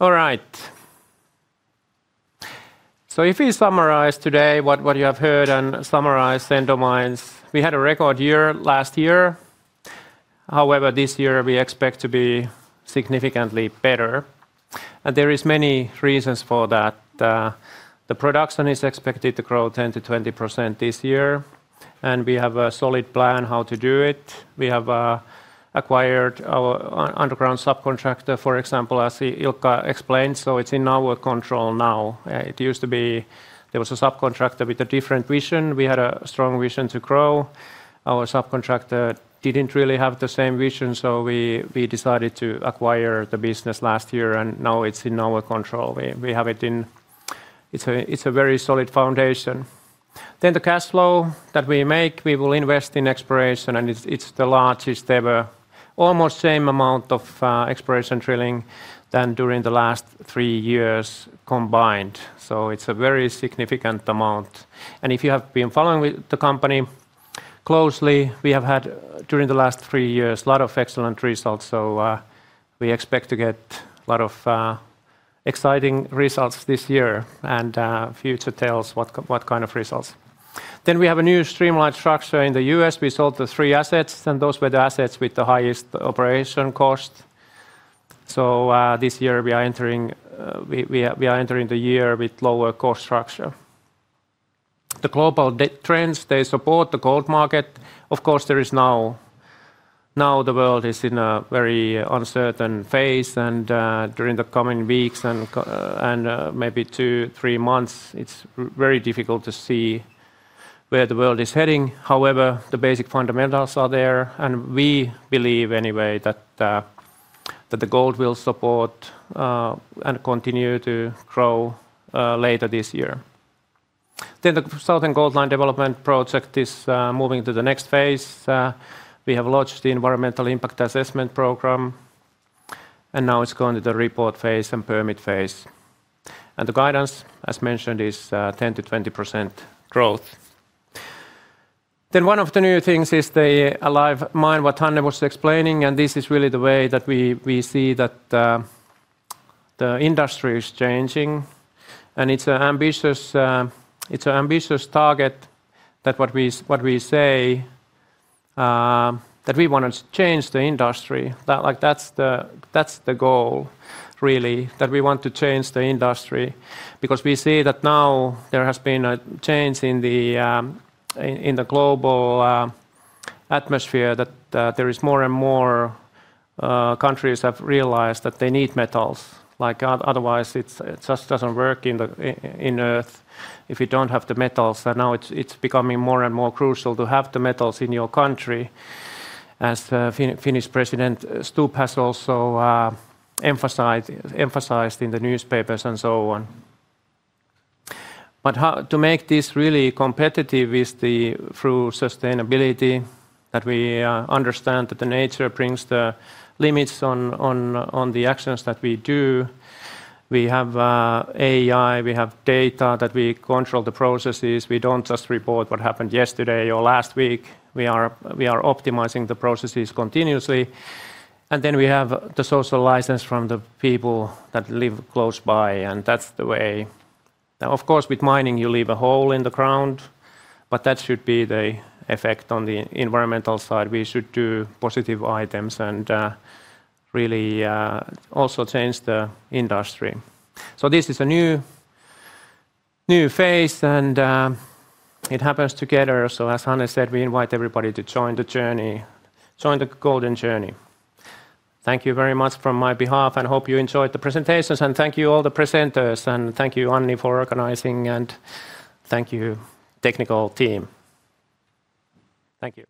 All right. If you summarize today what you have heard and summarize Endomines, we had a record year last year. However, this year we expect to be significantly better, and there is many reasons for that. The production is expected to grow 10%-20% this year, and we have a solid plan how to do it. We have acquired our underground subcontractor, for example, as Ilkka explained, so it's in our control now. It used to be there was a subcontractor with a different vision. We had a strong vision to grow. Our subcontractor didn't really have the same vision, so we decided to acquire the business last year, and now it's in our control. We have it in. It's a very solid foundation. The cash flow that we make, we will invest in exploration, and it's the largest ever. Almost same amount of exploration drilling than during the last three years combined. It's a very significant amount. If you have been following with the company closely, we have had during the last three years a lot of excellent results, we expect to get a lot of exciting results this year. Future tells what kind of results. We have a new streamlined structure in the U.S. We sold the three assets, and those were the assets with the highest operation cost. This year we are entering the year with lower cost structure. The global trends, they support the gold market. Of course, there is now... Now the world is in a very uncertain phase, and during the coming weeks and maybe two, three months, it's very difficult to see where the world is heading. However, the basic fundamentals are there, and we believe anyway that the gold will support and continue to grow later this year. The Southern Gold Line development project is moving to the next phase. We have launched the environmental impact assessment program, and now it's going to the report phase and permit phase. The guidance, as mentioned, is 10%-20% growth. One of the new things is the Alive Mine that Hanne was explaining, and this is really the way that we see that the industry is changing. It's an ambitious target that what we say, that we wanna change the industry. That's the goal really, that we want to change the industry, because we see that now there has been a change in the global atmosphere that there is more and more countries have realized that they need metals. Like, otherwise it's, it just doesn't work on Earth if you don't have the metals. Now it's becoming more and more crucial to have the metals in your country, as Finnish President Stubb has also emphasized in the newspapers and so on. How to make this really competitive is the through sustainability, that we understand that the nature brings the limits on the actions that we do. We have AI, we have data that we control the processes. We don't just report what happened yesterday or last week. We are optimizing the processes continuously. We have the social license from the people that live close by, and that's the way. Now of course, with mining, you leave a hole in the ground, but that should be the effect on the environmental side. We should do positive items and really also change the industry. This is a new phase, and it happens together. As Hanne said, we invite everybody to join the journey, join the golden journey. Thank you very much on my behalf, and I hope you enjoyed the presentations. Thank you all the presenters, and thank you, Anni, for organizing, and thank you technical team. Thank you.